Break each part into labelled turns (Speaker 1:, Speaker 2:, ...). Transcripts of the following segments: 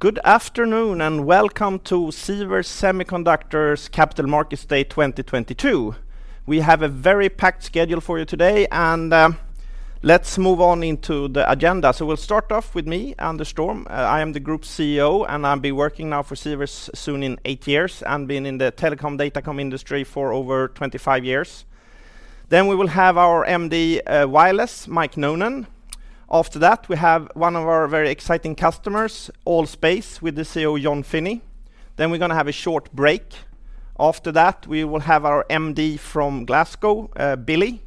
Speaker 1: Good afternoon, and welcome to Sivers Semiconductors Capital Markets Day 2022. We have a very packed schedule for you today, and, let's move on into the agenda. We'll start off with me, Anders Storm. I am the Group CEO, and I've been working now for Sivers soon in eight years and been in the telecom, datacom industry for over 25 years. We will have our MD, Wireless, Mike Noonan. After that, we have one of our very exciting customers, ALL.SPACE, with the CEO, Jon Finney. We're gonna have a short break. After that, we will have our MD from Glasgow, Billy.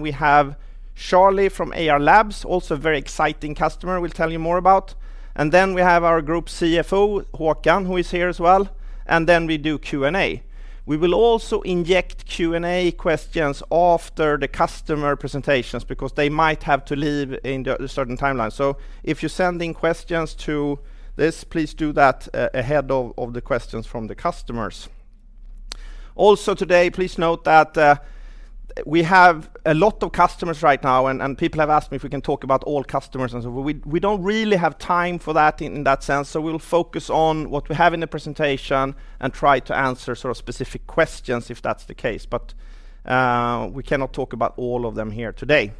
Speaker 1: We have Charlie from Ayar Labs, also a very exciting customer we'll tell you more about. We have our group CFO, Håkan, who is here as well, and we do Q&A. We will also inject Q&A questions after the customer presentations because they might have to leave in a certain timeline. If you're sending questions to this, please do that ahead of the questions from the customers. Also today, please note that we have a lot of customers right now and people have asked me if we can talk about all customers and so we don't really have time for that in that sense, so we'll focus on what we have in the presentation and try to answer sort of specific questions if that's the case. We cannot talk about all of them here today.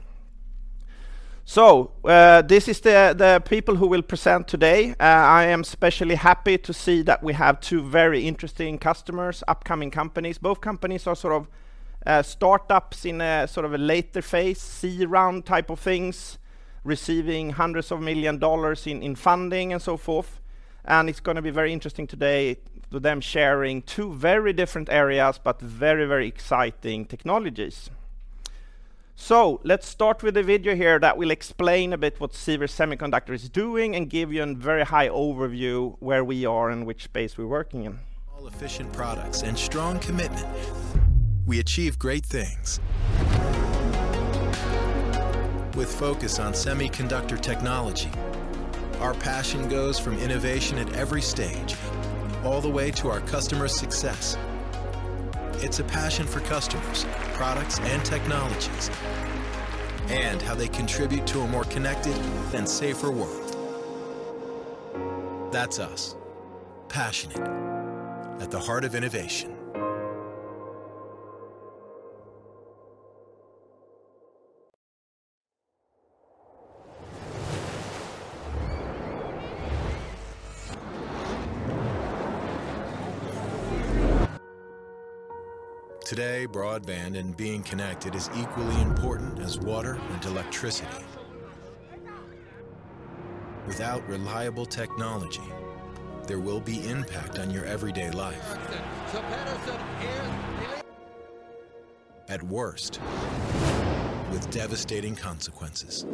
Speaker 1: This is the people who will present today. I am especially happy to see that we have two very interesting customers, upcoming companies. Both companies are sort of startups in a sort of a later phase, C-round type of things, receiving hundreds of millions of dollars in funding and so forth. It's gonna be very interesting today with them sharing two very different areas, but very, very exciting technologies. Let's start with a video here that will explain a bit what Sivers Semiconductors is doing and give you a very high overview where we are and which space we're working in.
Speaker 2: All efficient products and strong commitment, we achieve great things. With focus on semiconductor technology, our passion goes from innovation at every stage, all the way to our customers' success. It's a passion for customers, products, and technologies, and how they contribute to a more connected and safer world. That's us. Passionate at the heart of innovation. Today, broadband and being connected is equally important as water and electricity. Without reliable technology, there will be impact on your everyday life. At worst, with devastating consequences.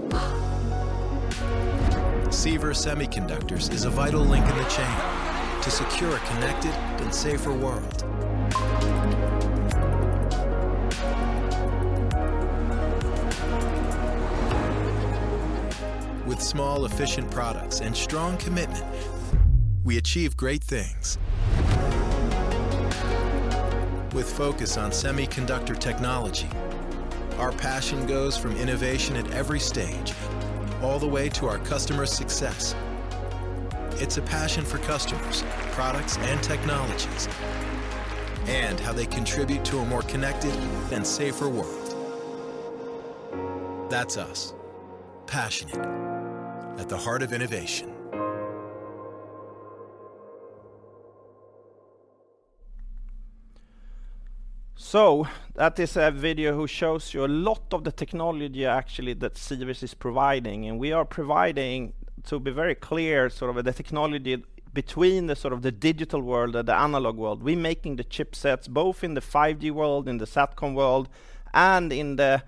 Speaker 2: Sivers Semiconductors is a vital link in the chain to secure a connected and safer world. With small, efficient products and strong commitment, we achieve great things. With focus on semiconductor technology, our passion goes from innovation at every stage, all the way to our customers' success. It's a passion for customers, products, and technologies, and how they contribute to a more connected and safer world. That's us. Passionate at the heart of innovation.
Speaker 1: That is a video who shows you a lot of the technology actually that Sivers is providing, and we are providing, to be very clear, sort of the technology between the sort of the digital world and the analog world. We're making the chipsets both in the 5G world, in the SatCom world, and in the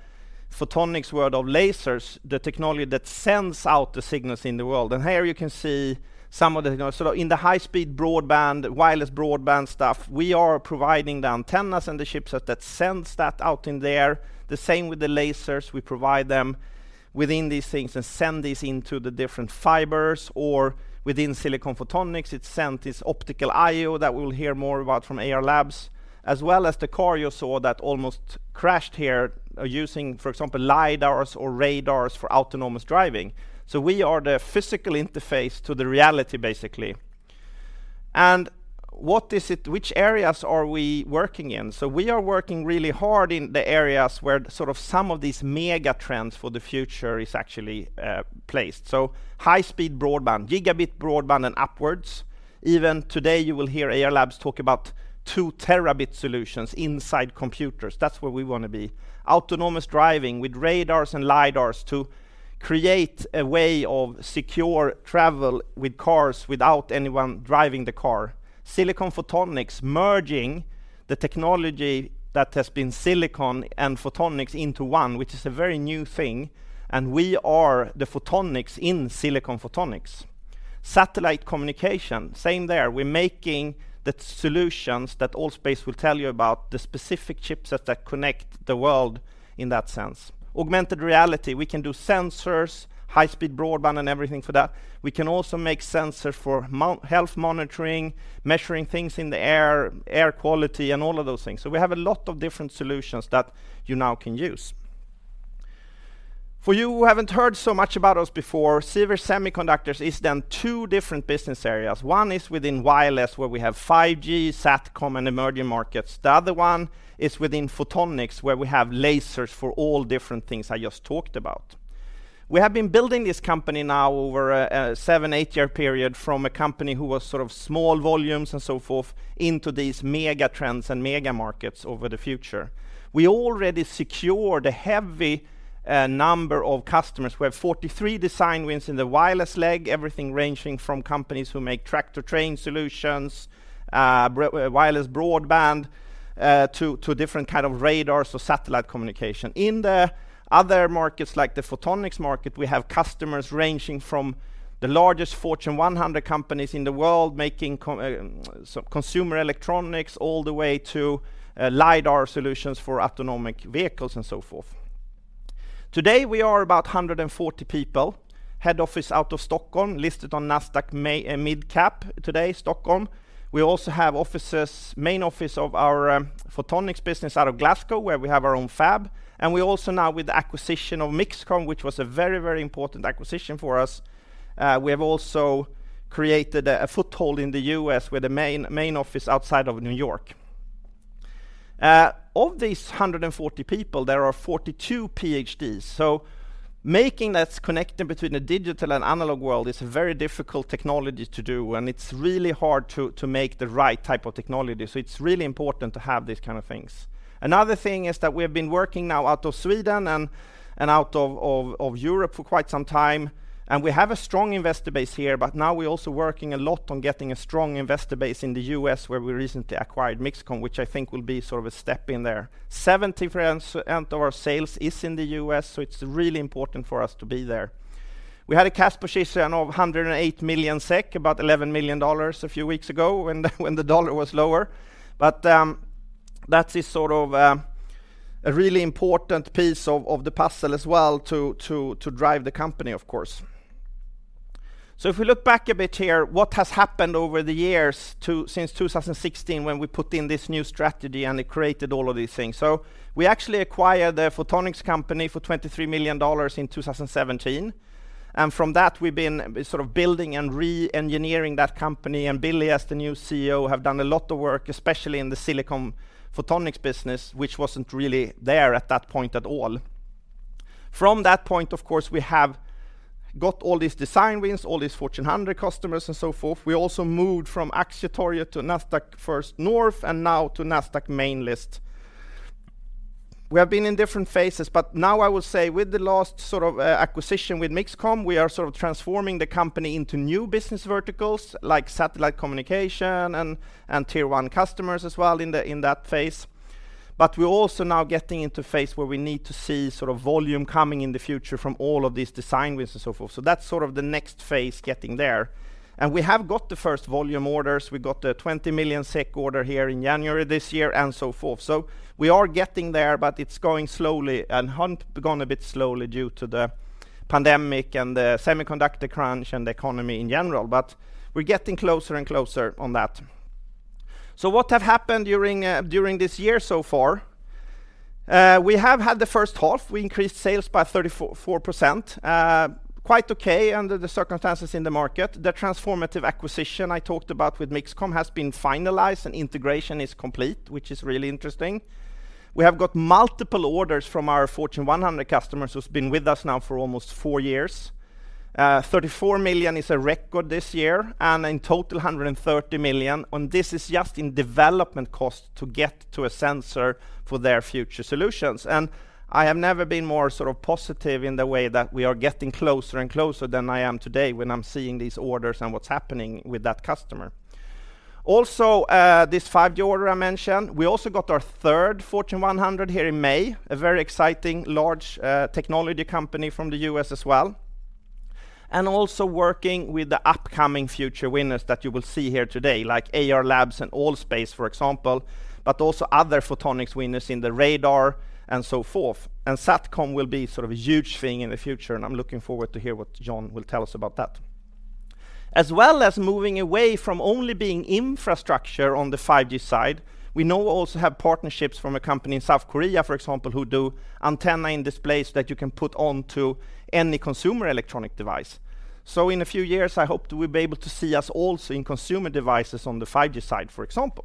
Speaker 1: Photonics world of lasers, the technology that sends out the signals in the world. Here you can see some of the. You know, sort of in the high-speed broadband, wireless broadband stuff, we are providing the antennas and the chipset that sends that out in there. The same with the lasers. We provide them within these things and send these into the different fibers or within Silicon Photonics, it's sent as optical I/O that we'll hear more about from Ayar Labs. As well as the car you saw that almost crashed here using, for example, LiDARs or radars for autonomous driving. We are the physical interface to the reality, basically. Which areas are we working in? We are working really hard in the areas where sort of some of these mega trends for the future is actually placed. High-speed broadband, gigabit broadband and upwards. Even today, you will hear Ayar Labs talk about 2 Tb solutions inside computers. That's where we wanna be. Autonomous driving with radars and LiDARs to create a way of secure travel with cars without anyone driving the car. Silicon Photonics, merging the technology that has been silicon and photonics into one, which is a very new thing, and we are the Photonics in Silicon Photonics. Satellite communication, same there. We're making the solutions that ALL.SPACE will tell you about, the specific chipsets that connect the world in that sense. Augmented reality, we can do sensors, high-speed broadband, and everything for that. We can also make sensors for health monitoring, measuring things in the air quality, and all of those things. We have a lot of different solutions that you now can use. For you who haven't heard so much about us before, Sivers Semiconductors has two different business areas. One is within Wireless, where we have 5G, SatCom, and emerging markets. The other one is within Photonics, where we have lasers for all different things I just talked about. We have been building this company now over a seven, eight year period from a company who was sort of small volumes and so forth into these mega trends and mega markets for the future. We already secured a hefty number of customers. We have 43 design wins in the Wireless segment, everything ranging from companies who make tractor-trailer solutions, Wireless broadband, to different kind of radars or satellite communication. In the other markets, like the Photonics market, we have customers ranging from the largest Fortune 100 companies in the world making consumer electronics all the way to LiDAR solutions for autonomous vehicles and so forth. Today, we are about 140 people, head office out of Stockholm, listed on Nasdaq Mid Cap today, Stockholm. We also have offices, main office of our Photonics business out of Glasgow, where we have our own fab. We also now with the acquisition of MixComm, which was a very, very important acquisition for us, we have also created a foothold in the U.S. with a main office outside of New York. Of these 140 people, there are 42 PhDs. Making this connection between the digital and analog world is a very difficult technology to do, and it's really hard to make the right type of technology. It's really important to have these kind of things. Another thing is that we've been working now out of Sweden and out of Europe for quite some time. We have a strong investor base here, but now we're also working a lot on getting a strong investor base in the U.S., where we recently acquired MixComm, which I think will be sort of a step in there. 70% of our sales is in the U.S., so it's really important for us to be there. We had a cash position of 108 million SEK, about $11 million a few weeks ago when the dollar was lower. That is sort of a really important piece of the puzzle as well to drive the company, of course. If we look back a bit here, what has happened over the years since 2016 when we put in this new strategy and it created all of these things. We actually acquired the Photonics company for $23 million in 2017. From that, we've been sort of building and re-engineering that company. Billy, as the new CEO, have done a lot of work, especially in the Silicon Photonics business, which wasn't really there at that point at all. From that point, of course, we have got all these design wins, all these Fortune 100 customers and so forth. We also moved from Aktietorget to Nasdaq First North, and now to Nasdaq main list. We have been in different phases, but now I will say with the last sort of acquisition with MixComm, we are sort of transforming the company into new business verticals like satellite communication and tier one customers as well in that phase. We're also now getting into phase where we need to see sort of volume coming in the future from all of these design wins and so forth. That's sort of the next phase getting there. We have got the first volume orders. We got the 20 million SEK order here in January this year and so forth. We are getting there, but it's going slowly and gone a bit slowly due to the pandemic and the semiconductor crunch and the economy in general. We're getting closer and closer on that. What have happened during during this year so far? We have had the first half. We increased sales by 34.4%. Quite okay under the circumstances in the market. The transformative acquisition I talked about with MixComm has been finalized and integration is complete, which is really interesting. We have got multiple orders from our Fortune 100 customers who's been with us now for almost four years. 34 million is a record this year, and in total, 130 million. This is just in development cost to get to a sensor for their future solutions. I have never been more sort of positive in the way that we are getting closer and closer than I am today when I'm seeing these orders and what's happening with that customer. Also, this five-year order I mentioned, we also got our third Fortune 100 here in May, a very exciting large, technology company from the U.S. as well. Also working with the upcoming future winners that you will see here today, like Ayar Labs and ALL.SPACE, for example, but also other Photonics winners in the radar and so forth. SatCom will be sort of a huge thing in the future, and I'm looking forward to hear what John will tell us about that. As well as moving away from only being infrastructure on the 5G side, we now also have partnerships from a company in South Korea, for example, who do antenna in displays that you can put onto any consumer electronic device. In a few years, I hope that we'll be able to see us also in consumer devices on the 5G side, for example.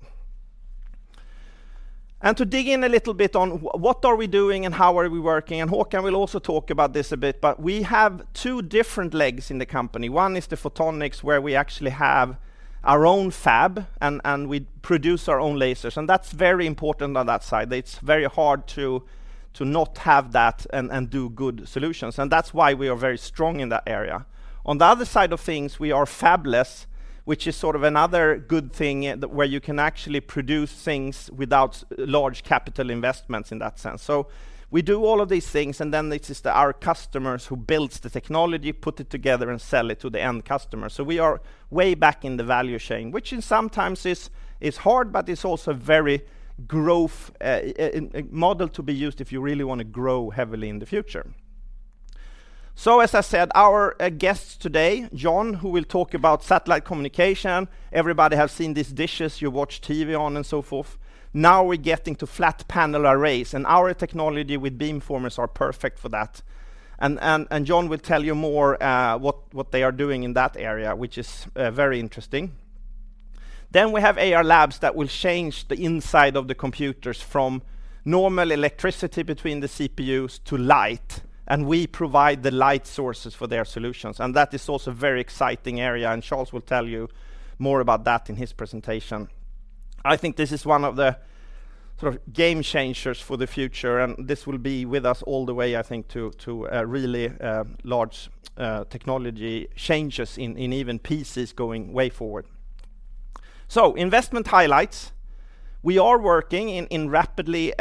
Speaker 1: To dig in a little bit on what are we doing and how are we working, and Håkan will also talk about this a bit, but we have two different legs in the company. One is the Photonics, where we actually have our own fab and we produce our own lasers. That's very important on that side. It's very hard to not have that and do good solutions. That's why we are very strong in that area. On the other side of things, we are fabless, which is sort of another good thing where you can actually produce things without large capital investments in that sense. We do all of these things, and then it is our customers who builds the technology, put it together, and sell it to the end customer. We are way back in the value chain, which is sometimes hard, but it's also very growth model to be used if you really wanna grow heavily in the future. As I said, our guest today, John, who will talk about satellite communication. Everybody has seen these dishes you watch TV on and so forth. Now we're getting to flat panel arrays, and our technology with beamformers are perfect for that. John will tell you more what they are doing in that area, which is very interesting. We have Ayar Labs that will change the inside of the computers from normal electricity between the CPUs to light, and we provide the light sources for their solutions, and that is also very exciting area, and Charlie will tell you more about that in his presentation. I think this is one of the sort of game changers for the future, and this will be with us all the way I think to really large technology changes in even PCs going way forward. Investment highlights. We are working in rapidly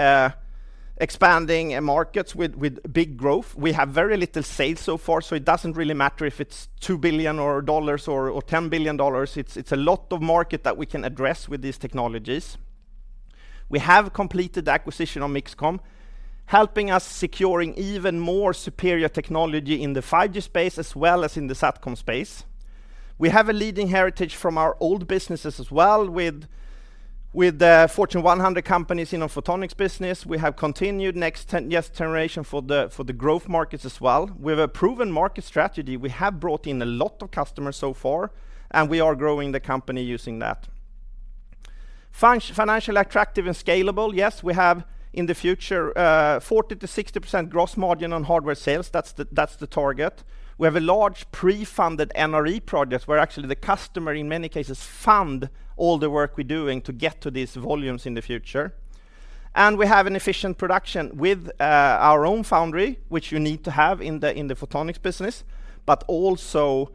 Speaker 1: expanding markets with big growth. We have very little sales so far, so it doesn't really matter if it's $2 billion or $10 billion. It's a lot of market that we can address with these technologies. We have completed the acquisition on MixComm, helping us securing even more superior technology in the 5G space as well as in the SatCom space. We have a leading heritage from our old businesses as well with the Fortune 100 companies in our Photonics business. We have continued next generation for the growth markets as well. We have a proven market strategy. We have brought in a lot of customers so far, and we are growing the company using that. Financial attractive and scalable, yes, we have in the future 40%-60% gross margin on hardware sales. That's the target. We have a large pre-funded NRE project where actually the customer in many cases fund all the work we're doing to get to these volumes in the future. We have an efficient production with our own foundry, which you need to have in the Photonics business, but also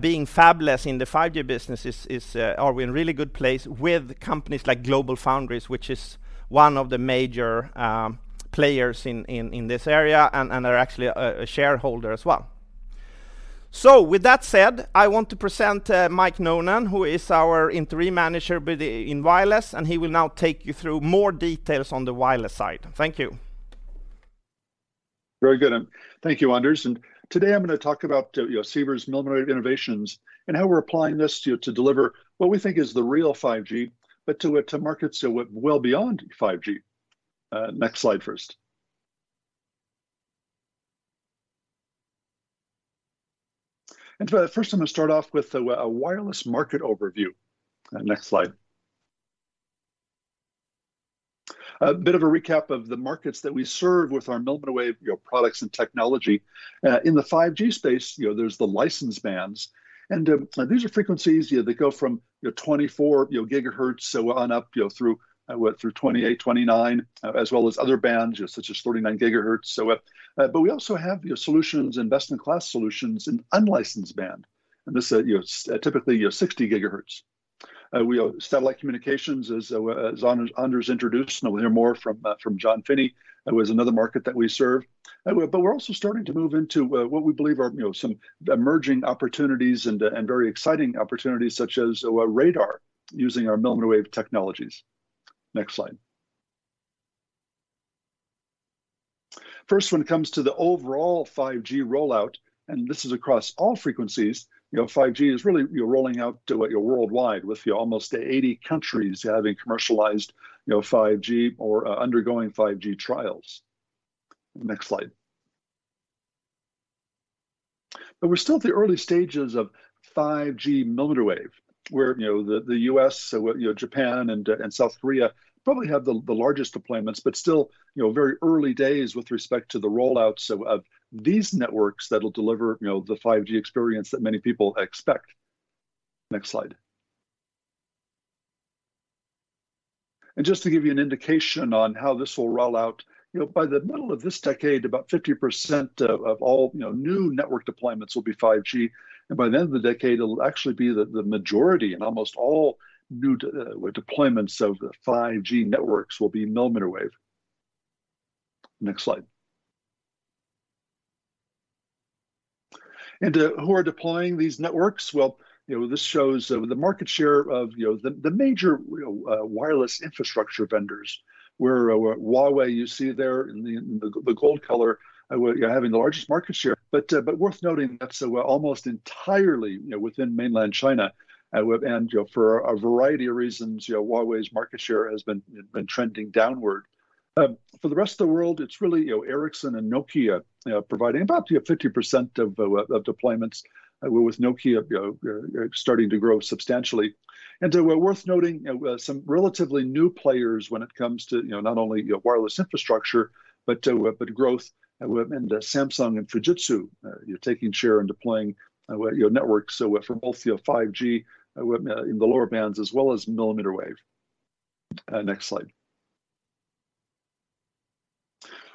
Speaker 1: being fabless in the 5G business is in a really good place with companies like GlobalFoundries, which is one of the major players in this area and are actually a shareholder as well. With that said, I want to present Mike Noonen, who is our interim manager in Wireless, and he will now take you through more details on the Wireless side. Thank you.
Speaker 3: Very good. Thank you, Anders. Today I'm gonna talk about, you know, Sivers's millimeter wave innovations and how we're applying this to deliver what we think is the real 5G, but to markets so well beyond 5G. Next slide first. First I'm gonna start off with a Wireless market overview. Next slide. A bit of a recap of the markets that we serve with our millimeter wave, you know, products and technology. In the 5G space, you know, there's the licensed bands. These are frequencies, you know, that go from 24 GHz so on up through 28 GHz, 29 GHz, as well as other bands, such as 49 GHz. We also have, you know, solutions, enterprise class solutions in unlicensed band, and this, you know, typically, you know, 60 GHz. Satellite communications, as Anders introduced, and we'll hear more from John Finney, was another market that we serve. We're also starting to move into what we believe are, you know, some emerging opportunities and very exciting opportunities such as radar using our millimeter wave technologies. Next slide. First, when it comes to the overall 5G rollout, and this is across all frequencies, you know, 5G is really rolling out worldwide with almost 80 countries having commercialized, you know, 5G or undergoing 5G trials. Next slide. We're still at the early stages of 5G millimeter wave, where, you know, the U.S., you know, Japan and South Korea probably have the largest deployments, but still, you know, very early days with respect to the rollouts of these networks that'll deliver, you know, the 5G experience that many people expect. Next slide. Just to give you an indication on how this will roll out, you know, by the middle of this decade, about 50% of all, you know, new network deployments will be 5G. By the end of the decade, it'll actually be the majority and almost all new deployments of 5G networks will be millimeter wave. Next slide. Who are deploying these networks? Well, you know, this shows the market share of, you know, the major, you know, Wireless infrastructure vendors, where Huawei you see there in the gold color, having the largest market share. Worth noting that's almost entirely, you know, within mainland China, and, you know, for a variety of reasons, you know, Huawei's market share has been trending downward. For the rest of the world, it's really, you know, Ericsson and Nokia, you know, providing about 50% of deployments with Nokia, you know, starting to grow substantially. Worth noting, you know, some relatively new players when it comes to, you know, not only, you know, Wireless infrastructure, but growth, and Samsung and Fujitsu, you know, taking share and deploying, you know, networks for both, you know, 5G in the lower bands as well as millimeter wave. Next slide.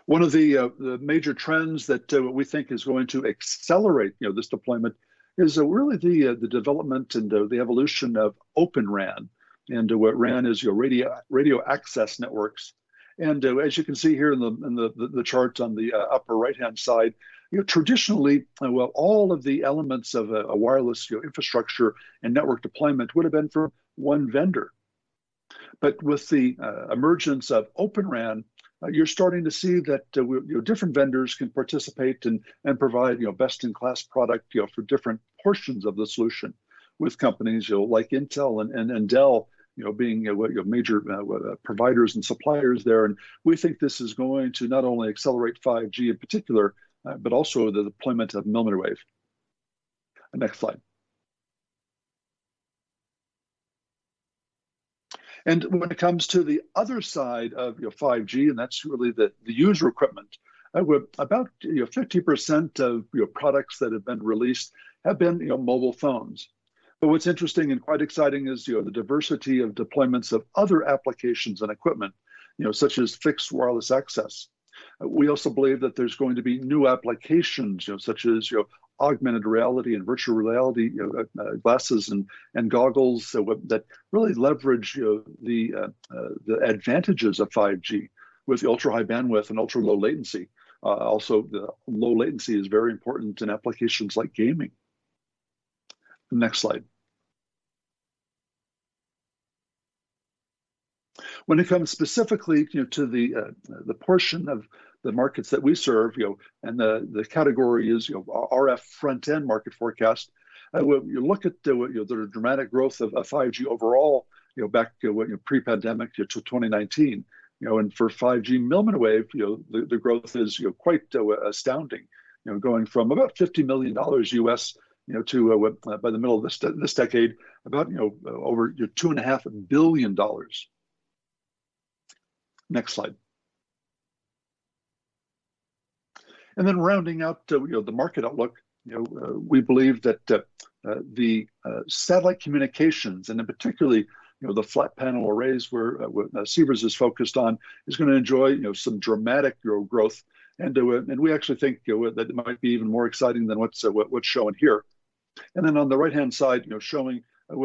Speaker 3: One of the major trends that we think is going to accelerate, you know, this deployment is really the development and the evolution of Open RAN and what RAN is, radio access networks. As you can see here in the charts on the upper right-hand side, you know, traditionally, well, all of the elements of a Wireless, you know, infrastructure and network deployment would have been for one vendor. With the emergence of Open RAN, you're starting to see that, you know, different vendors can participate and provide, you know, best-in-class product, you know, for different portions of the solution with companies, you know, like Intel and Dell, you know, being major providers and suppliers there. We think this is going to not only accelerate 5G in particular, but also the deployment of millimeter wave. Next slide. When it comes to the other side of your 5G, and that's really the user equipment, about you know 50% of products that have been released have been you know mobile phones. What's interesting and quite exciting is you know the diversity of deployments of other applications and equipment you know such as fixed Wireless access. We also believe that there's going to be new applications you know such as augmented reality and virtual reality you know glasses and goggles so that really leverage you know the advantages of 5G with ultra-high bandwidth and ultra-low latency. Also the low latency is very important in applications like gaming. Next slide. When it comes specifically, you know, to the portion of the markets that we serve, you know, and the category is, you know, RF front-end market forecast, when you look at the, you know, the dramatic growth of 5G overall, you know, back, you know, pre-pandemic year to 2019, you know, and for 5G millimeter wave, you know, the growth is, you know, quite astounding. You know, going from about $50 million to, well, by the middle of this decade, about, you know, over $2.5 billion. Next slide. Rounding out, you know, the market outlook, you know, we believe that the satellite communications and in particular, you know, the flat panel arrays which Sivers is focused on, is going to enjoy, you know, some dramatic growth. We actually think, you know, that it might be even more exciting than what's shown here. On the right-hand side, you know, showing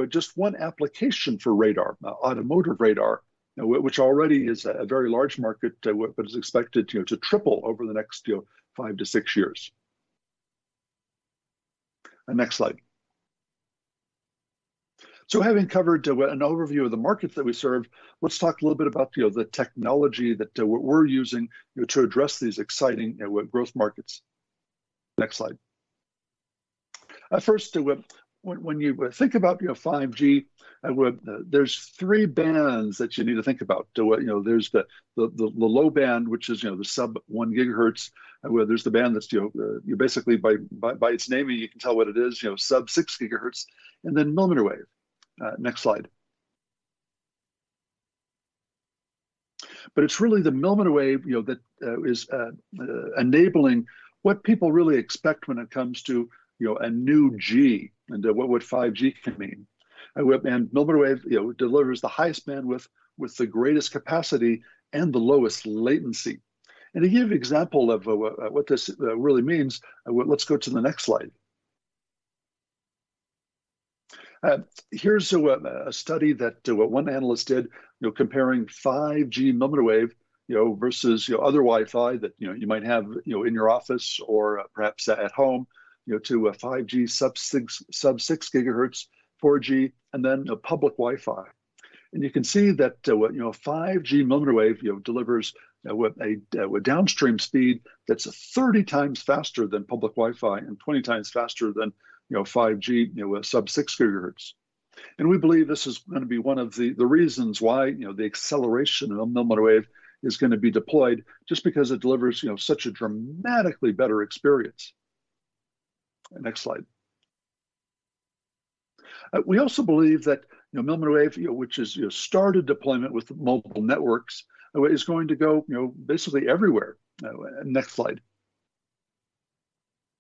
Speaker 3: just one application for radar, automotive radar, which already is a very large market, but is expected, you know, to triple over the next, you know, five to six years. Next slide. Having covered an overview of the markets that we serve, let's talk a little bit about, you know, the technology that we're using, you know, to address these exciting growth markets. Next slide. First, when you think about, you know, 5G, well, there's three bands that you need to think about. You know, there's the low band, which is, you know, the sub-1 GHz, where there's the band that's, you know, you basically by its naming, you can tell what it is, you know, sub-6 GHz, and then millimeter wave. Next slide. It's really the millimeter wave, you know, that is enabling what people really expect when it comes to, you know, a new G and what 5G can mean. Well, millimeter wave, you know, delivers the highest bandwidth with the greatest capacity and the lowest latency. To give example of what this really means, well, let's go to the next slide. Here's a study that one analyst did, you know, comparing 5G millimeter wave, you know, versus, you know, other Wi-Fi that, you know, you might have, you know, in your office or perhaps at home, you know, to a 5G sub-6 GHz 4G, and then a public Wi-Fi. You can see that 5G millimeter wave, you know, delivers what a downstream speed that's 30x faster than public Wi-Fi and 20 times faster than 5G sub-6 GHz. We believe this is gonna be one of the reasons why, you know, the acceleration of millimeter wave is gonna be deployed just because it delivers, you know, such a dramatically better experience. Next slide. We also believe that, you know, millimeter wave, you know, which has, you know, started deployment with mobile networks, is going to go, you know, basically everywhere. Next slide.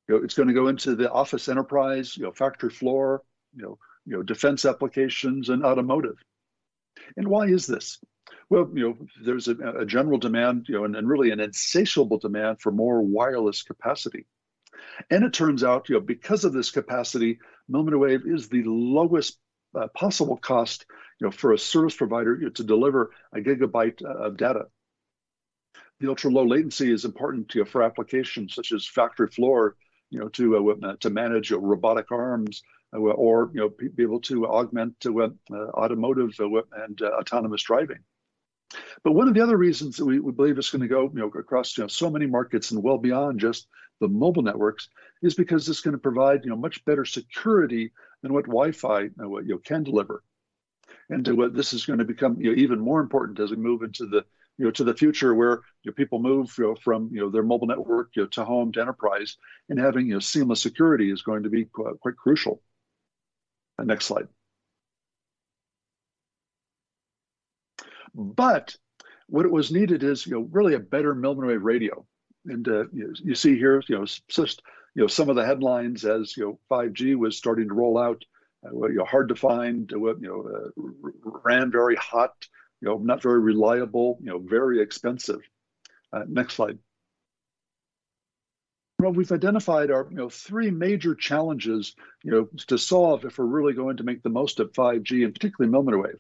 Speaker 3: You know, it's going to go into the office enterprise, you know, factory floor, you know, defense applications and automotive. Why is this? Well, you know, there's a general demand, you know, and really an insatiable demand for more Wireless capacity. It turns out, you know, because of this capacity, millimeter wave is the lowest possible cost, you know, for a service provider, you know, to deliver a gigabyte of data. The ultra-low latency is important, you know, for applications such as factory floor, you know, to manage robotic arms or, you know, be able to augment to automotive and autonomous driving. One of the other reasons we believe it's going to go, you know, across, you know, so many markets and well beyond just the mobile networks is because it's going to provide, you know, much better security than what Wi-Fi, you know, can deliver. This is going to become, you know, even more important as we move into the, you know, to the future where, you know, people move, you know, from, you know, their mobile network, you know, to home, to enterprise. Having, you know, seamless security is going to be quite crucial. Next slide. What it was needed is, you know, really a better millimeter wave radio. You see here, you know, some of the headlines as you know, 5G was starting to roll out, hard to find, RAN very hot, not very reliable, very expensive. Next slide. Well, we've identified our three major challenges to solve if we're really going to make the most of 5G and particularly millimeter wave.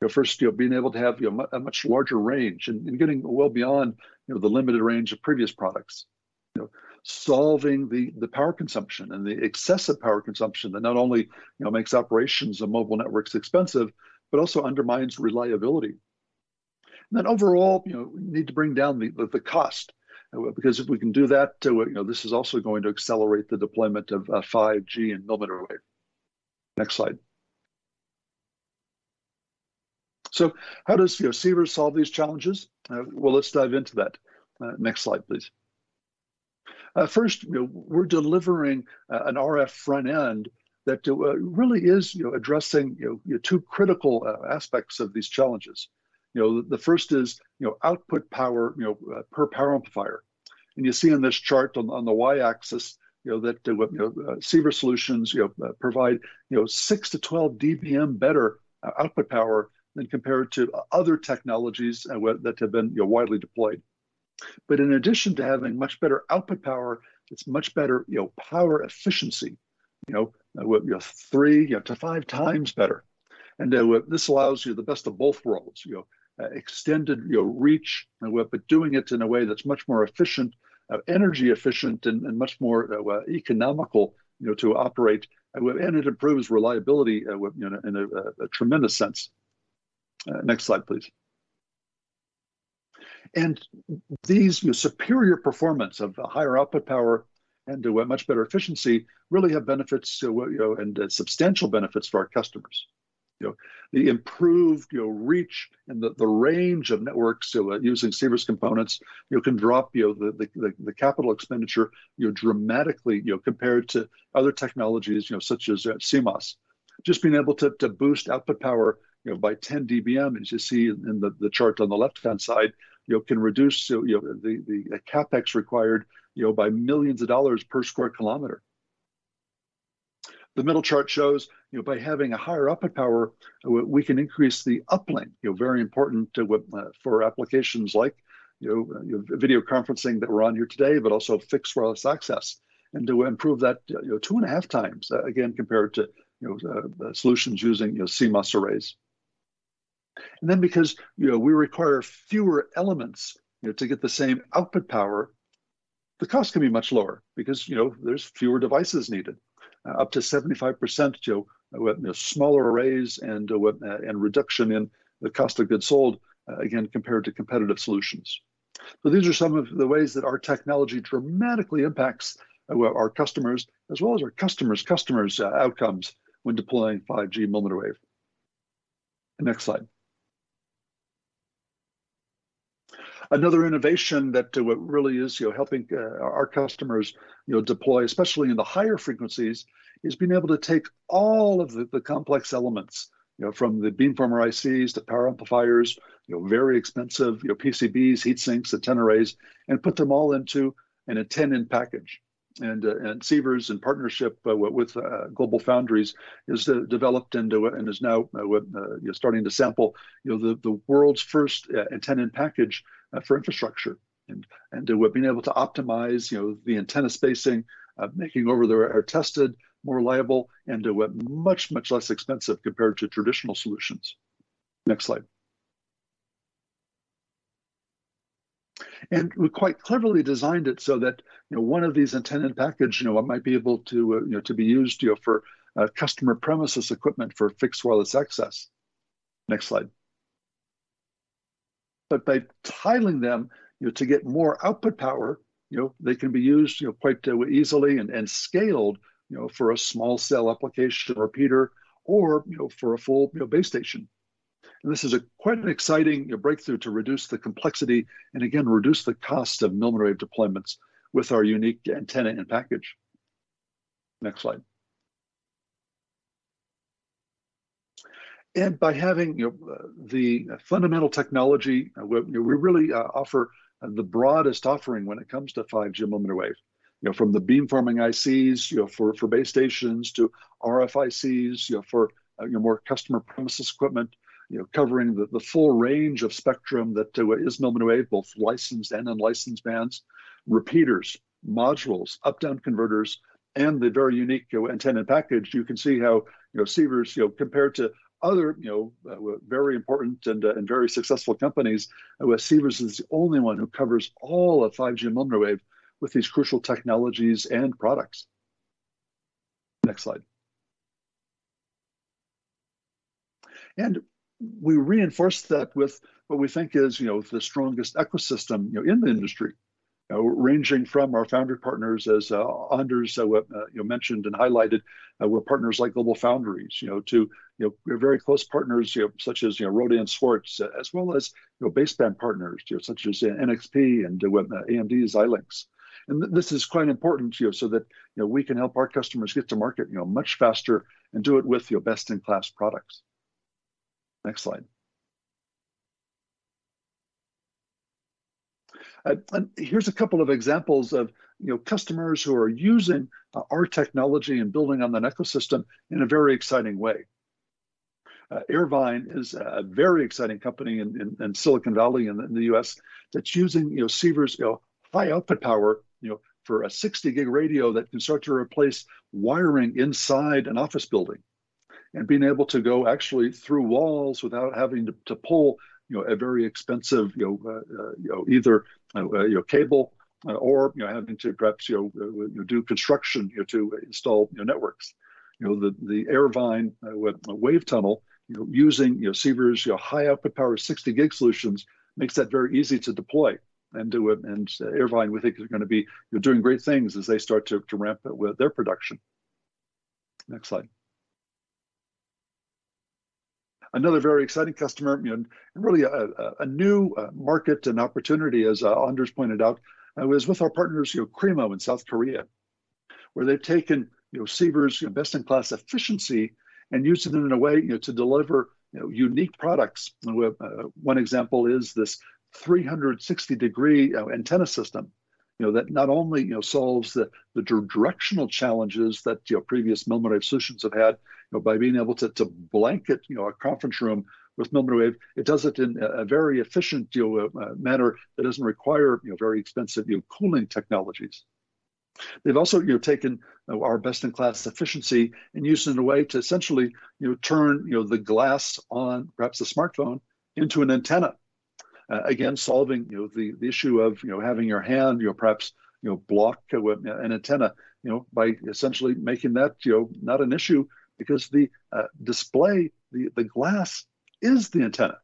Speaker 3: You know, first, being able to have a much larger range and getting well beyond the limited range of previous products. You know, solving the power consumption and the excessive power consumption that not only makes operations of mobile networks expensive but also undermines reliability. Then overall, you know, we need to bring down the cost. Because if we can do that, you know, this is also going to accelerate the deployment of 5G and millimeter wave. Next slide. How does, you know, Sivers solve these challenges? Well, let's dive into that. Next slide, please. First, you know, we're delivering an RF front end that really is, you know, addressing, you know, two critical aspects of these challenges. You know, the first is, you know, output power, you know, per power amplifier. You see in this chart on the Y-axis, you know, that, you know, Sivers solutions, you know, provide, you know, 6 dBm-12 dBm better output power than compared to other technologies, well, that have been, you know, widely deployed. In addition to having much better output power, it's much better power efficiency, you know, with you're 3-5x better. This allows you the best of both worlds. You know, extended reach, but doing it in a way that's much more efficient, energy efficient and much more economical, you know, to operate and it improves reliability, you know, in a tremendous sense. Next slide, please. The superior performance of a higher output power and to a much better efficiency really have benefits, well, you know, and substantial benefits for our customers. You know, the improved, you know, reach and the range of networks using Sivers's components, you know, can drop, you know, the capital expenditure, you know, dramatically, you know, compared to other technologies, you know, such as CMOS. Just being able to boost output power, you know, by 10 dBm, as you see in the chart on the left-hand side, you know, can reduce, you know, the CapEx required, you know, by millions of dollars per square kilometer. The middle chart shows, you know, by having a higher output power, we can increase the uplink, you know, very important with for applications like, you know, video conferencing that we're on here today, but also fixed Wireless access. To improve that, you know, 2.5x, again, compared to, you know, solutions using, you know, CMOS arrays. Because, you know, we require fewer elements, you know, to get the same output power, the cost can be much lower because, you know, there's fewer devices needed. Up to 75%, you know, with smaller arrays and reduction in the cost of goods sold, again, compared to competitive solutions. These are some of the ways that our technology dramatically impacts our customers as well as our customers' customers outcomes when deploying 5G millimeter wave. Next slide. Another innovation that really is, you know, helping our customers, you know, deploy, especially in the higher frequencies, is being able to take all of the complex elements, you know, from the beamformer ICs, the power amplifiers, you know, very expensive, you know, PCBs, heat sinks, antenna arrays, and put them all into an antenna in package. Sivers is in partnership with GlobalFoundries and is now, you know, starting to sample, you know, the world's first antenna in package for infrastructure. We've been able to optimize, you know, the antenna spacing, making it more reliable and much, much less expensive compared to traditional solutions. Next slide. We quite cleverly designed it so that, you know, one of these antenna in package, you know, what might be able to, you know, to be used, you know, for, customer premises equipment for fixed Wireless access. Next slide. By tiling them, you know, to get more output power, you know, they can be used, you know, quite easily and scaled, you know, for a small cell application repeater or, you know, for a full, you know, base station. This is a quite an exciting, you know, breakthrough to reduce the complexity and again, reduce the cost of millimeter wave deployments with our unique antenna in package. Next slide. By having, you know, the fundamental technology, you know, we really offer the broadest offering when it comes to 5G millimeter wave. You know, from the beamforming ICs, you know, for base stations to RFICs, you know, for you know more customer premises equipment, you know, covering the full range of spectrum that is millimeter wave, both licensed and unlicensed bands, repeaters, modules, up/down converters, and the very unique, you know, antenna in package. You can see how, you know, Sivers's, you know, compared to other, you know, very important and very successful companies, Sivers's is the only one who covers all of 5G millimeter wave with these crucial technologies and products. Next slide. We reinforce that with what we think is, you know, the strongest ecosystem, you know, in the industry. Ranging from our founder partners as Anders, you know, mentioned and highlighted, with partners like GlobalFoundries. You know, to, you know, your very close partners, you know, such as, you know, Rohde & Schwarz, as well as, you know, baseband partners, you know, such as NXP and, with, AMD Xilinx. This is quite important, you know, so that, you know, we can help our customers get to market, you know, much faster and do it with, you know, best-in-class products. Next slide. Here's a couple of examples of, you know, customers who are using, our technology and building on that ecosystem in a very exciting way. Airvine is a very exciting company in Silicon Valley in the U.S. that's using, you know, Sivers's, you know, high output power, you know, for a 60 G radio that can start to replace wiring inside an office building. Being able to go actually through walls without having to pull, you know, a very expensive, you know, either cable or having to perhaps, you know, do construction, you know, to install your networks. You know, the Airvine with the WaveTunnel, you know, using, you know, Sivers's, you know, high output power 60 G solutions makes that very easy to deploy and do it, and Airvine we think is gonna be, you know, doing great things as they start to ramp up with their production. Next slide. Another very exciting customer, you know, and really a new market and opportunity as Anders pointed out was with our partners, you know, KREEMO in South Korea, where they've taken, you know, Sivers' best in class efficiency and used it in a way, you know, to deliver unique products. We have one example is this 360-degree antenna system, you know, that not only solves the bi-directional challenges that previous millimeter wave solutions have had, you know, by being able to blanket a conference room with millimeter wave, it does it in a very efficient manner that doesn't require very expensive cooling technologies. They've also, you know, taken, you know, our best in class efficiency and used it in a way to essentially, you know, turn, you know, the glass on perhaps a smartphone into an antenna. Again, solving, you know, the issue of, you know, having your hand, you know, perhaps, you know, block, you know, an antenna, you know, by essentially making that, you know, not an issue because the display, the glass is the antenna.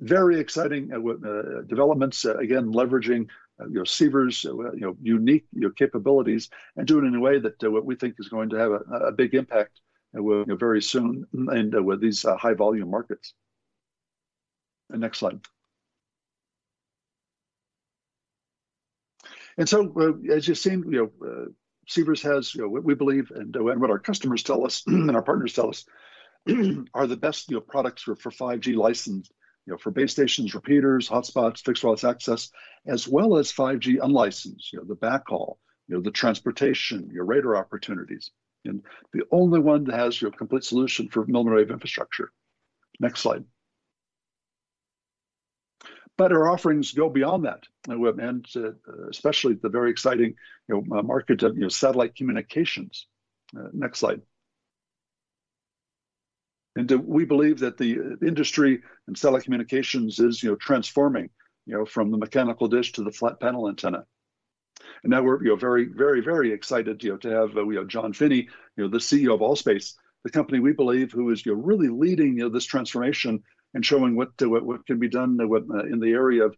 Speaker 3: Very exciting with developments, again, leveraging, you know, Sivers', you know, unique, you know, capabilities and do it in a way that we think is going to have a big impact, you know, very soon and with these high volume markets. Next slide. As you've seen, you know, Sivers has, you know, we believe and what our customers tell us and our partners tell us are the best, you know, products for 5G licensed, you know, for base stations, repeaters, hotspots, fixed Wireless access, as well as 5G unlicensed. You know, the backhaul, you know, the transportation, our radar opportunities, and the only one that has our complete solution for millimeter wave infrastructure. Next slide. Our offerings go beyond that, and especially the very exciting, you know, market of satellite communications. Next slide. We believe that the industry in satellite communications is transforming from the mechanical dish to the flat panel antenna. Now we're very excited to have John Finney, the CEO of ALL.SPACE, the company we believe is really leading this transformation and showing what can be done in the area of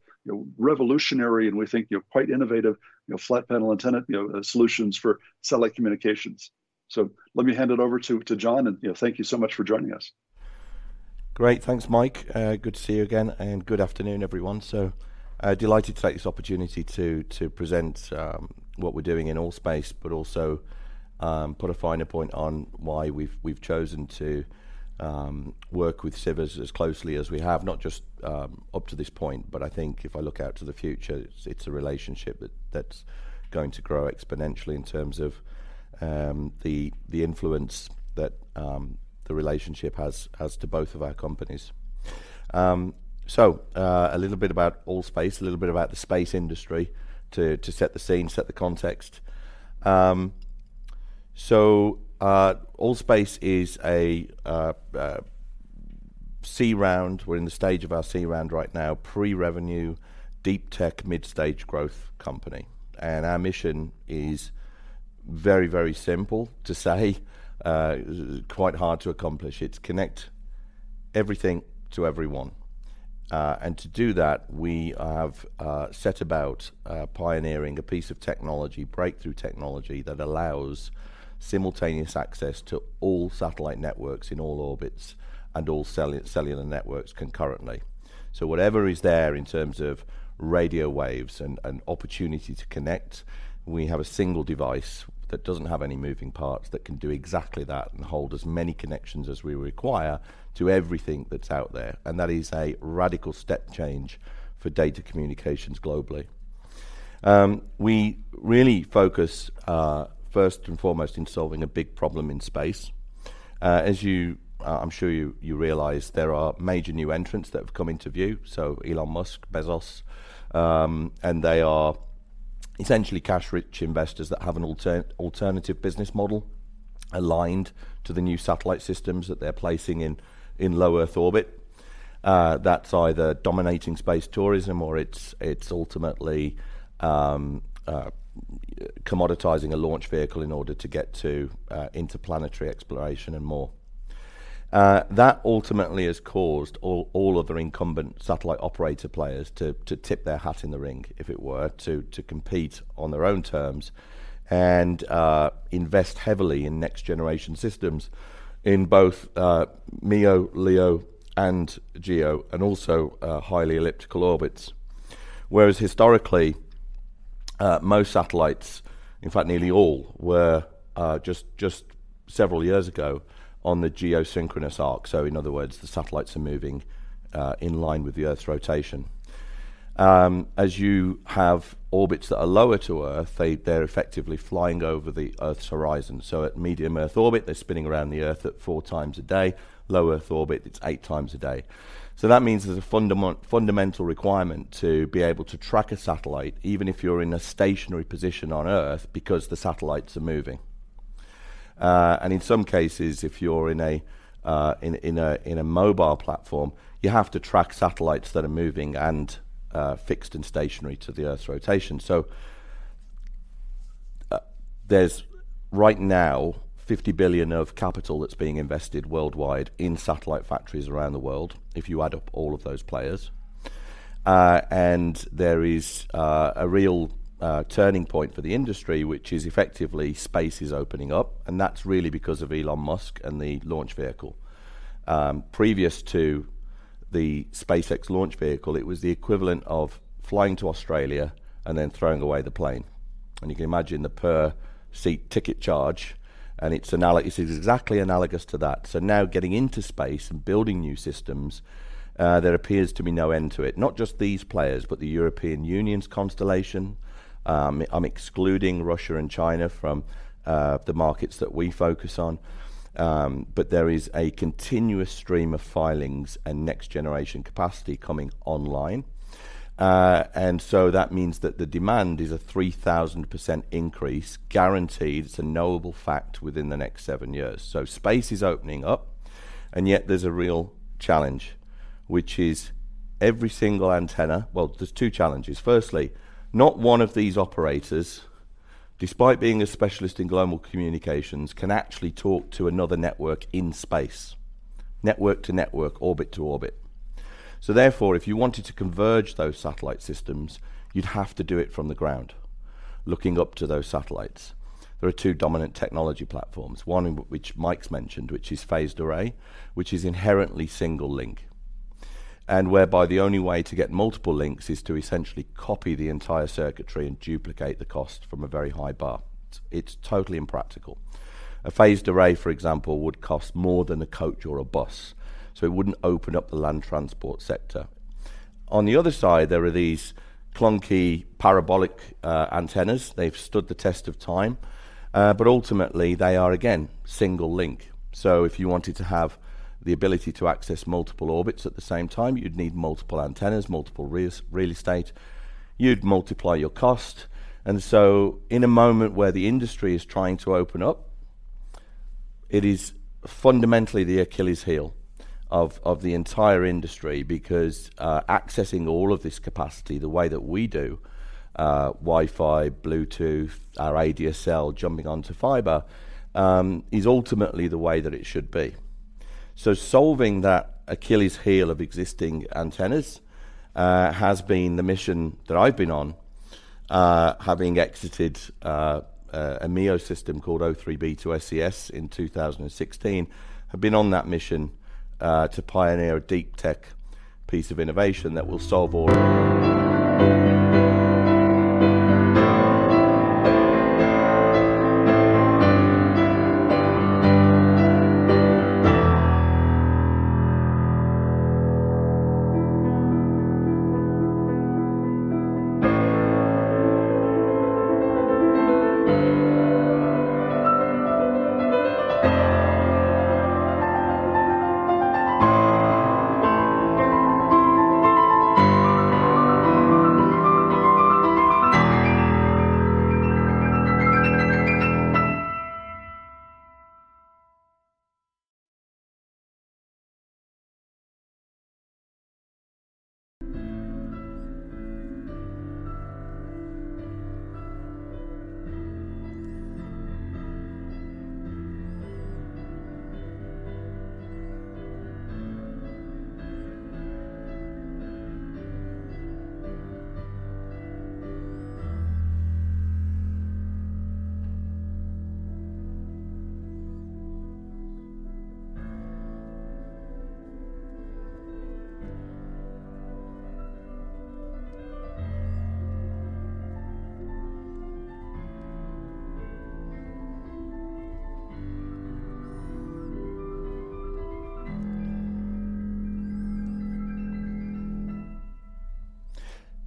Speaker 3: revolutionary and we think quite innovative flat panel antenna solutions for satellite communications. Let me hand it over to John and thank you so much for joining us.
Speaker 4: Great. Thanks, Mike. Good to see you again, and good afternoon everyone. Delighted to take this opportunity to present what we're doing in ALL.SPACE, but also put a finer point on why we've chosen to work with Sivers as closely as we have, not just up to this point, but I think if I look out to the future, it's a relationship that's going to grow exponentially in terms of the influence that the relationship has to both of our companies. A little bit about ALL.SPACE, a little bit about the space industry to set the scene, set the context. ALL.SPACE is a C round, we're in the stage of our C round right now, pre-revenue, deep tech, mid-stage growth company. Our mission is very, very simple to say, quite hard to accomplish. It's connect everything to everyone. To do that, we have set about pioneering a piece of technology, breakthrough technology that allows simultaneous access to all satellite networks in all orbits and all cellular networks concurrently. Whatever is there in terms of radio waves and opportunity to connect, we have a single device that doesn't have any moving parts that can do exactly that and hold as many connections as we require to everything that's out there. That is a radical step change for data communications globally. We really focus first and foremost in solving a big problem in space. I'm sure you realize there are major new entrants that have come into view, so Elon Musk, Bezos, and they are essentially cash-rich investors that have an alternative business model aligned to the new satellite systems that they're placing in low Earth orbit. That's either dominating space tourism or it's ultimately commoditizing a launch vehicle in order to get to interplanetary exploration and more. That ultimately has caused all other incumbent satellite operator players to tip their hat in the ring, if it were, to compete on their own terms and invest heavily in next generation systems in both MEO, LEO and GEO and also highly elliptical orbits. Whereas historically, most satellites, in fact nearly all, were just several years ago on the geosynchronous arc. In other words, the satellites are moving in line with the Earth's rotation. As you have orbits that are lower to Earth, they're effectively flying over the Earth's horizon. At medium Earth orbit, they're spinning around the Earth at four times a day. Low Earth orbit, it's eight times a day. That means there's a fundamental requirement to be able to track a satellite, even if you're in a stationary position on Earth, because the satellites are moving. In some cases, if you're in a mobile platform, you have to track satellites that are moving and fixed and stationary to the Earth's rotation. There's right now 50 billion of capital that's being invested worldwide in satellite factories around the world, if you add up all of those players. There is a real turning point for the industry, which is effectively space is opening up. That's really because of Elon Musk and the launch vehicle. Previous to the SpaceX launch vehicle, it was the equivalent of flying to Australia and then throwing away the plane. You can imagine the per seat ticket charge, and it's exactly analogous to that. Now getting into space and building new systems, there appears to be no end to it. Not just these players, but the European Union's constellation. I'm excluding Russia and China from the markets that we focus on. There is a continuous stream of filings and next generation capacity coming online. That means that the demand is a 3,000% increase guaranteed. It's a knowable fact within the next seven years. Space is opening up. And yet there's a real challenge, which is every single antenna. Well, there's two challenges. Firstly, not one of these operators, despite being a specialist in global communications, can actually talk to another network in space, network to network, orbit to orbit. Therefore, if you wanted to converge those satellite systems, you'd have to do it from the ground, looking up to those satellites. There are two dominant technology platforms, one which Mike's mentioned, which is phased array, which is inherently single link. Whereby the only way to get multiple links is to essentially copy the entire circuitry and duplicate the cost from a very high bar. It's totally impractical. A phased array, for example, would cost more than a coach or a bus. It wouldn't open up the land transport sector. On the other side, there are these clunky parabolic antennas. They've stood the test of time. Ultimately, they are again, single link. If you wanted to have the ability to access multiple orbits at the same time, you'd need multiple antennas, multiple real estate, you'd multiply your cost. In a moment where the industry is trying to open up, it is fundamentally the Achilles heel of the entire industry because accessing all of this capacity the way that we do, Wi-Fi, Bluetooth, our ADSL jumping onto fiber, is ultimately the way that it should be. Solving that Achilles heel of existing antennas has been the mission that I've been on, having exited a MEO system called O3b to SES in 2016. I've been on that mission to pioneer a deep tech piece of innovation that will solve all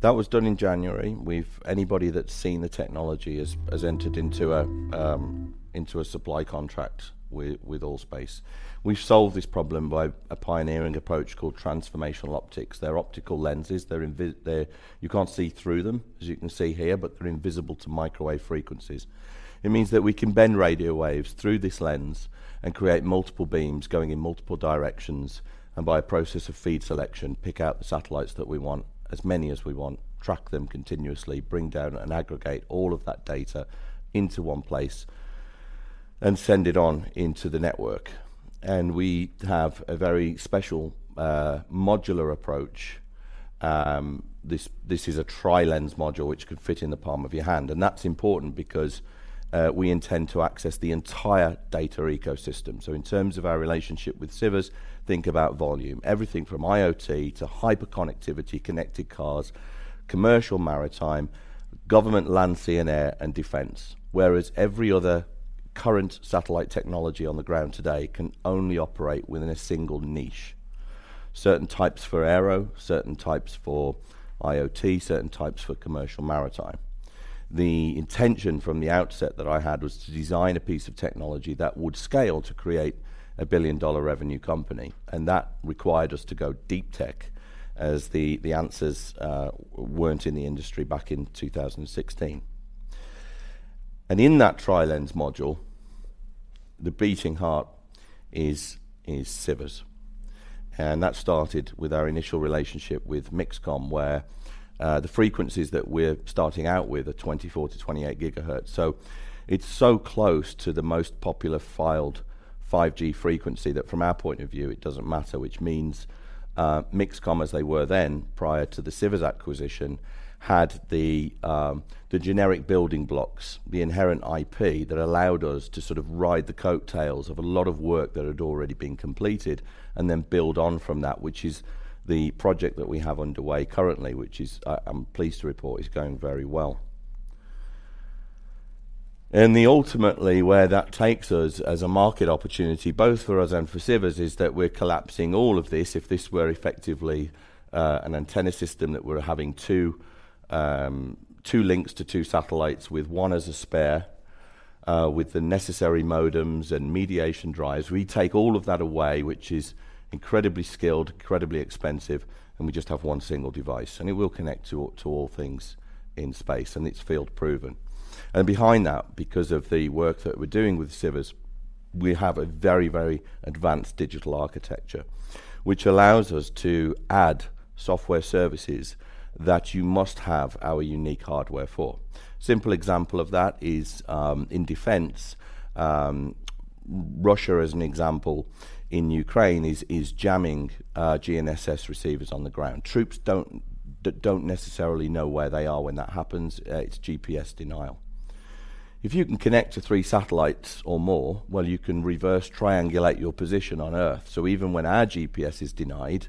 Speaker 4: of that. That was done in January. Anybody that's seen the technology has entered into a supply contract with ALL.SPACE. We've solved this problem by a pioneering approach called transformation optics. They're optical lenses. You can't see through them, as you can see here, but they're invisible to microwave frequencies. It means that we can bend radio waves through this lens and create multiple beams going in multiple directions and by a process of feed selection, pick out the satellites that we want, as many as we want, track them continuously, bring down and aggregate all of that data into one place and send it on into the network. We have a very special modular approach. This is a tri-lens module which could fit in the palm of your hand. That's important because we intend to access the entire data ecosystem. In terms of our relationship with Sivers, think about volume. Everything from IoT to hyperconnectivity, connected cars, commercial maritime, government land, sea and air and defense. Whereas every other current satellite technology on the ground today can only operate within a single niche. Certain types for aero, certain types for IoT, certain types for commercial maritime. The intention from the outset that I had was to design a piece of technology that would scale to create a billion-dollar revenue company. That required us to go deep tech as the answers weren't in the industry back in 2016. In that tri-lens module, the beating heart is Sivers. That started with our initial relationship with MixComm, where the frequencies that we're starting out with are 24 GHz-28 GHz. It's so close to the most popular filed 5G frequency that from our point of view, it doesn't matter, which means, MixComm, as they were then prior to the Sivers acquisition, had the generic building blocks, the inherent IP that allowed us to sort of ride the coattails of a lot of work that had already been completed and then build on from that, which is the project that we have underway currently, which is, I'm pleased to report, is going very well. Ultimately where that takes us as a market opportunity, both for us and for Sivers, is that we're collapsing all of this. If this were effectively an antenna system that we're having two links to two satellites with one as a spare with the necessary modems and mediation drives, we take all of that away, which is incredibly skilled, incredibly expensive, and we just have one single device, and it will connect to all things in space, and it's field-proven. Behind that, because of the work that we're doing with Sivers, we have a very, very advanced digital architecture, which allows us to add software services that you must have our unique hardware for. Simple example of that is in defense, Russia, as an example, in Ukraine is jamming GNSS receivers on the ground. Troops don't necessarily know where they are when that happens. It's GPS denial. If you can connect to three satellites or more, well, you can reverse triangulate your position on Earth. Even when our GPS is denied,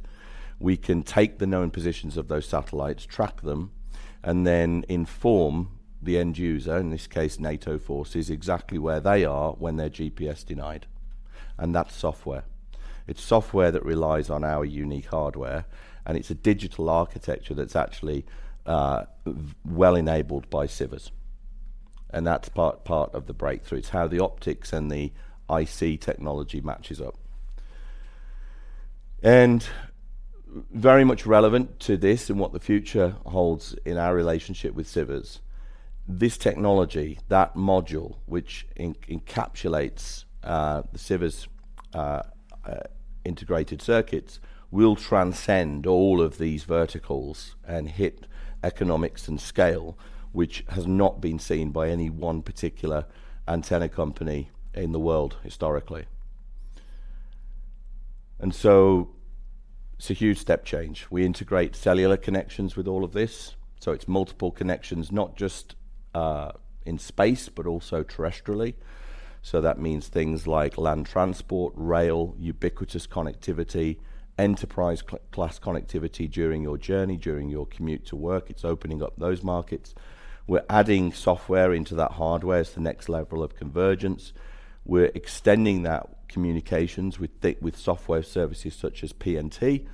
Speaker 4: we can take the known positions of those satellites, track them, and then inform the end user, in this case, NATO forces, exactly where they are when their GPS denied, and that's software. It's software that relies on our unique hardware, and it's a digital architecture that's actually well-enabled by Sivers. That's part of the breakthrough. It's how the optics and the IC technology matches up. Very much relevant to this and what the future holds in our relationship with Sivers, this technology, that module which encapsulates the Sivers' integrated circuits, will transcend all of these verticals and hit economics and scale, which has not been seen by any one particular antenna company in the world historically. It's a huge step change. We integrate cellular connections with all of this, so it's multiple connections, not just in space, but also terrestrially. That means things like land transport, rail, ubiquitous connectivity, enterprise class connectivity during your journey, during your commute to work. It's opening up those markets. We're adding software into that hardware as the next level of convergence. We're extending that communications with software services such as PNT.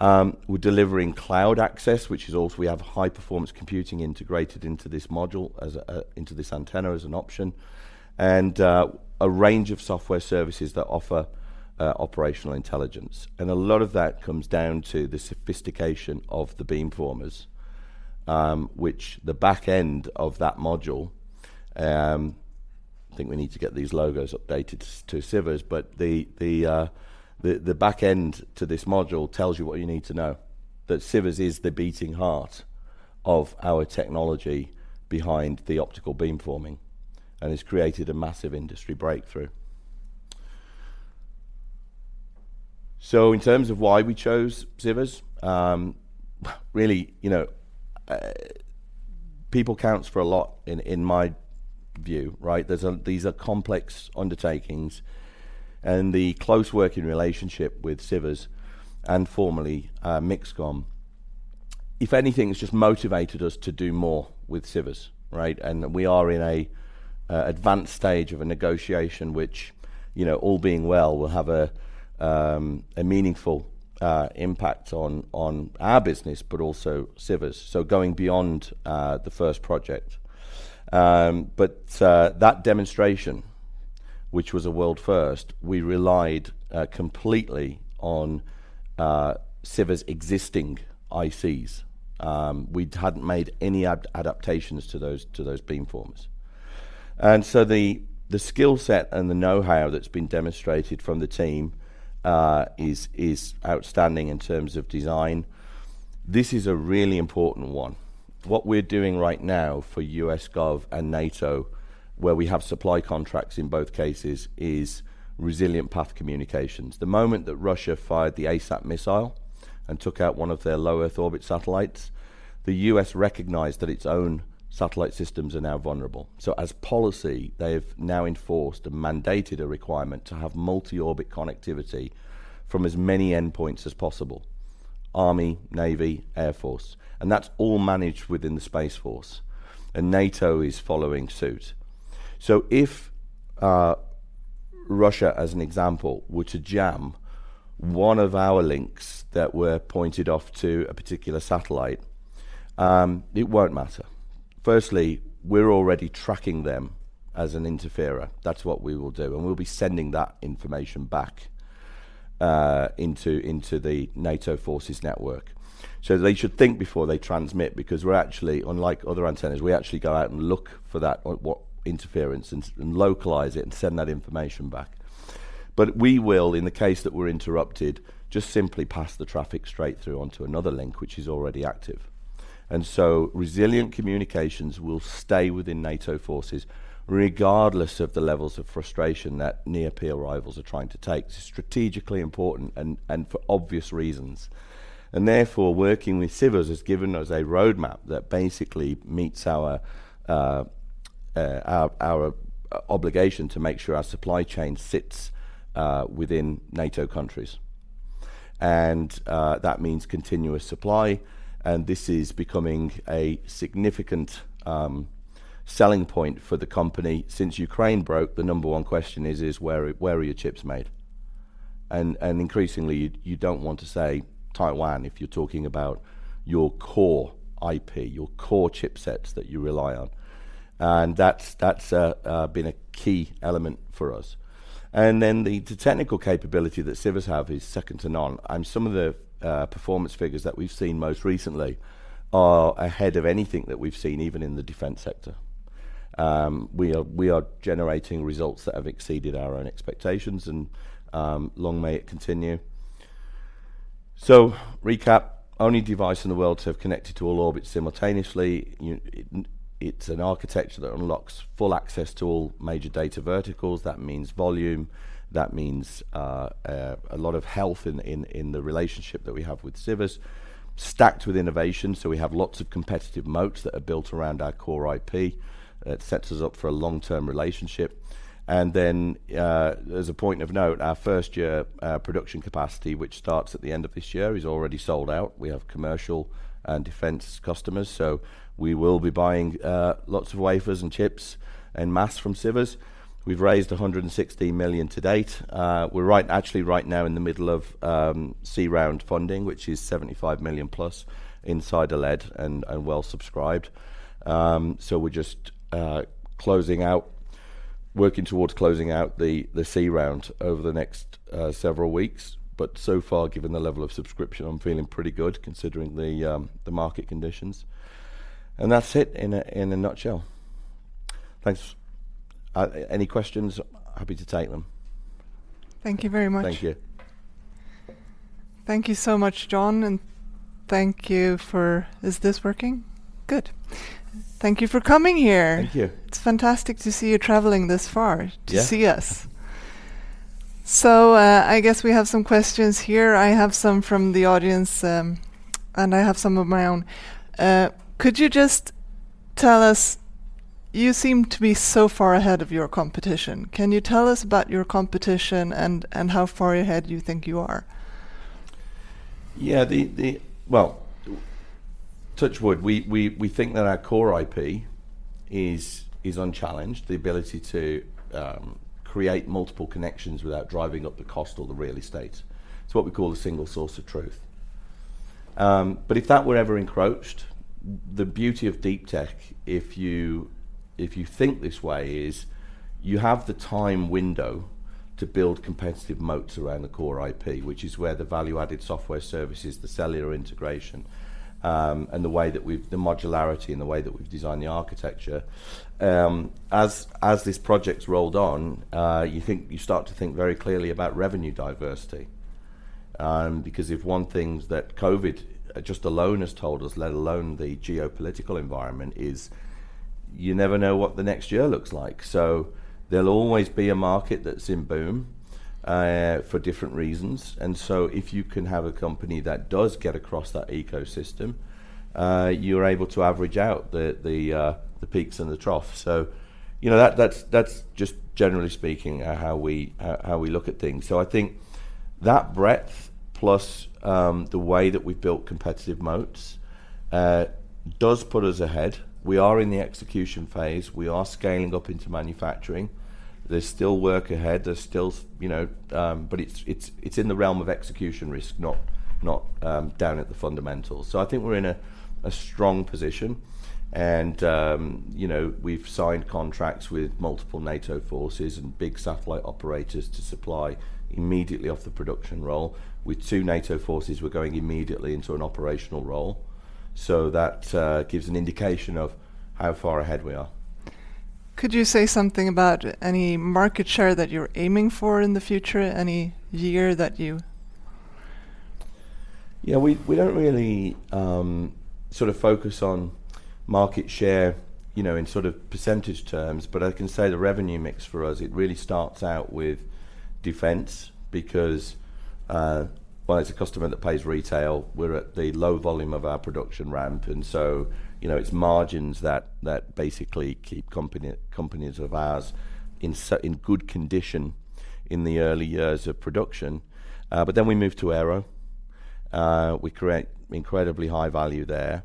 Speaker 4: We're delivering cloud access, which is, we have high-performance computing integrated into this module as a into this antenna as an option, and a range of software services that offer operational intelligence. A lot of that comes down to the sophistication of the beamformers, which the back end of that module. I think we need to get these logos updated to Sivers. The back end to this module tells you what you need to know, that Sivers is the beating heart of our technology behind the optical beamforming and has created a massive industry breakthrough. In terms of why we chose Sivers, really, you know, people counts for a lot in my view, right? These are complex undertakings, and the close working relationship with Sivers and formerly MixComm, if anything, has just motivated us to do more with Sivers, right? We are in an advanced stage of a negotiation which, you know, all being well, will have a meaningful impact on our business, but also Sivers. Going beyond the first project. That demonstration, which was a world first, we relied completely on Sivers' existing ICs. We hadn't made any adaptations to those beamformers. The skill set and the know-how that's been demonstrated from the team is outstanding in terms of design. This is a really important one. What we're doing right now for U.S. Gov and NATO, where we have supply contracts in both cases, is resilient path communications. The moment that Russia fired the ASAT missile and took out one of their low Earth orbit satellites, the U.S. recognized that its own satellite systems are now vulnerable. As policy, they've now enforced and mandated a requirement to have multi-orbit connectivity from as many endpoints as possible, Army, Navy, Air Force, and that's all managed within the Space Force, and NATO is following suit. If Russia, as an example, were to jam one of our links that were pointed off to a particular satellite, it won't matter. Firstly, we're already tracking them as an interferer. That's what we will do, and we'll be sending that information back into the NATO forces network. They should think before they transmit because we're actually, unlike other antennas, we actually go out and look for that interference and localize it and send that information back. We will, in the case that we're interrupted, just simply pass the traffic straight through onto another link which is already active. Resilient communications will stay within NATO forces regardless of the levels of frustration that near-peer rivals are trying to take. It's strategically important and for obvious reasons. Therefore, working with Civils has given us a roadmap that basically meets our obligation to make sure our supply chain sits within NATO countries. That means continuous supply, and this is becoming a significant selling point for the company. Since Ukraine broke, the number one question is where are your chips made? Increasingly you don't want to say Taiwan if you're talking about your core IP, your core chipsets that you rely on. That's been a key element for us. Then the technical capability that Civils have is second to none, and some of the performance figures that we've seen most recently are ahead of anything that we've seen even in the defense sector. We are generating results that have exceeded our own expectations and, long may it continue. Recap. Only device in the world to have connected to all orbits simultaneously. It's an architecture that unlocks full access to all major data verticals. That means volume. That means a lot of health in the relationship that we have with Sivers. Stacked with innovation, so we have lots of competitive moats that are built around our core IP. It sets us up for a long-term relationship. As a point of note, our first year production capacity, which starts at the end of this year, is already sold out. We have commercial and defense customers, so we will be buying lots of wafers and chips en masse from Sivers. We've raised 160 million to date. We're actually right now in the middle of C round funding, which is 75 million-plus, insider-led and well-subscribed. We're just closing out, working towards closing out the C round over the next several weeks. So far, given the level of subscription, I'm feeling pretty good considering the market conditions. That's it in a nutshell. Thanks. Any questions? Happy to take them.
Speaker 5: Thank you very much.
Speaker 4: Thank you.
Speaker 5: Thank you so much, John. Is this working? Good. Thank you for coming here.
Speaker 4: Thank you.
Speaker 5: It's fantastic to see you traveling this far to see us. I guess we have some questions here. I have some from the audience, and I have some of my own. Could you just tell us. You seem to be so far ahead of your competition. Can you tell us about your competition and how far ahead you think you are?
Speaker 4: Yeah. Well, touch wood. We think that our core IP is unchallenged, the ability to create multiple connections without driving up the cost or the real estate. It's what we call a single source of truth. But if that were ever encroached, the beauty of deep tech, if you think this way, is you have the time window to build competitive moats around the core IP, which is where the value-added software services, the cellular integration, and the modularity and the way that we've designed the architecture. As this project's rolled on, you start to think very clearly about revenue diversity. Because if one thing that COVID just alone has told us, let alone the geopolitical environment, is you never know what the next year looks like. There'll always be a market that's in boom for different reasons. If you can have a company that does get across that ecosystem, you're able to average out the peaks and the troughs. You know, that's just generally speaking how we look at things. I think that breadth plus the way that we've built competitive moats does put us ahead. We are in the execution phase. We are scaling up into manufacturing. There's still work ahead. There's still, you know. It's in the realm of execution risk, not down at the fundamentals. I think we're in a strong position and, you know, we've signed contracts with multiple NATO forces and big satellite operators to supply immediately off the production roll. With two NATO forces, we're going immediately into an operational role, so that gives an indication of how far ahead we are.
Speaker 5: Could you say something about any market share that you're aiming for in the future? Any year that you
Speaker 4: Yeah. We don't really sort of focus on market share, you know, in sort of percentage terms, but I can say the revenue mix for us, it really starts out with defense because, well, it's a customer that pays retail. We're at the low volume of our production ramp, and so, you know, it's margins that basically keep companies of ours in good condition in the early years of production. We moved to aero. We create incredibly high value there.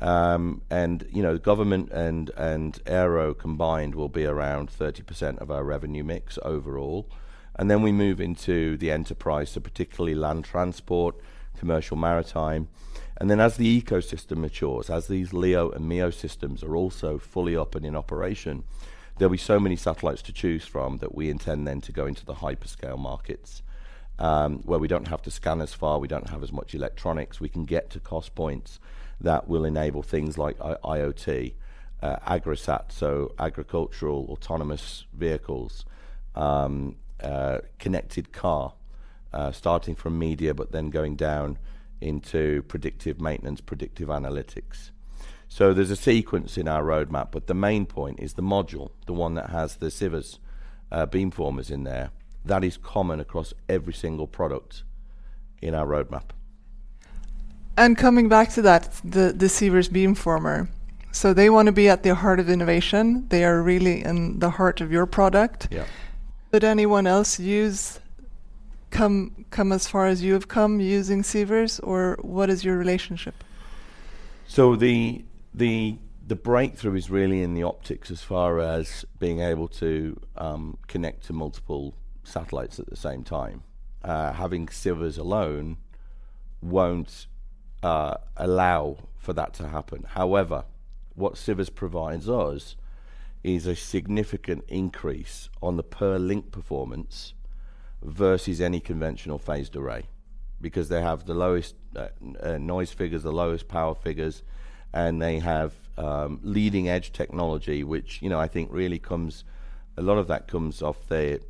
Speaker 4: You know, government and aero combined will be around 30% of our revenue mix overall. We move into the enterprise, so particularly land transport, commercial maritime. As the ecosystem matures, as these LEO and MEO systems are also fully up and in operation, there'll be so many satellites to choose from that we intend then to go into the hyperscale markets, where we don't have to scan as far, we don't have as much electronics. We can get to cost points that will enable things like IoT, AgriSAT, so agricultural autonomous vehicles, connected car, starting from media but then going down into predictive maintenance, predictive analytics. There's a sequence in our roadmap, but the main point is the module, the one that has the Sivers beamformers in there. That is common across every single product in our roadmap.
Speaker 5: Coming back to that, the Sivers beamformer. They wanna be at the heart of innovation. They are really in the heart of your product.
Speaker 4: Yeah.
Speaker 5: Did anyone else come as far as you have come using Sivers, or what is your relationship?
Speaker 4: The breakthrough is really in the optics as far as being able to connect to multiple satellites at the same time. Having Sivers alone won't allow for that to happen. However, what Sivers provides us is a significant increase in the per link performance versus any conventional phased array because they have the lowest noise figures, the lowest power figures, and they have leading-edge technology, which, you know, I think really comes, a lot of that comes from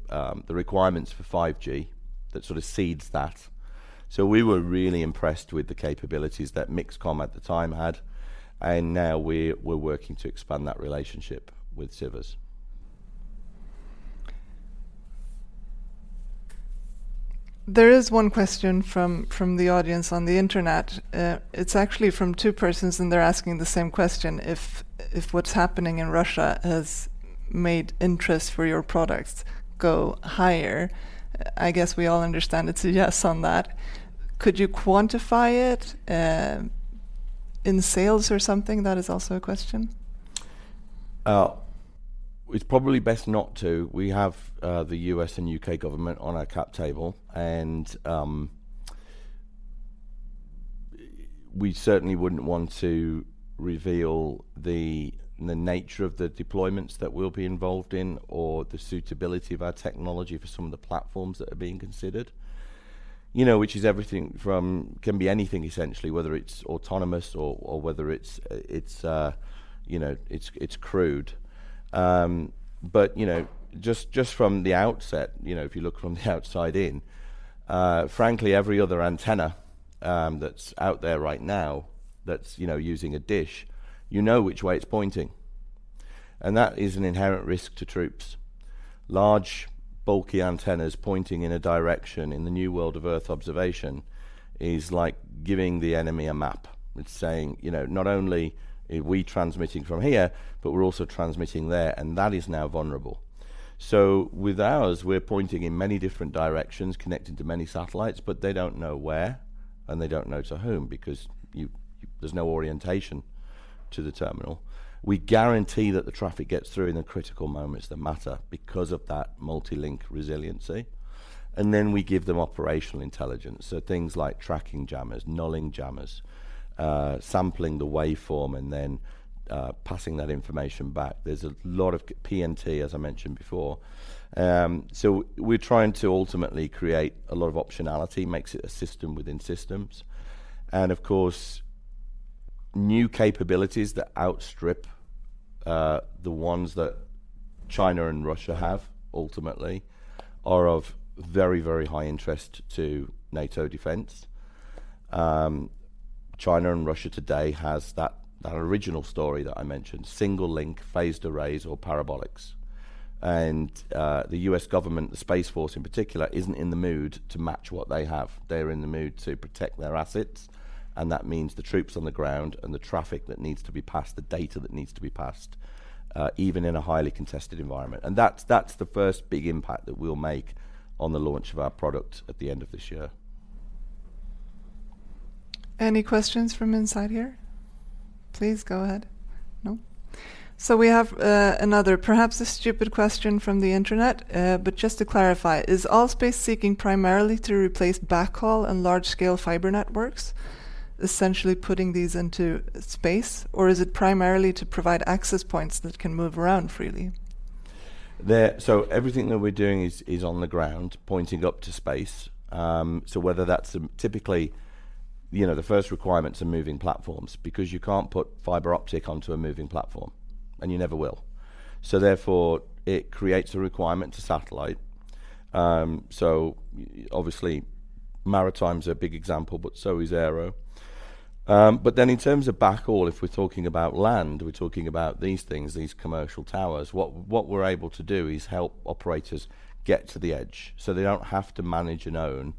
Speaker 4: the requirements for 5G that sort of feeds that. We were really impressed with the capabilities that MixComm at the time had, and now we're working to expand that relationship with Sivers.
Speaker 5: There is one question from the audience on the internet. It's actually from two persons, and they're asking the same question. If what's happening in Russia has made interest for your products go higher? I guess we all understand it's a yes on that. Could you quantify it in sales or something? That is also a question.
Speaker 4: It's probably best not to. We have the U.S. and U.K. government on our cap table, and we certainly wouldn't want to reveal the nature of the deployments that we'll be involved in or the suitability of our technology for some of the platforms that are being considered. You know, it can be anything essentially, whether it's autonomous or whether it's crude. But you know, just from the outset, you know, if you look from the outside in, frankly, every other antenna that's out there right now that's using a dish, you know which way it's pointing, and that is an inherent risk to troops. Large, bulky antennas pointing in a direction in the new world of Earth observation is like giving the enemy a map. It's saying, you know, not only are we transmitting from here, but we're also transmitting there, and that is now vulnerable. With ours, we're pointing in many different directions, connected to many satellites, but they don't know where, and they don't know to whom because you, there's no orientation to the terminal. We guarantee that the traffic gets through in the critical moments that matter because of that multi-link resiliency, and then we give them operational intelligence, so things like tracking jammers, nulling jammers, sampling the waveform and then passing that information back. There's a lot of PNT, as I mentioned before. We're trying to ultimately create a lot of optionality, makes it a system within systems. Of course, new capabilities that outstrip the ones that China and Russia have ultimately are of very, very high interest to NATO defense. China and Russia today has that original story that I mentioned, single link, phased arrays or parabolics. The U.S. government, the Space Force in particular, isn't in the mood to match what they have. They're in the mood to protect their assets, and that means the troops on the ground and the traffic that needs to be passed, the data that needs to be passed, even in a highly contested environment. That's the first big impact that we'll make on the launch of our product at the end of this year.
Speaker 5: Any questions from inside here? Please go ahead. No? We have another perhaps a stupid question from the internet. Just to clarify, is ALL.SPACE seeking primarily to replace backhaul and large-scale fiber networks, essentially putting these into space, or is it primarily to provide access points that can move around freely?
Speaker 4: Everything that we're doing is on the ground pointing up to space. Whether that's typically, you know, the first requirements are moving platforms because you can't put fiber optic onto a moving platform, and you never will. Therefore, it creates a requirement to satellite. Obviously maritime's a big example, but so is aero. But then in terms of backhaul, if we're talking about land, we're talking about these things, these commercial towers. What we're able to do is help operators get to the edge so they don't have to manage and own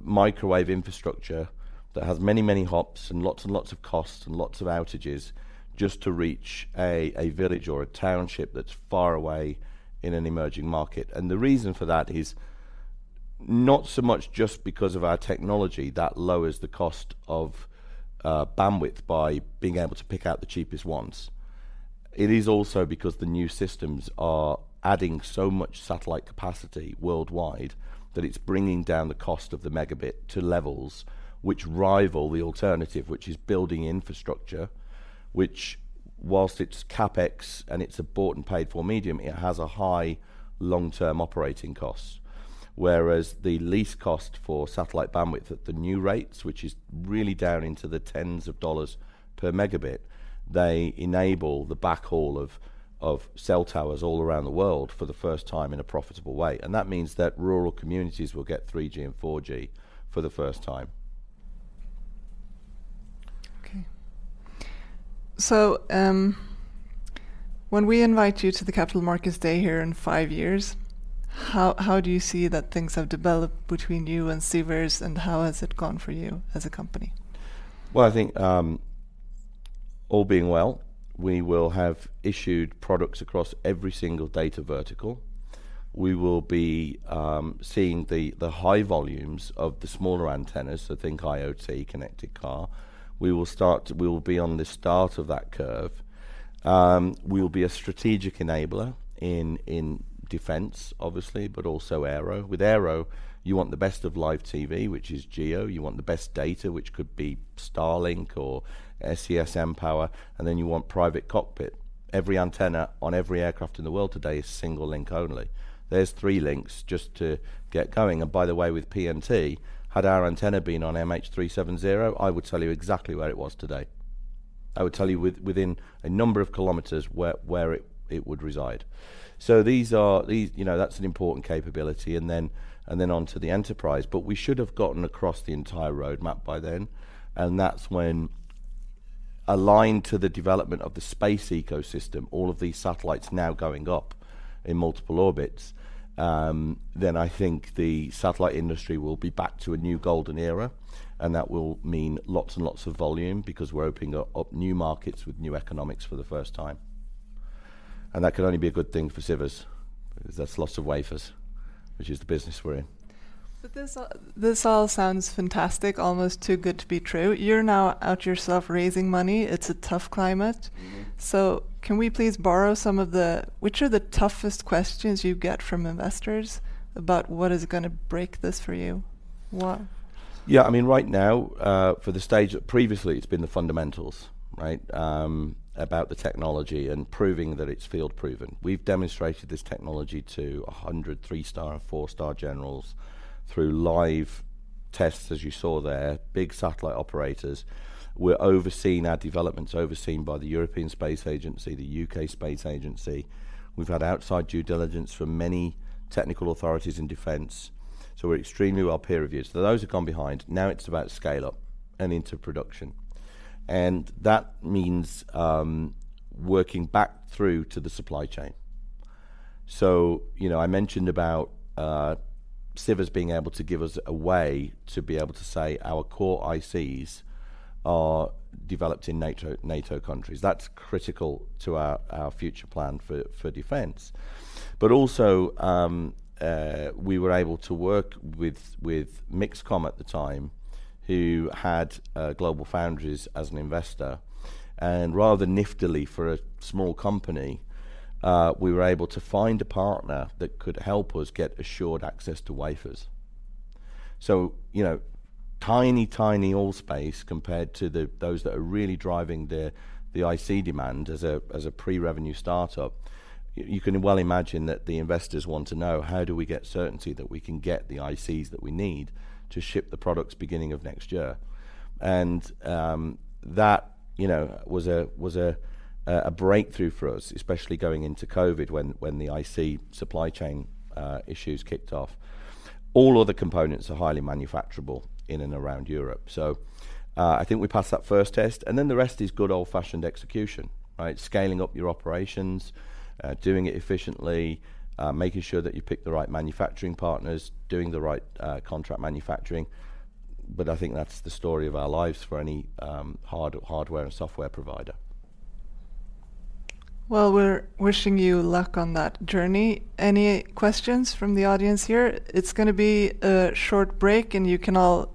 Speaker 4: microwave infrastructure that has many, many hops and lots and lots of costs and lots of outages just to reach a village or a township that's far away in an emerging market. The reason for that is not so much just because of our technology that lowers the cost of bandwidth by being able to pick out the cheapest ones. It is also because the new systems are adding so much satellite capacity worldwide that it's bringing down the cost of the megabit to levels which rival the alternative, which is building infrastructure, which whilst it's CapEx and it's a bought and paid for medium, it has a high long-term operating cost. Whereas the lease cost for satellite bandwidth at the new rates, which is really down into the tens of dollars per megabit, they enable the backhaul of cell towers all around the world for the first time in a profitable way. That means that rural communities will get 3G and 4G for the first time.
Speaker 5: When we invite you to the Capital Markets Day here in five years, how do you see that things have developed between you and Sivers, and how has it gone for you as a company?
Speaker 4: Well, I think, all being well, we will have issued products across every single data vertical. We will be seeing the high volumes of the smaller antennas, so think IoT, connected car. We will be on the start of that curve. We will be a strategic enabler in defense obviously, but also aero. With aero, you want the best of live TV, which is GEO. You want the best data, which could be Starlink or SES mPOWER, and then you want private cockpit. Every antenna on every aircraft in the world today is single link only. There's three links just to get going. By the way, with PNT, had our antenna been on MH370, I would tell you exactly where it was today. I would tell you within a number of kilometers where it would reside. You know, that's an important capability and then on to the enterprise. We should have gotten across the entire roadmap by then, and that's when aligned to the development of the space ecosystem, all of these satellites now going up in multiple orbits, then I think the satellite industry will be back to a new golden era, and that will mean lots and lots of volume because we're opening up new markets with new economics for the first time. That can only be a good thing for Sivers 'cause that's lots of wafers, which is the business we're in.
Speaker 5: This all sounds fantastic, almost too good to be true. You're now out yourself raising money. It's a tough climate. Which are the toughest questions you get from investors about what is gonna break this for you?
Speaker 4: Yeah, I mean, right now, for the stage that previously it's been the fundamentals, right? About the technology and proving that it's field proven. We've demonstrated this technology to 100 three-star and four-star generals through live tests, as you saw there, big satellite operators. We're overseeing our developments, overseen by the European Space Agency, the U.K. Space Agency. We've had outside due diligence from many technical authorities in defense, so we're extremely well peer reviewed. Those have gone behind. Now it's about scale up and into production, and that means, working back through to the supply chain. You know, I mentioned about, Sivers being able to give us a way to be able to say our core ICs are developed in NATO countries. That's critical to our future plan for defense. Also, we were able to work with MixComm at the time, who had GlobalFoundries as an investor, and rather niftily for a small company, we were able to find a partner that could help us get assured access to wafers. You know, tiny ALL.SPACE compared to those that are really driving the IC demand as a pre-revenue startup. You can well imagine that the investors want to know how do we get certainty that we can get the ICs that we need to ship the products beginning of next year. That was a breakthrough for us, especially going into COVID when the IC supply chain issues kicked off. All other components are highly manufacturable in and around Europe. I think we passed that first test, and then the rest is good old-fashioned execution, right? Scaling up your operations, doing it efficiently, making sure that you pick the right manufacturing partners, doing the right contract manufacturing. I think that's the story of our lives for any hardware and software provider.
Speaker 5: Well, we're wishing you luck on that journey. Any questions from the audience here? It's gonna be a short break, and you can all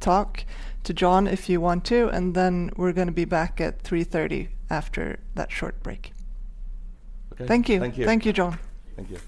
Speaker 5: talk to John if you want to, and then we're gonna be back at 3:30 P.M. after that short break.
Speaker 4: Okay.
Speaker 5: Thank you.
Speaker 4: Thank you.
Speaker 5: Thank you, John.
Speaker 4: Thank you.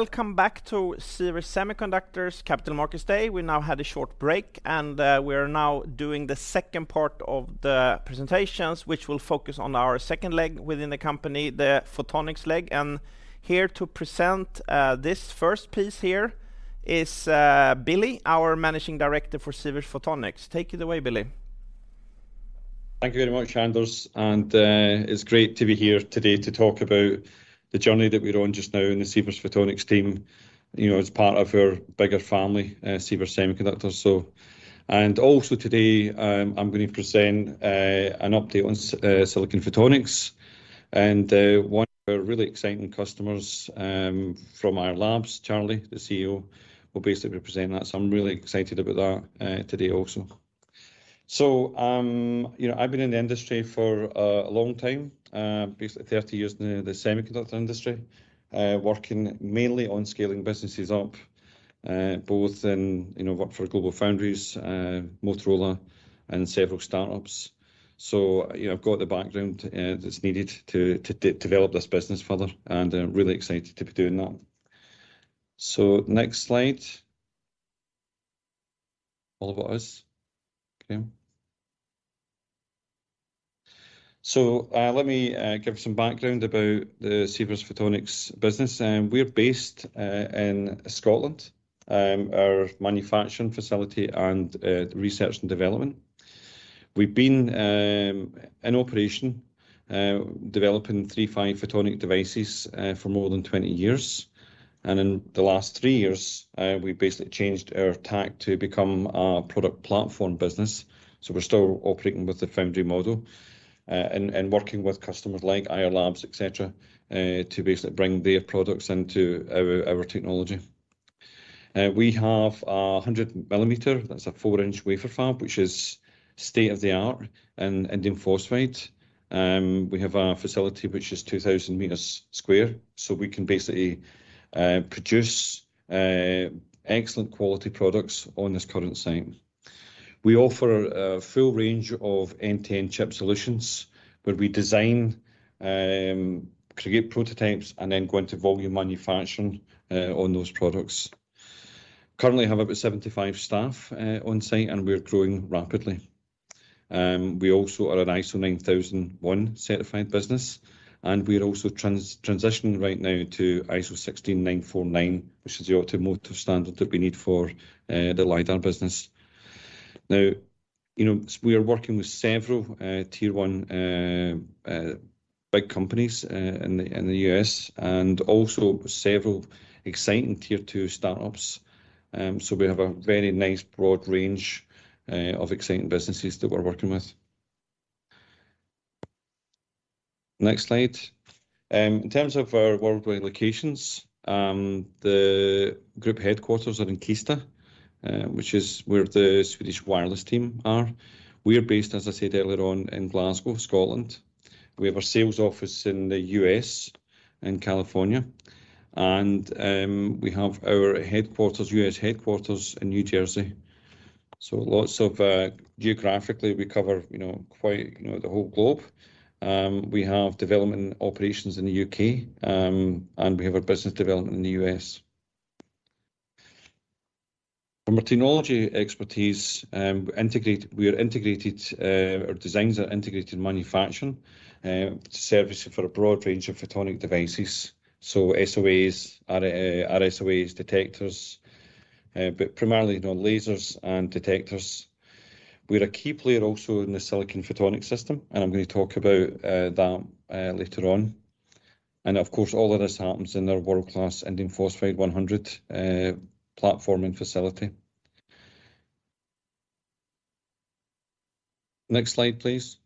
Speaker 1: Welcome back to Sivers Semiconductors Capital Markets Day. We now had a short break, and we are now doing the second part of the presentations, which will focus on our second leg within the company, the Photonics leg. Here to present this first piece here is Billy, our managing director for Sivers Photonics. Take it away, Billy.
Speaker 6: Thank you very much, Anders. It's great to be here today to talk about the journey that we're on just now in the Sivers Photonics team, you know, as part of our bigger family, Sivers Semiconductors. Also today, I'm going to present an update on Silicon Photonics and one of our really exciting customers. From our labs, Charlie, the CEO, will basically present that. I'm really excited about that today also. You know, I've been in the industry for a long time, basically 30 years in the semiconductor industry, working mainly on scaling businesses up, both in, you know, worked for GlobalFoundries, Motorola, and several startups. You know, I've got the background that's needed to develop this business further, and I'm really excited to be doing that. Next slide. All about us. Okay. Let me give some background about the Sivers Photonics business. We're based in Scotland, our manufacturing facility and research and development. We've been in operation developing III-V photonic devices for more than 20 years. In the last three years, we basically changed our tack to become a product platform business. We're still operating with the foundry model, and working with customers like Ayar Labs, et cetera, to basically bring their products into our technology. We have a 100 millimeter, that's a 4-inch wafer fab, which is state-of-the-art in indium phosphide. We have a facility which is 2,000 square meters, so we can basically produce excellent quality products on this current site. We offer a full range of end-to-end chip solutions, where we design, create prototypes, and then go into volume manufacturing on those products. Currently have about 75 staff on site and we're growing rapidly. We also are an ISO 9001-certified business, and we're also transitioning right now to ISO 16949, which is the automotive standard that we need for the LiDAR business. Now, you know, we are working with several tier one big companies in the U.S. and also several exciting tier two startups. We have a very nice broad range of exciting businesses that we're working with. Next slide. In terms of our worldwide locations, the group headquarters are in Kista, which is where the Swedish Wireless team are. We are based, as I said earlier on, in Glasgow, Scotland. We have a sales office in the U.S. in California, and we have our headquarters, U.S. headquarters, in New Jersey. Lots of, Geographically, we cover, you know, quite, you know, the whole globe. We have development operations in the U.K., and we have a business development in the U.S. From our technology expertise, we are integrated, our designs are integrated in manufacturing, to service for a broad range of photonic devices. SOAs, RA, RSOAs, detectors, but primarily, you know, lasers and detectors. We're a key player also in the Silicon Photonics system, and I'm gonna talk about that later on. Of course, all of this happens in our world-class indium phosphide 100 platform and facility. Next slide, please.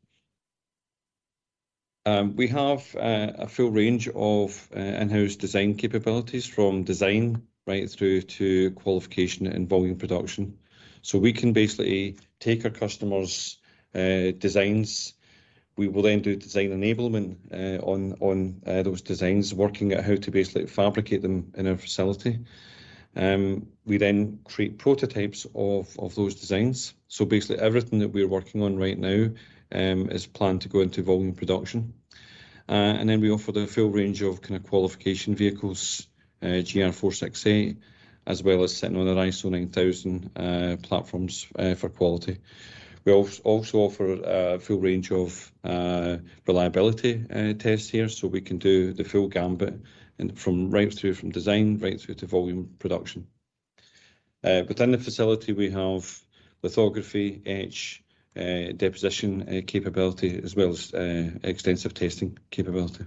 Speaker 6: We have a full range of in-house design capabilities from design right through to qualification and volume production. We can basically take our customers' designs. We will then do design enablement on those designs, working out how to basically fabricate them in our facility. We then create prototypes of those designs. Basically, everything that we're working on right now is planned to go into volume production. Then we offer the full range of kind of qualification vehicles, GR-468, as well as sitting on our ISO 9001 platforms for quality. We also offer a full range of reliability tests here, so we can do the full gamut from design right through to volume production. Within the facility, we have lithography, etch, deposition, capability as well as extensive testing capability.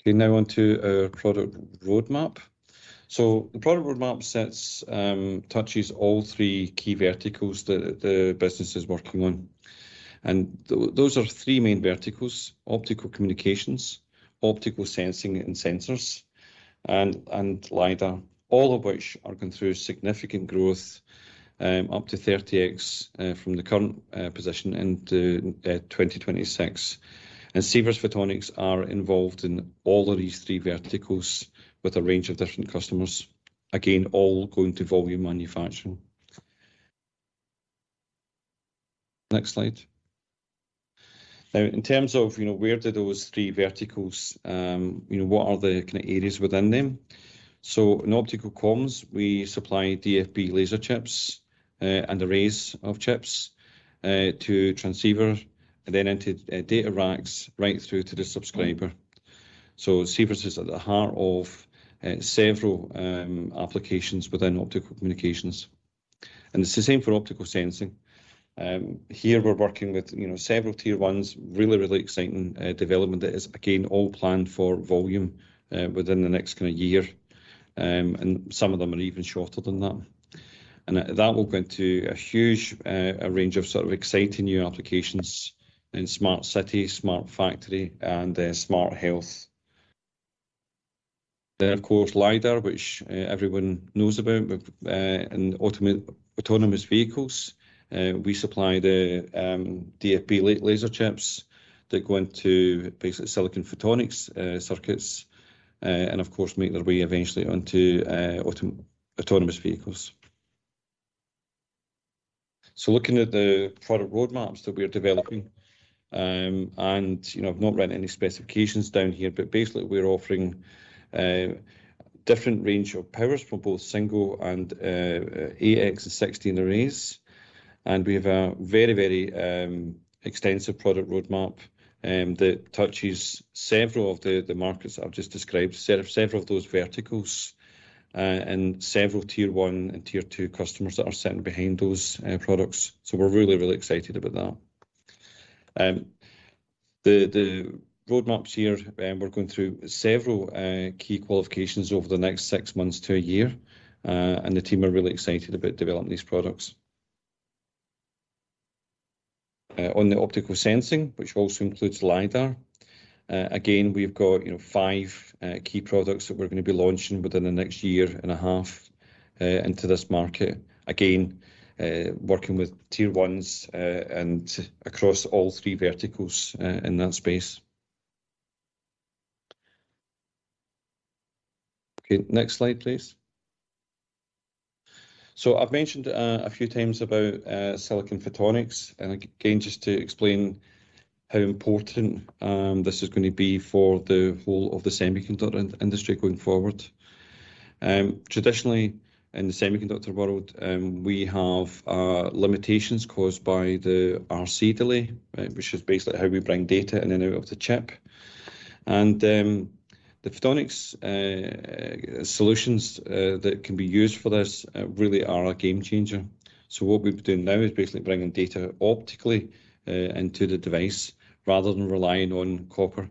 Speaker 6: Okay, now on to our product roadmap. The product roadmap sets, touches all three key verticals the business is working on. Those are three main verticals: optical communications, optical sensing and sensors, and LiDAR, all of which are going through significant growth, up to 30x, from the current position into 2026. Sivers Photonics are involved in all of these three verticals with a range of different customers. Again, all going to volume manufacturing. Next slide. Now in terms of, you know, where do those three verticals, you know, what are the kinda areas within them? In optical comms, we supply DFB laser chips and arrays of chips to transceiver and then into data racks right through to the subscriber. Sivers is at the heart of several applications within optical communications. It's the same for optical sensing. Here we're working with, you know, several tier ones, really, really exciting development that is again, all planned for volume within the next kinda year. Some of them are even shorter than that. That will go into a huge range of sort of exciting new applications in smart city, smart factory, and smart health. Of course, LiDAR, which everyone knows about with autonomous vehicles. We supply the DFB laser chips that go into basically Silicon Photonics circuits, and of course, make their way eventually onto autonomous vehicles. Looking at the product roadmaps that we're developing, and you know, I've not written any specifications down here, but basically we're offering a different range of powers for both single and 8x16 arrays. We have a very extensive product roadmap that touches several of the markets I've just described, several of those verticals, and several tier one and tier two customers that are sitting behind those products. We're really excited about that. The roadmaps here, we're going through several key qualifications over the next six months to a year, and the team are really excited about developing these products. On the optical sensing, which also includes LiDAR, again, we've got, you know, five key products that we're gonna be launching within the next year and a half into this market. Again, working with tier ones and across all three verticals in that space. Okay, next slide please. I've mentioned a few times about Silicon Photonics, and again, just to explain how important this is gonna be for the whole of the semiconductor industry going forward. Traditionally in the semiconductor world, we have limitations caused by the RC delay, right? Which is basically how we bring data in and out of the chip. The Photonics solutions that can be used for this really are a game changer. What we're doing now is basically bringing data optically into the device rather than relying on copper.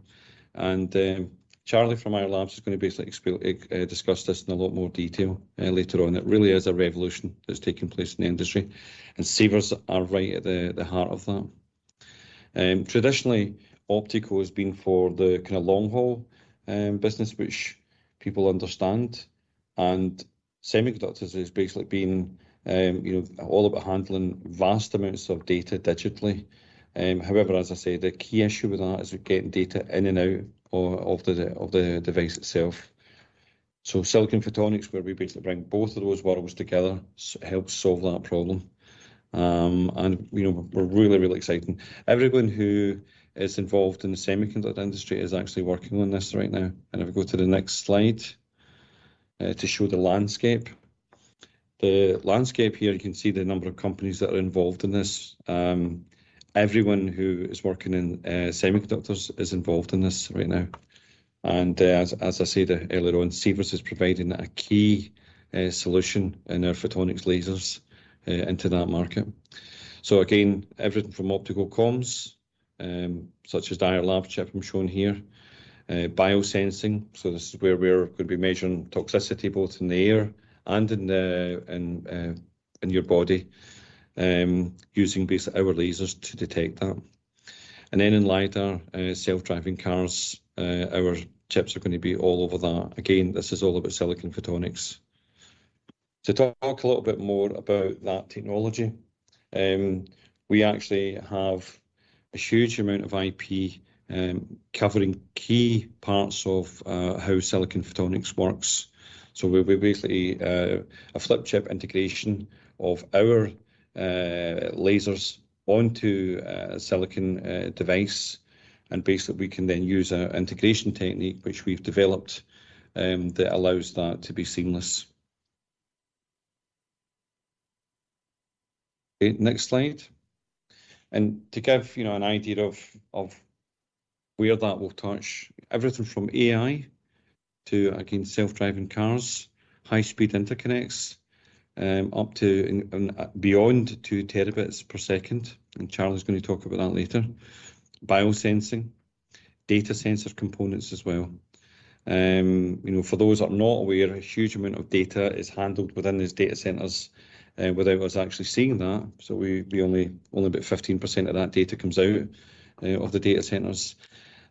Speaker 6: Charlie from our labs is gonna basically discuss this in a lot more detail later on. It really is a revolution that's taking place in the industry, and Sivers are right at the heart of that. Traditionally, optical has been for the kinda long haul business, which people understand, and semiconductors has basically been, you know, all about handling vast amounts of data digitally. However, as I said, the key issue with that is getting data in and out of the device itself. Silicon Photonics, where we basically bring both of those worlds together, helps solve that problem. You know, we're really, really excited. Everyone who is involved in the semiconductor industry is actually working on this right now. If we go to the next slide to show the landscape. The landscape here, you can see the number of companies that are involved in this. Everyone who is working in semiconductors is involved in this right now. As I said earlier on, Sivers is providing a key solution in our Photonics lasers into that market. Again, everything from optical comms, such as direct laser chip I'm showing here. Biosensing, so this is where we're gonna be measuring toxicity both in the air and in your body, using basically our lasers to detect that. Then in LiDAR, self-driving cars, our chips are gonna be all over that. Again, this is all about Silicon Photonics. To talk a little bit more about that technology, we actually have a huge amount of IP covering key parts of how Silicon Photonics works. We basically a flip chip integration of our lasers onto a silicon device, and basically we can then use our integration technique which we've developed that allows that to be seamless. Next slide. To give, you know, an idea of where that will touch, everything from AI to, again, self-driving cars, high speed interconnects, up to and beyond 2 Tbs per second, and Charlie's gonna talk about that later. Biosensing, data center components as well. You know, for those that are not aware, a huge amount of data is handled within these data centers without us actually seeing that. We only about 15% of that data comes out of the data centers.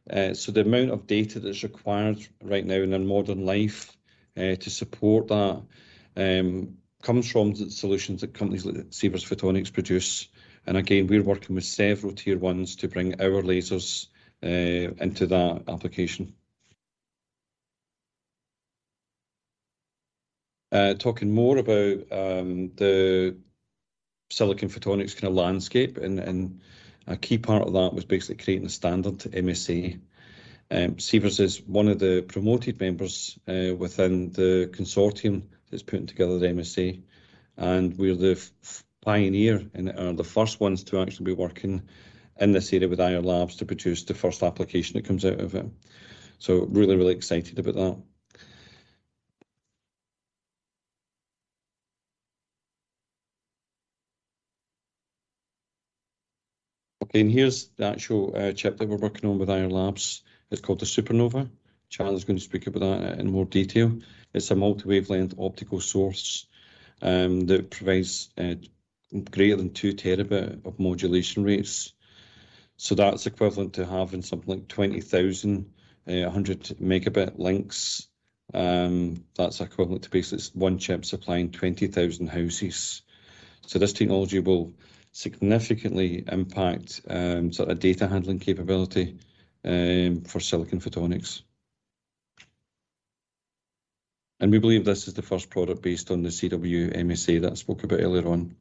Speaker 6: The amount of data that's required right now in our modern life to support that comes from the solutions that companies like Sivers Photonics produce. Again, we're working with several tier ones to bring our lasers into that application. Talking more about the Silicon Photonics kinda landscape and a key part of that was basically creating the standard MSA. Sivers is one of the promoting members within the consortium that's putting together the MSA, and we're the pioneer and are the first ones to actually be working in this area with Ayar Labs to produce the first application that comes out of it. Really excited about that. Okay, here's the actual chip that we're working on with Ayar Labs. It's called the SuperNova. Charlie's gonna speak about that in more detail. It's a multi-wavelength optical source that provides greater than 2 Tb of modulation rates. That's equivalent to having something like 20,000 100 megabit links. That's equivalent to basically one chip supplying 20,000 houses. This technology will significantly impact sort of data handling capability for Silicon Photonics. We believe this is the first product based on the CW MSA that I spoke about earlier on.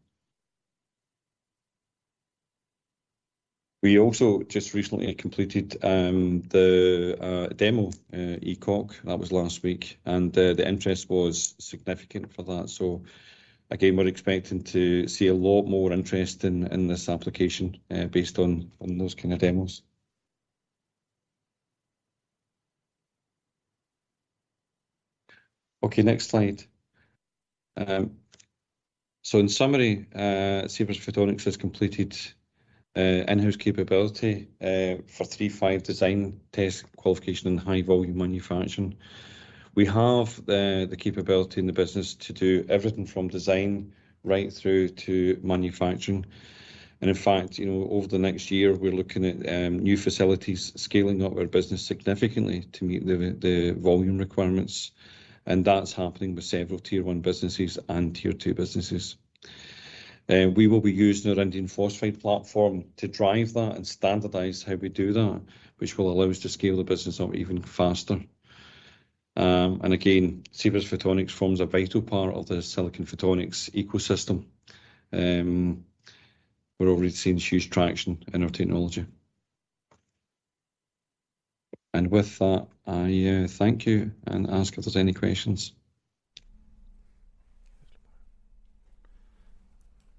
Speaker 6: We also just recently completed the demo ECOC. That was last week, and the interest was significant for that. We're expecting to see a lot more interest in this application based on those kinda demos. Okay, next slide. So in summary, Sivers Photonics has completed in-house capability for III-V design test qualification and high volume manufacturing. We have the capability in the business to do everything from design right through to manufacturing. In fact, you know, over the next year, we're looking at new facilities scaling up our business significantly to meet the volume requirements. That's happening with several tier one businesses and tier two businesses. We will be using our indium phosphide platform to drive that and standardize how we do that, which will allow us to scale the business up even faster. Again, Sivers Photonics forms a vital part of the Silicon Photonics ecosystem. We're already seeing huge traction in our technology. With that, I thank you and ask if there's any questions.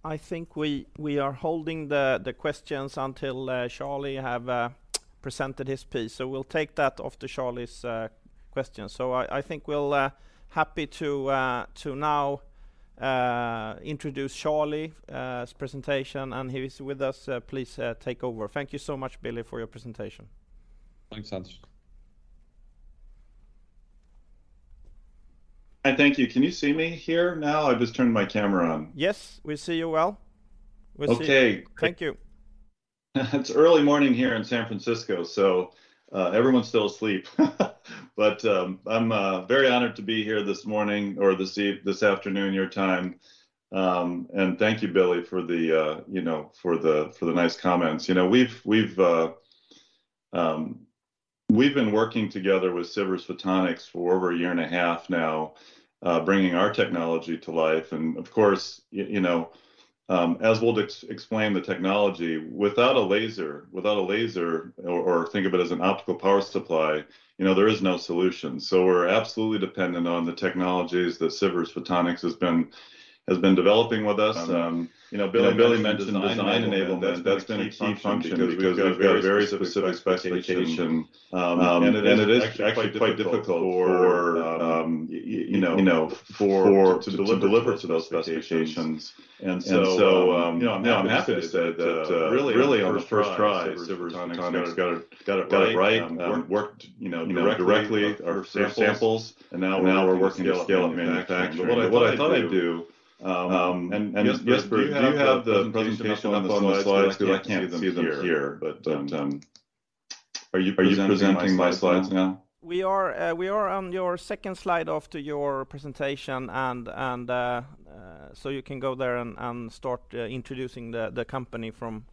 Speaker 1: I think we are holding the questions until Charlie has presented his piece. We'll take that after Charlie's questions. I think we're happy to now introduce Charlie's presentation, and he is with us. Please take over. Thank you so much, Billy, for your presentation.
Speaker 7: Thanks, Anders. Thank you. Can you see me here now? I've just turned my camera on.
Speaker 1: Yes, we see you well. We see you.
Speaker 7: Okay.
Speaker 1: Thank you.
Speaker 7: It's early morning here in San Francisco, so everyone's still asleep. I'm very honored to be here this afternoon, your time. Thank you, Billy, for the nice comments. You know, we've been working together with Sivers Photonics for over a year and a half now, bringing our technology to life. Of course, you know, as we'll explain the technology, without a laser or think of it as an optical power supply, you know, there is no solution. We're absolutely dependent on the technologies that Sivers Photonics has been developing with us. You know, Billy mentioned design enablement. That's been a key function because we've got a very specific specification, and it is actually quite difficult, you know, to deliver to those specifications. You know, I'm happy to say that really on the first try, Sivers Photonics got it right, worked directly on our samples, and now we're working to scale up manufacturing. What I thought I'd do, and Jesper, do you have the presentation up on the slides? Because I can't see them here. Are you presenting my slides now?
Speaker 1: We are on your second slide after your presentation and so you can go there and start introducing the company from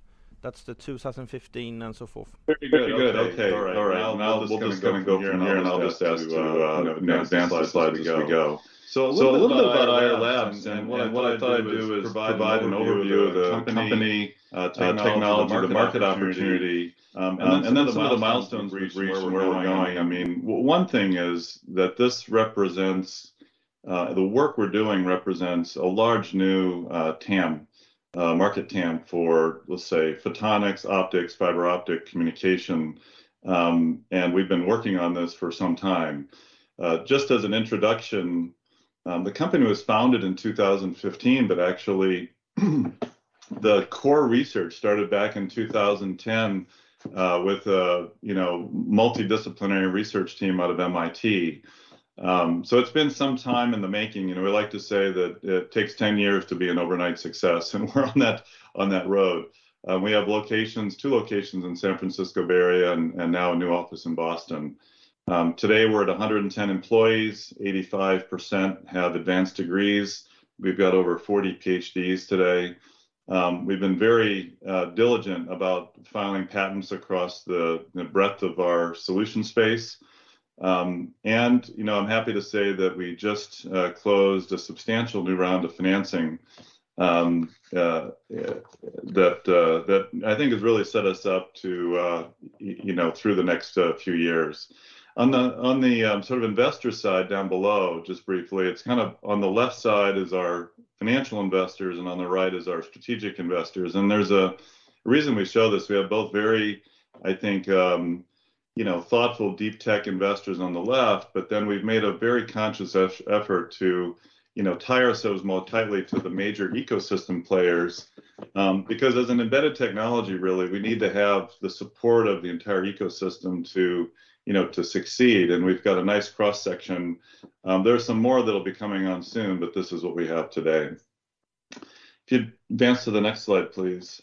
Speaker 1: 2015 and so forth.
Speaker 7: Very good. Good. Okay. All right. Now we'll just kind of go from here, and I'll just ask to, you know, advance the slides as we go. A little bit about Ayar Labs, and what I thought I'd do is provide an overview of the company, technology, the market opportunity, and then some of the milestones we've reached and where we're going. I mean, one thing is that the work we're doing represents a large new TAM, market TAM for, let's say, Photonics, optics, fiber optic communication, and we've been working on this for some time. Just as an introduction, the company was founded in 2015, but actually the core research started back in 2010, with a, you know, multidisciplinary research team out of MIT. It's been some time in the making, and we like to say that it takes 10 years to be an overnight success, and we're on that road. We have locations, two locations in the San Francisco Bay Area and now a new office in Boston. Today we're at 110 employees. 85% have advanced degrees. We've got over 40 PhDs today. We've been very diligent about filing patents across the breadth of our solution space. You know, I'm happy to say that we just closed a substantial new round of financing that I think has really set us up to you know through the next few years. On the sort of investor side down below, just briefly, it's kind of on the left side is our financial investors, and on the right is our strategic investors. There's a reason we show this. We have both very, I think, you know, thoughtful, deep tech investors on the left, but then we've made a very conscious effort to, you know, tie ourselves more tightly to the major ecosystem players, because as an embedded technology, really, we need to have the support of the entire ecosystem to, you know, to succeed. We've got a nice cross-section. There are some more that'll be coming on soon, but this is what we have today. If you'd advance to the next slide, please.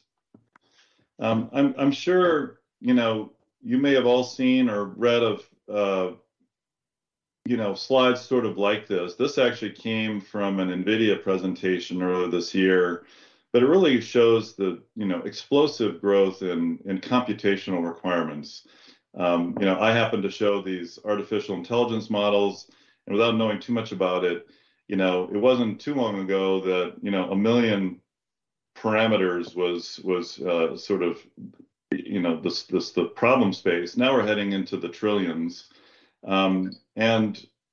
Speaker 7: I'm sure, you know, you may have all seen or read of, you know, slides sort of like this. This actually came from an NVIDIA presentation earlier this year, but it really shows the, you know, explosive growth in computational requirements. You know, I happen to show these artificial intelligence models, and without knowing too much about it, you know, it wasn't too long ago that, you know, 1 million parameters was sort of you know the problem space. Now we're heading into the trillions.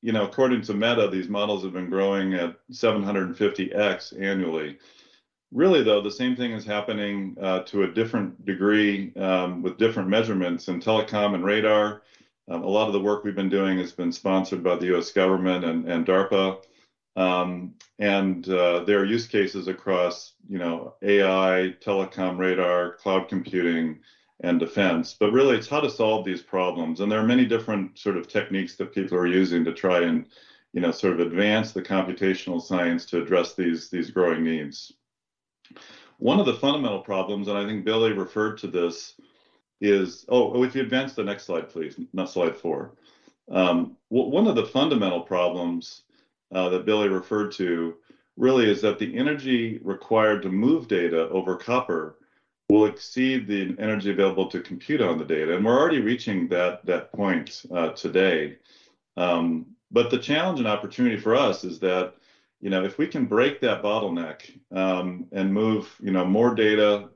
Speaker 7: You know, according to Meta, these models have been growing at 750x annually. Really though, the same thing is happening to a different degree with different measurements in telecom and radar. A lot of the work we've been doing has been sponsored by the U.S. government and DARPA. There are use cases across, you know, AI, telecom, radar, cloud computing, and defense. Really it's how to solve these problems, and there are many different sort of techniques that people are using to try and, you know, sort of advance the computational science to address these growing needs. One of the fundamental problems that Billy referred to really is that the energy required to move data over copper will exceed the energy available to compute on the data, and we're already reaching that point today. The challenge and opportunity for us is that, you know, if we can break that bottleneck, and move, you know, more data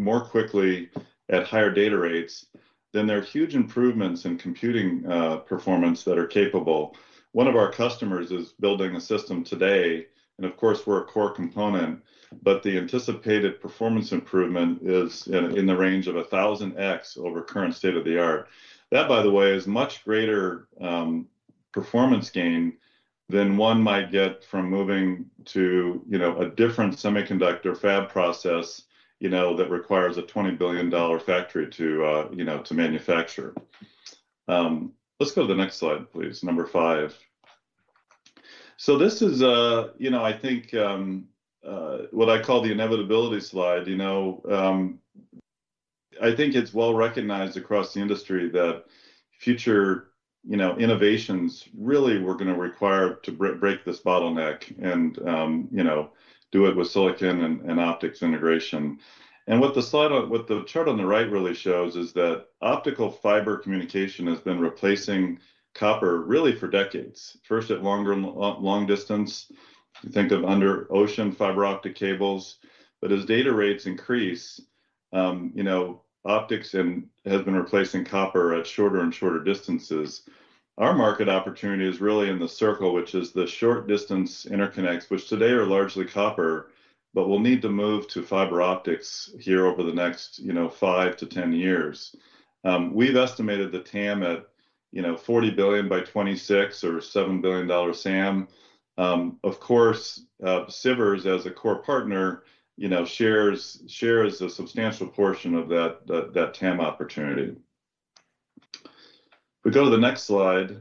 Speaker 7: more quickly at higher data rates, then there are huge improvements in computing performance that are capable. One of our customers is building a system today, and of course we're a core component, but the anticipated performance improvement is in the range of 1000x over current state-of-the-art. That, by the way, is much greater performance gain than one might get from moving to, you know, a different semiconductor fab process, you know, that requires a $20 billion factory to, you know, to manufacture. Let's go to the next slide, please, number 5. This is a, you know, I think, what I call the inevitability slide. You know, I think it's well recognized across the industry that future, you know, innovations really we're going to require to break this bottleneck and, you know, do it with silicon and optics integration. What the chart on the right really shows is that optical fiber communication has been replacing copper really for decades. First at longer long distance. You think of under-ocean fiber optic cables. As data rates increase, you know, optics has been replacing copper at shorter and shorter distances. Our market opportunity is really in the circle, which is the short distance interconnects, which today are largely copper, but we'll need to move to fiber optics here over the next, you know, five to 10 years. We've estimated the TAM at, you know, $40 billion by 2026 or $7 billion SAM. Of course, Sivers as a core partner, you know, shares a substantial portion of that TAM opportunity. If we go to the next slide.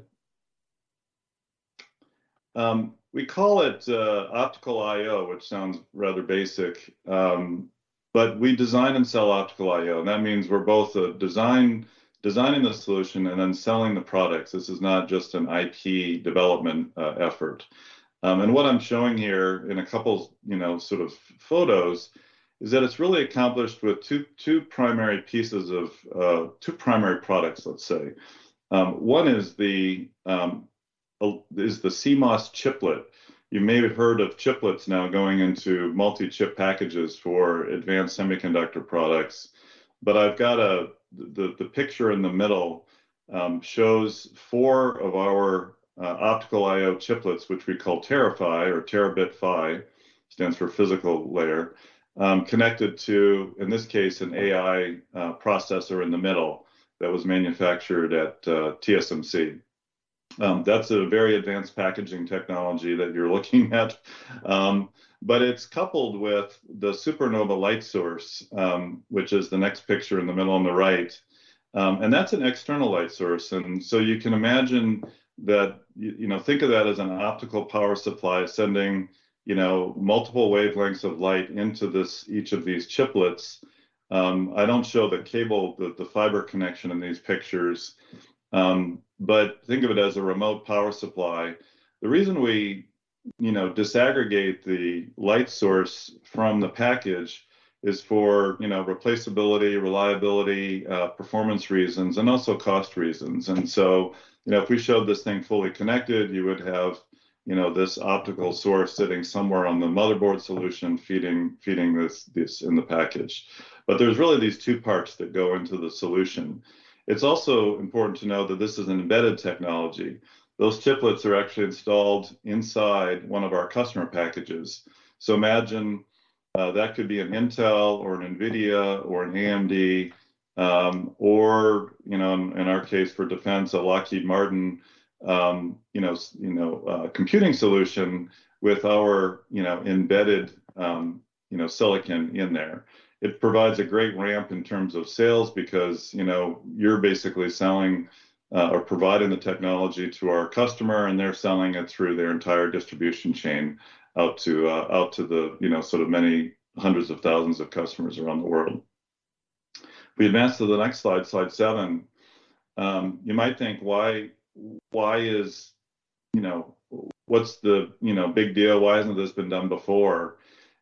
Speaker 7: We call it optical I/O, which sounds rather basic, but we design and sell optical I/O, and that means we're both designing the solution and then selling the products. This is not just an IT development effort. What I'm showing here in a couple, you know, sort of photos is that it's really accomplished with two primary products, let's say. One is the CMOS chiplet. You may have heard of chiplets now going into multi-chip packages for advanced semiconductor products. The picture in the middle shows four of our optical I/O chiplets, which we call TeraPHY or TerabitPHY, stands for physical layer, connected to, in this case, an AI processor in the middle that was manufactured at TSMC. That's a very advanced packaging technology that you're looking at. It's coupled with the SuperNova light source, which is the next picture in the middle on the right. That's an external light source. You can imagine that, you know, think of that as an optical power supply sending, you know, multiple wavelengths of light into this, each of these chiplets. I don't show the cable, the fiber connection in these pictures, but think of it as a remote power supply. The reason we, you know, disaggregate the light source from the package is for, you know, replaceability, reliability, performance reasons, and also cost reasons. You know, if we showed this thing fully connected, you would have, you know, this optical source sitting somewhere on the motherboard solution feeding this in the package. There's really these two parts that go into the solution. It's also important to know that this is an embedded technology. Those chiplets are actually installed inside one of our customer packages. Imagine that could be an Intel or an NVIDIA or an AMD, or you know, in our case for defense, a Lockheed Martin computing solution with our embedded silicon in there. It provides a great ramp in terms of sales because, you know, you're basically selling or providing the technology to our customer, and they're selling it through their entire distribution chain out to the you know, sort of many hundreds of thousands of customers around the world. If we advance to the next slide seven. You might think why is... You know, what's the big deal? Why hasn't this been done before?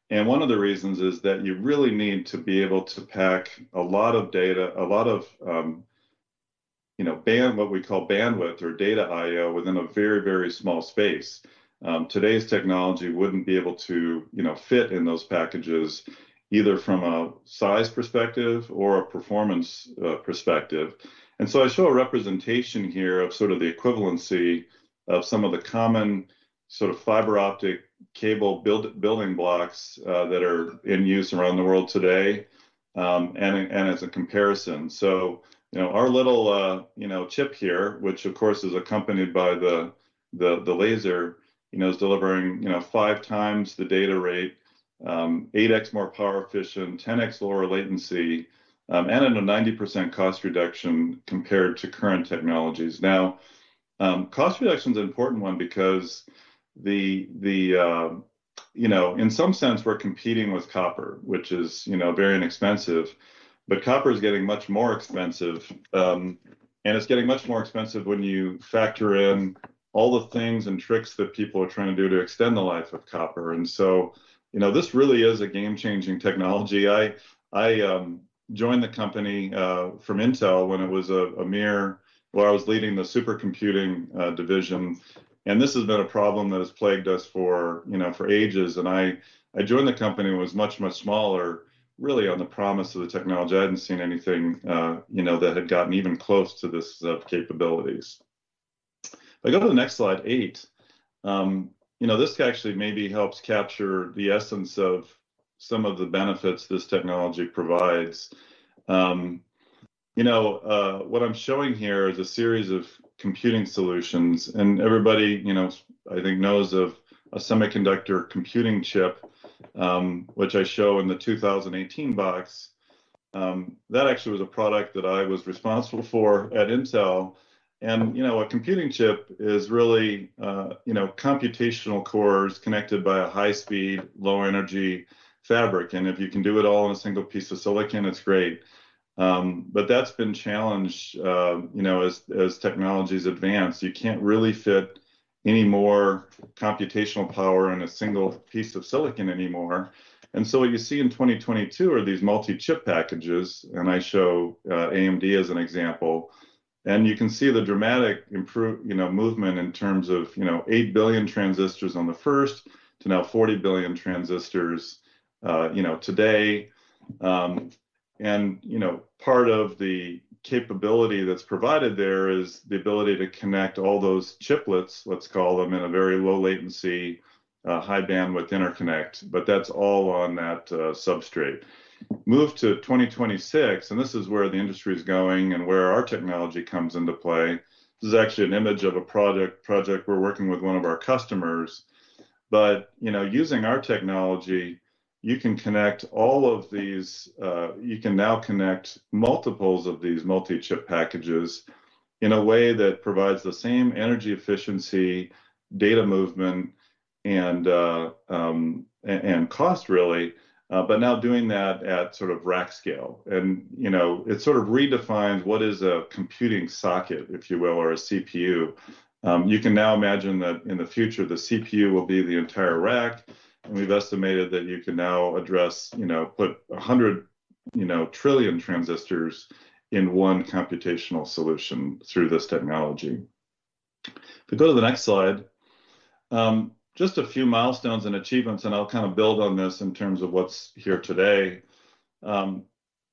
Speaker 7: One of the reasons is that you really need to be able to pack a lot of data, what we call bandwidth or data I/O within a very, very small space. Today's technology wouldn't be able to fit in those packages either from a size perspective or a performance perspective. I show a representation here of sort of the equivalency of some of the common sort of fiber optic cable building blocks that are in use around the world today, and as a comparison. You know, our little chip here, which of course is accompanied by the laser, you know, is delivering, you know, 5x the data rate, 8x more power efficient, 10x lower latency, and a 90% cost reduction compared to current technologies. Now, cost reduction is an important one because you know, in some sense, we're competing with copper, which is, you know, very inexpensive, but copper is getting much more expensive, and it's getting much more expensive when you factor in all the things and tricks that people are trying to do to extend the life of copper. You know, this really is a game-changing technology. I joined the company from Intel when it was a mere. I was leading the supercomputing division, and this has been a problem that has plagued us for, you know, for ages. I joined the company when it was much, much smaller, really on the promise of the technology. I hadn't seen anything, you know, that had gotten even close to this set of capabilities. If I go to the next slide, eight, you know, this actually maybe helps capture the essence of some of the benefits this technology provides. You know, what I'm showing here is a series of computing solutions, and everybody, you know, I think knows of a semiconductor computing chip, which I show in the 2018 box. That actually was a product that I was responsible for at Intel. You know, a computing chip is really, you know, computational cores connected by a high-speed, low-energy fabric. If you can do it all in a single piece of silicon, it's great. But that's been challenged, you know, as technologies advance. You can't really fit any more computational power in a single piece of silicon anymore. What you see in 2022 are these multi-chip packages, and I show AMD as an example. You can see the dramatic movement in terms of, you know, 8 billion transistors on the first to now 40 billion transistors, you know, today. Part of the capability that's provided there is the ability to connect all those chiplets, let's call them, in a very low latency, high bandwidth interconnect, but that's all on that substrate. Move to 2026, and this is where the industry is going and where our technology comes into play. This is actually an image of a project we're working with one of our customers. You know, using our technology, you can connect all of these. You can now connect multiples of these multi-chip packages in a way that provides the same energy efficiency, data movement, and cost really, but now doing that at sort of rack scale. You know, it sort of redefines what is a computing socket, if you will, or a CPU. You can now imagine that in the future, the CPU will be the entire rack, and we've estimated that you can now address. You know, put 100 trillion transistors in one computational solution through this technology. If we go to the next slide, just a few milestones and achievements, and I'll kind of build on this in terms of what's here today.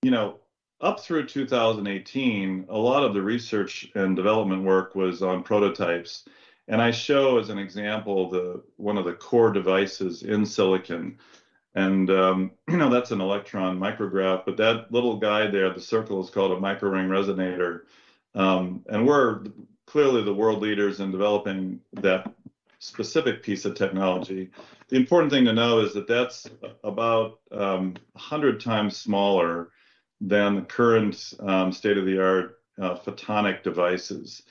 Speaker 7: You know, up through 2018, a lot of the research and development work was on prototypes, and I show as an example the one of the core devices in silicon. You know, that's an electron micrograph, but that little guy there, the circle, is called a microring resonator. We're clearly the world leaders in developing that specific piece of technology. The important thing to know is that that's about 100 times smaller than the current state-of-the-art photonic devices.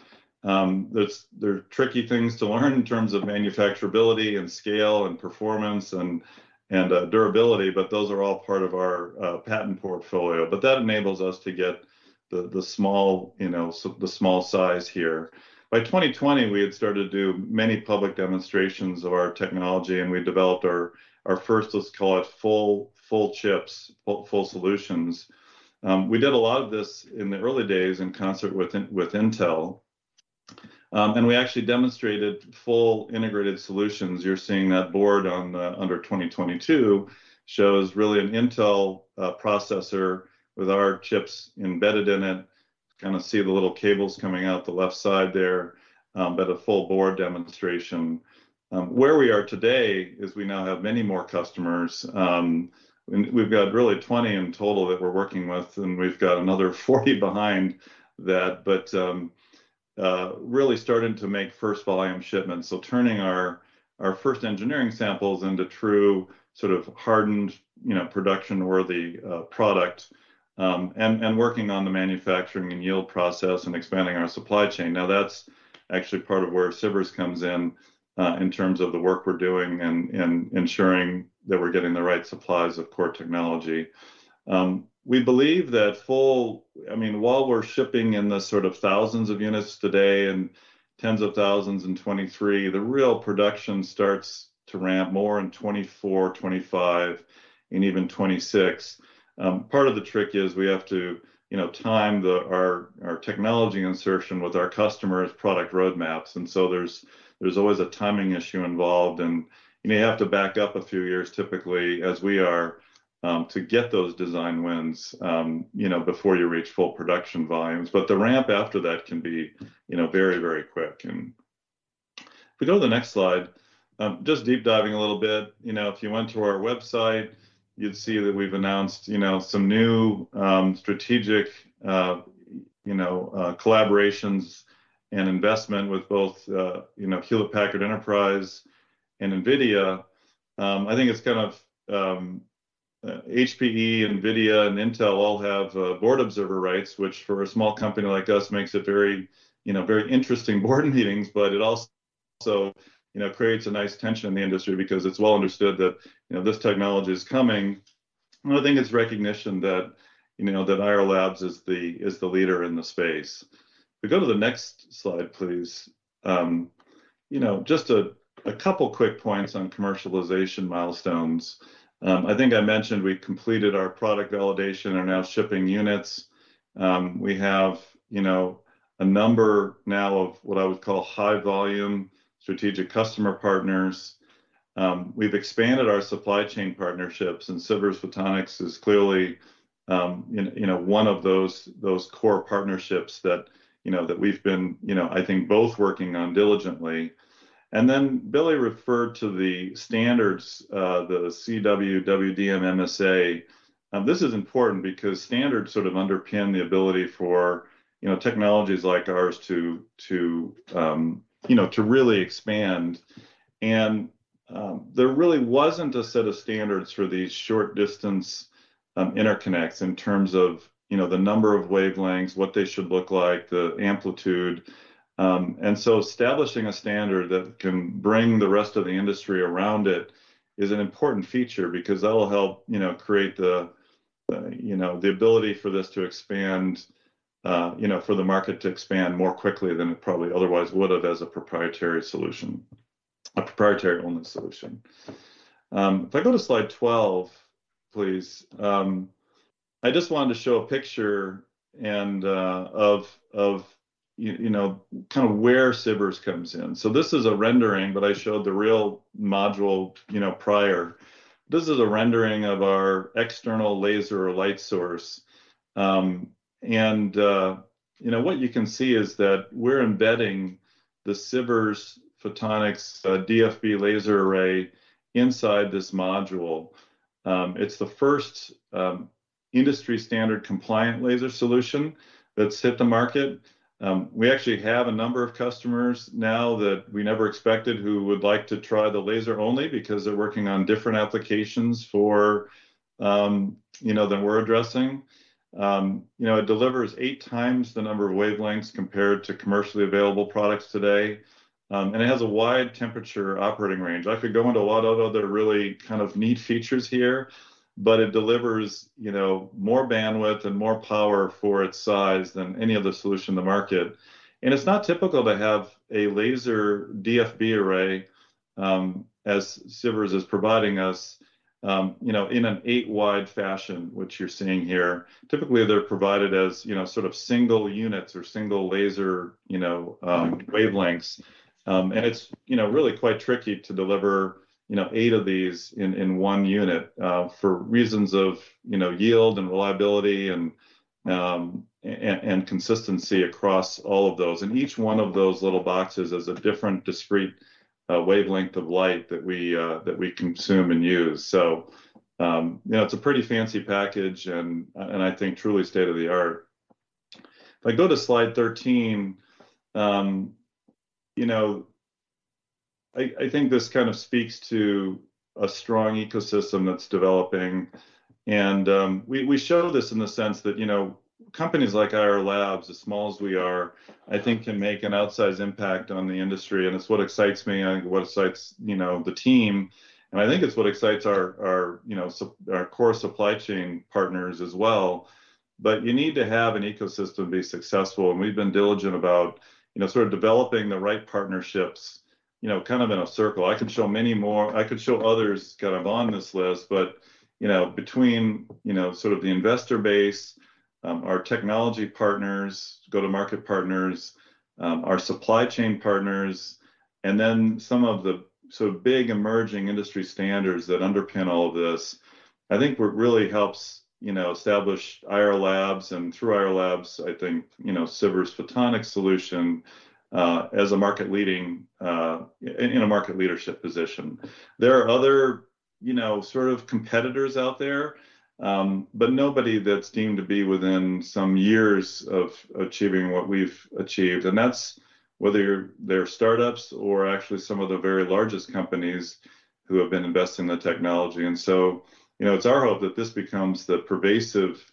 Speaker 7: That's, they're tricky things to learn in terms of manufacturability and scale and performance and durability, but those are all part of our patent portfolio. That enables us to get the small, you know, so the small size here. By 2020, we had started to do many public demonstrations of our technology, and we developed our first, let's call it, full chips, full solutions. We did a lot of this in the early days in concert with Intel. We actually demonstrated full integrated solutions. You're seeing that board from 2022 shows really an Intel processor with our chips embedded in it. Kind of see the little cables coming out the left side there. A full board demonstration. Where we are today is we now have many more customers. We've got really 20 in total that we're working with, and we've got another 40 behind that. Really starting to make first volume shipments. Turning our first engineering samples into true sort of hardened, you know, production-worthy product, and working on the manufacturing and yield process and expanding our supply chain. That's actually part of where Sivers comes in terms of the work we're doing and ensuring that we're getting the right supplies of core technology. We believe that while we're shipping in the sort of thousands of units today and tens of thousands in 2023, the real production starts to ramp more in 2024, 2025, and even 2026. Part of the trick is we have to, you know, time our technology insertion with our customers' product roadmaps. There's always a timing issue involved, and you may have to back up a few years typically, as we are, to get those design wins, you know, before you reach full production volumes. The ramp after that can be, you know, very, very quick. If we go to the next slide, just deep diving a little bit. You know, if you went to our website, you'd see that we've announced, you know, some new, strategic, you know, collaborations and investment with both, you know, Hewlett Packard Enterprise and NVIDIA. I think it's kind of, HPE, NVIDIA, and Intel all have board observer rights, which for a small company like us makes it very you know very interesting board meetings, but it also you know creates a nice tension in the industry because it's well understood that you know this technology is coming. Another thing is recognition that you know that Ayar Labs is the leader in the space. If we go to the next slide, please. You know, just a couple quick points on commercialization milestones. I think I mentioned we completed our product validation and are now shipping units. We have, you know, a number now of what I would call high volume strategic customer partners. We've expanded our supply chain partnerships, and Sivers Photonics is clearly, you know, one of those core partnerships that you know that we've been, you know, I think both working on diligently. Then Billy referred to the standards, the CW-WDM MSA. This is important because standards sort of underpin the ability for, you know, technologies like ours to, you know, to really expand. There really wasn't a set of standards for these short-distance interconnects in terms of, you know, the number of wavelengths, what they should look like, the amplitude. Establishing a standard that can bring the rest of the industry around it is an important feature because that'll help, you know, create the you know, the ability for this to expand, you know, for the market to expand more quickly than it probably otherwise would have as a proprietary solution, a proprietary-only solution. If I go to slide 12, please. I just wanted to show a picture and of you know, kind of where Sivers comes in. This is a rendering, but I showed the real module, you know, prior. This is a rendering of our external laser light source. What you can see is that we're embedding the Sivers Photonics DFB laser array inside this module. It's the first industry standard compliant laser solution that's hit the market. We actually have a number of customers now that we never expected who would like to try the laser only because they're working on different applications other than we're addressing. You know, it delivers 8x the number of wavelengths compared to commercially available products today, and it has a wide temperature operating range. I could go into a lot of other really kind of neat features here, but it delivers, you know, more bandwidth and more power for its size than any other solution in the market. It's not typical to have a laser DFB array as Sivers is providing us, you know, in an 8-wide fashion, which you're seeing here. Typically, they're provided as, you know, sort of single units or single laser, you know, wavelengths. It's, you know, really quite tricky to deliver, you know, eight of these in one unit for reasons of, you know, yield and reliability and consistency across all of those. Each one of those little boxes is a different discrete wavelength of light that we consume and use. You know, it's a pretty fancy package and I think truly state-of-the-art. If I go to slide 13, you know, I think this kind of speaks to a strong ecosystem that's developing and, we show this in the sense that, you know, companies like Ayar Labs, as small as we are, I think can make an outsize impact on the industry, and it's what excites me and what excites, you know, the team, and I think it's what excites our core supply chain partners as well. But you need to have an ecosystem to be successful, and we've been diligent about, you know, sort of developing the right partnerships, you know, kind of in a circle. I could show others kind of on this list, but, you know, sort of the investor base, our technology partners, go-to-market partners, our supply chain partners, and then some of the sort of big emerging industry standards that underpin all of this, I think really helps, you know, establish Ayar Labs, and through Ayar Labs, I think, you know, Sivers Photonics solution, as a market-leading in a market leadership position. There are other, you know, sort of competitors out there, but nobody that's deemed to be within some years of achieving what we've achieved, and that's whether they're startups or actually some of the very largest companies who have been investing in the technology. It's our hope that this becomes the pervasive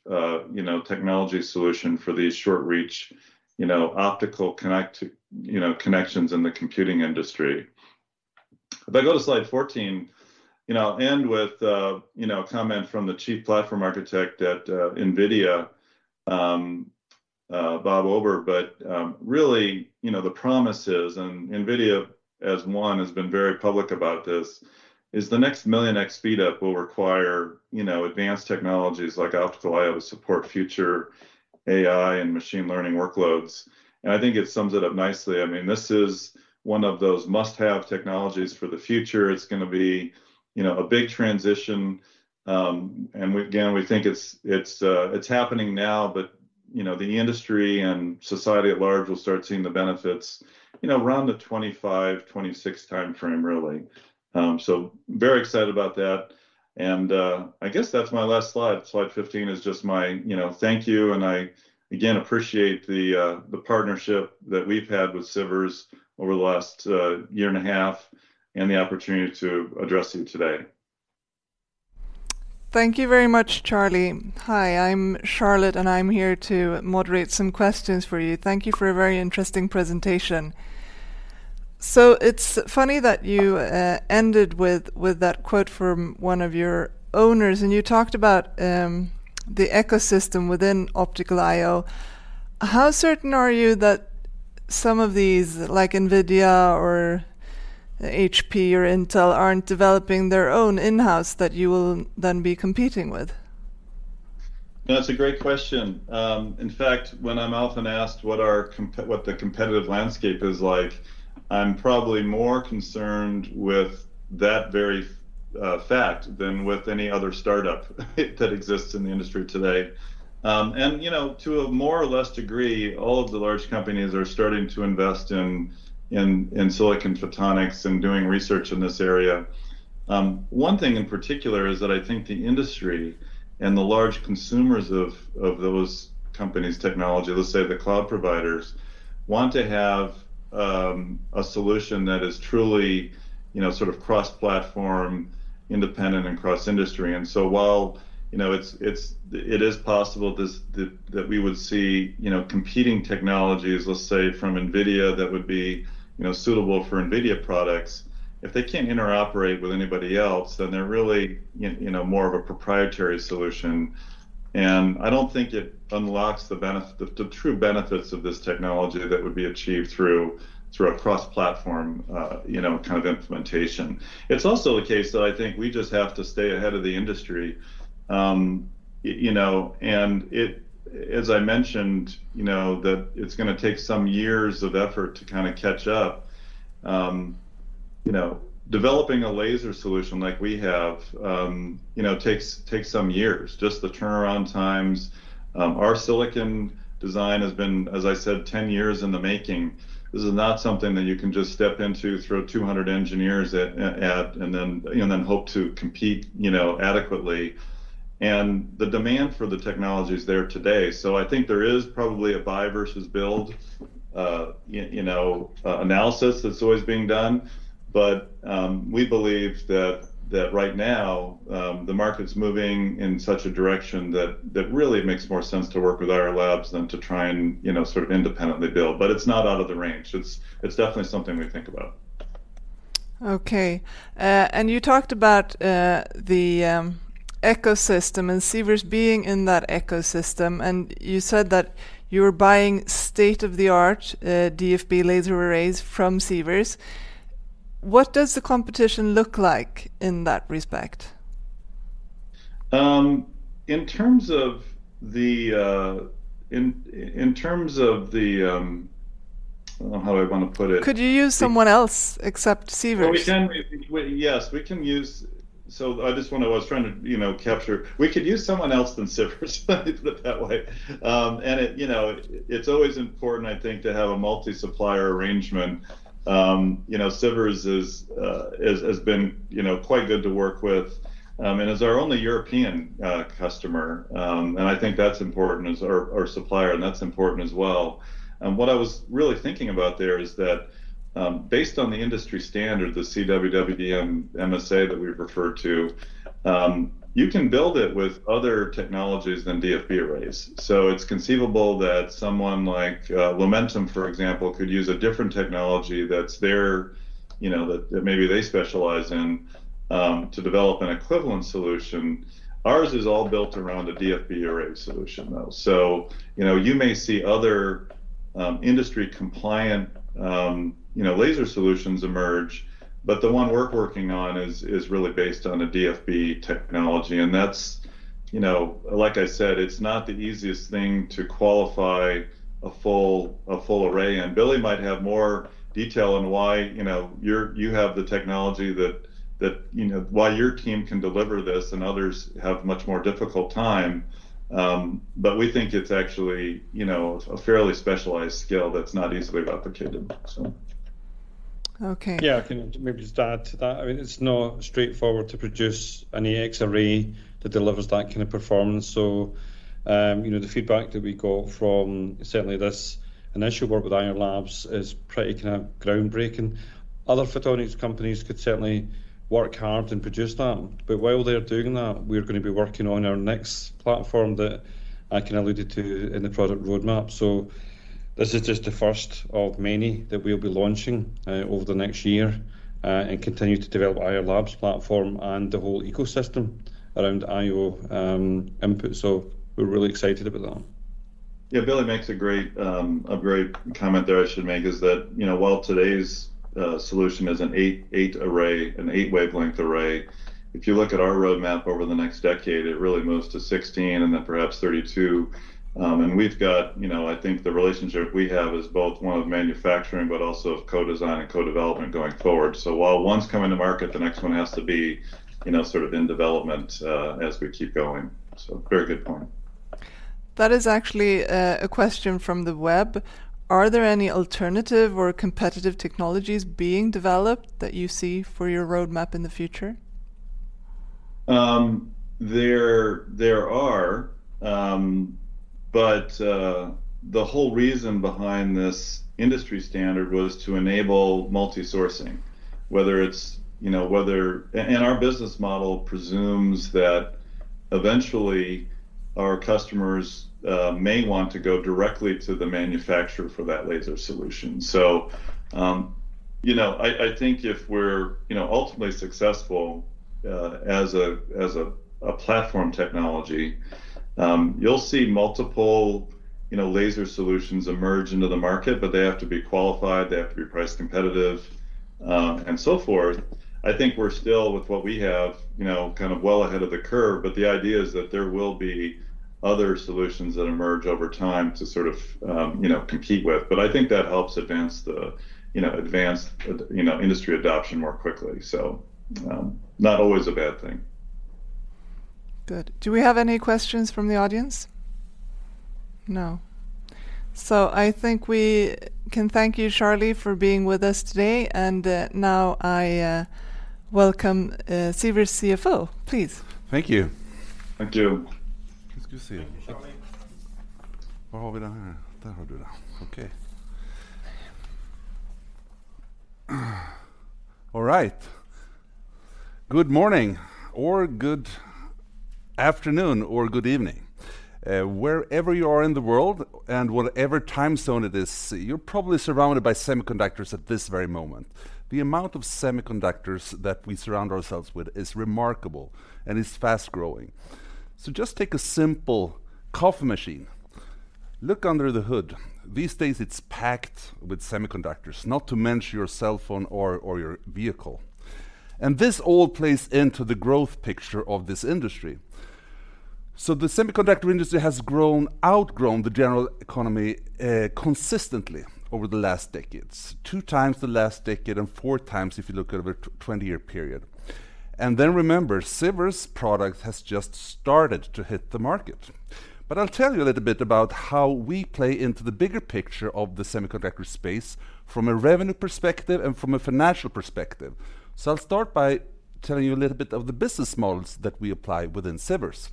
Speaker 7: technology solution for these short reach optical connections in the computing industry. If I go to slide 14, I'll end with a comment from the Chief Platform Architect at NVIDIA, Bob Ober, but really, the promise is, and NVIDIA as one has been very public about this, is the next million-x speed up will require advanced technologies like optical I/O to support future AI and machine learning workloads. I think it sums it up nicely. I mean, this is one of those must-have technologies for the future. It's gonna be, you know, a big transition, and again, we think it's happening now, but, you know, the industry and society at large will start seeing the benefits, you know, around the 2025, 2026 timeframe really. Very excited about that, and I guess that's my last slide. Slide 15 is just my, you know, thank you, and I again appreciate the partnership that we've had with Sivers over the last year and a half and the opportunity to address you today.
Speaker 5: Thank you very much, Charlie. Hi, I'm Charlotte, and I'm here to moderate some questions for you. Thank you for a very interesting presentation. It's funny that you ended with that quote from one of your owners, and you talked about the ecosystem within optical I/O. How certain are you that some of these, like NVIDIA or HP or Intel, aren't developing their own in-house that you will then be competing with?
Speaker 7: That's a great question. In fact, when I'm often asked what the competitive landscape is like, I'm probably more concerned with that very fact than with any other startup that exists in the industry today. You know, to a more or less degree, all of the large companies are starting to invest in Silicon Photonics and doing research in this area. One thing in particular is that I think the industry and the large consumers of those companies' technology, let's say the cloud providers, want to have a solution that is truly, you know, sort of cross-platform independent and cross-industry. While, you know, it is possible this. that we would see, you know, competing technologies, let's say from NVIDIA that would be, you know, suitable for NVIDIA products. If they can't interoperate with anybody else, then they're really, you know, more of a proprietary solution, and I don't think it unlocks the true benefits of this technology that would be achieved through a cross-platform, you know, kind of implementation. It's also the case that I think we just have to stay ahead of the industry, you know, and it as I mentioned, you know, that it's gonna take some years of effort to kinda catch up. You know, developing a laser solution like we have, you know, takes some years, just the turnaround times. Our silicon design has been, as I said, 10 years in the making. This is not something that you can just step into, throw 200 engineers at, and then hope to compete, you know, adequately, and the demand for the technology is there today. I think there is probably a buy versus build, you know, analysis that's always being done. We believe that right now the market's moving in such a direction that really it makes more sense to work with Ayar Labs than to try and, you know, sort of independently build. It's not out of the range. It's definitely something we think about.
Speaker 5: Okay. You talked about the ecosystem and Sivers being in that ecosystem, and you said that you were buying state-of-the-art DFB laser arrays from Sivers. What does the competition look like in that respect?
Speaker 7: In terms of the, I don't know how I want to put it.
Speaker 5: Could you use someone else except Sivers?
Speaker 7: Well, we can use someone else than Sivers, put it that way. You know, it's always important, I think, to have a multi-supplier arrangement. You know, Sivers is, has been quite good to work with, and is our only European customer, or supplier, and I think that's important as well. What I was really thinking about there is that, based on the industry standard, the CW-WDM MSA that we referred to, you can build it with other technologies than DFB arrays. It's conceivable that someone like Lumentum, for example, could use a different technology that's their, you know, maybe they specialize in, to develop an equivalent solution. Ours is all built around a DFB array solution, though. You know, you may see other, industry-compliant, you know, laser solutions emerge, but the one we're working on is really based on a DFB technology, and that's, you know, like I said, it's not the easiest thing to qualify a full array. Billy might have more detail on why, you know, you have the technology that, you know, why your team can deliver this and others have much more difficult time. We think it's actually, you know, a fairly specialized skill that's not easily replicated, so.
Speaker 5: Okay.
Speaker 6: Yeah, I can maybe just add to that. I mean, it's not straightforward to produce an 8x array that delivers that kind of performance. You know, the feedback that we got from certainly this initial work with Ayar Labs is pretty kind of groundbreaking. Other Photonics companies could certainly work hard and produce that, but while they're doing that, we're gonna be working on our next platform that I kind of alluded to in the product roadmap. This is just the first of many that we'll be launching over the next year and continue to develop Ayar Labs platform and the whole ecosystem around I/O input. We're really excited about that.
Speaker 7: Yeah, Billy makes a great comment there I should make is that, you know, while today's solution is an 8 array, an 8 wavelength array, if you look at our roadmap over the next decade, it really moves to 16 and then perhaps 32. We've got, you know, I think the relationship we have is both one of manufacturing but also of co-design and co-development going forward. While one's coming to market, the next one has to be, you know, sort of in development, as we keep going. Very good point.
Speaker 5: That is actually, a question from the web. Are there any alternative or competitive technologies being developed that you see for your roadmap in the future?
Speaker 7: The whole reason behind this industry standard was to enable multi-sourcing, whether it's, you know, and our business model presumes that eventually our customers may want to go directly to the manufacturer for that laser solution. I think if we're, you know, ultimately successful as a platform technology, you'll see multiple, you know, laser solutions emerge into the market, but they have to be qualified, they have to be price competitive, and so forth. I think we're still with what we have, you know, kind of well ahead of the curve. The idea is that there will be other solutions that emerge over time to sort of, you know, compete with. I think that helps advance the industry adoption more quickly. Not always a bad thing.
Speaker 5: Good. Do we have any questions from the audience? No. I think we can thank you, Charlie, for being with us today. Now I welcome Sivers CFO, please.
Speaker 8: Thank you.
Speaker 7: Thank you.
Speaker 8: Okay. All right. Good morning or good afternoon or good evening, wherever you are in the world and whatever time zone it is. You're probably surrounded by semiconductors at this very moment. The amount of semiconductors that we surround ourselves with is remarkable and is fast-growing. Just take a simple coffee machine. Look under the hood. These days, it's packed with semiconductors, not to mention your cell phone or your vehicle. This all plays into the growth picture of this industry. The semiconductor industry has outgrown the general economy consistently over the last decades, 2x the last decade and 4x if you look over a 20-year period. Then remember, Sivers product has just started to hit the market. I'll tell you a little bit about how we play into the bigger picture of the semiconductor space from a revenue perspective and from a financial perspective. I'll start by telling you a little bit of the business models that we apply within Sivers.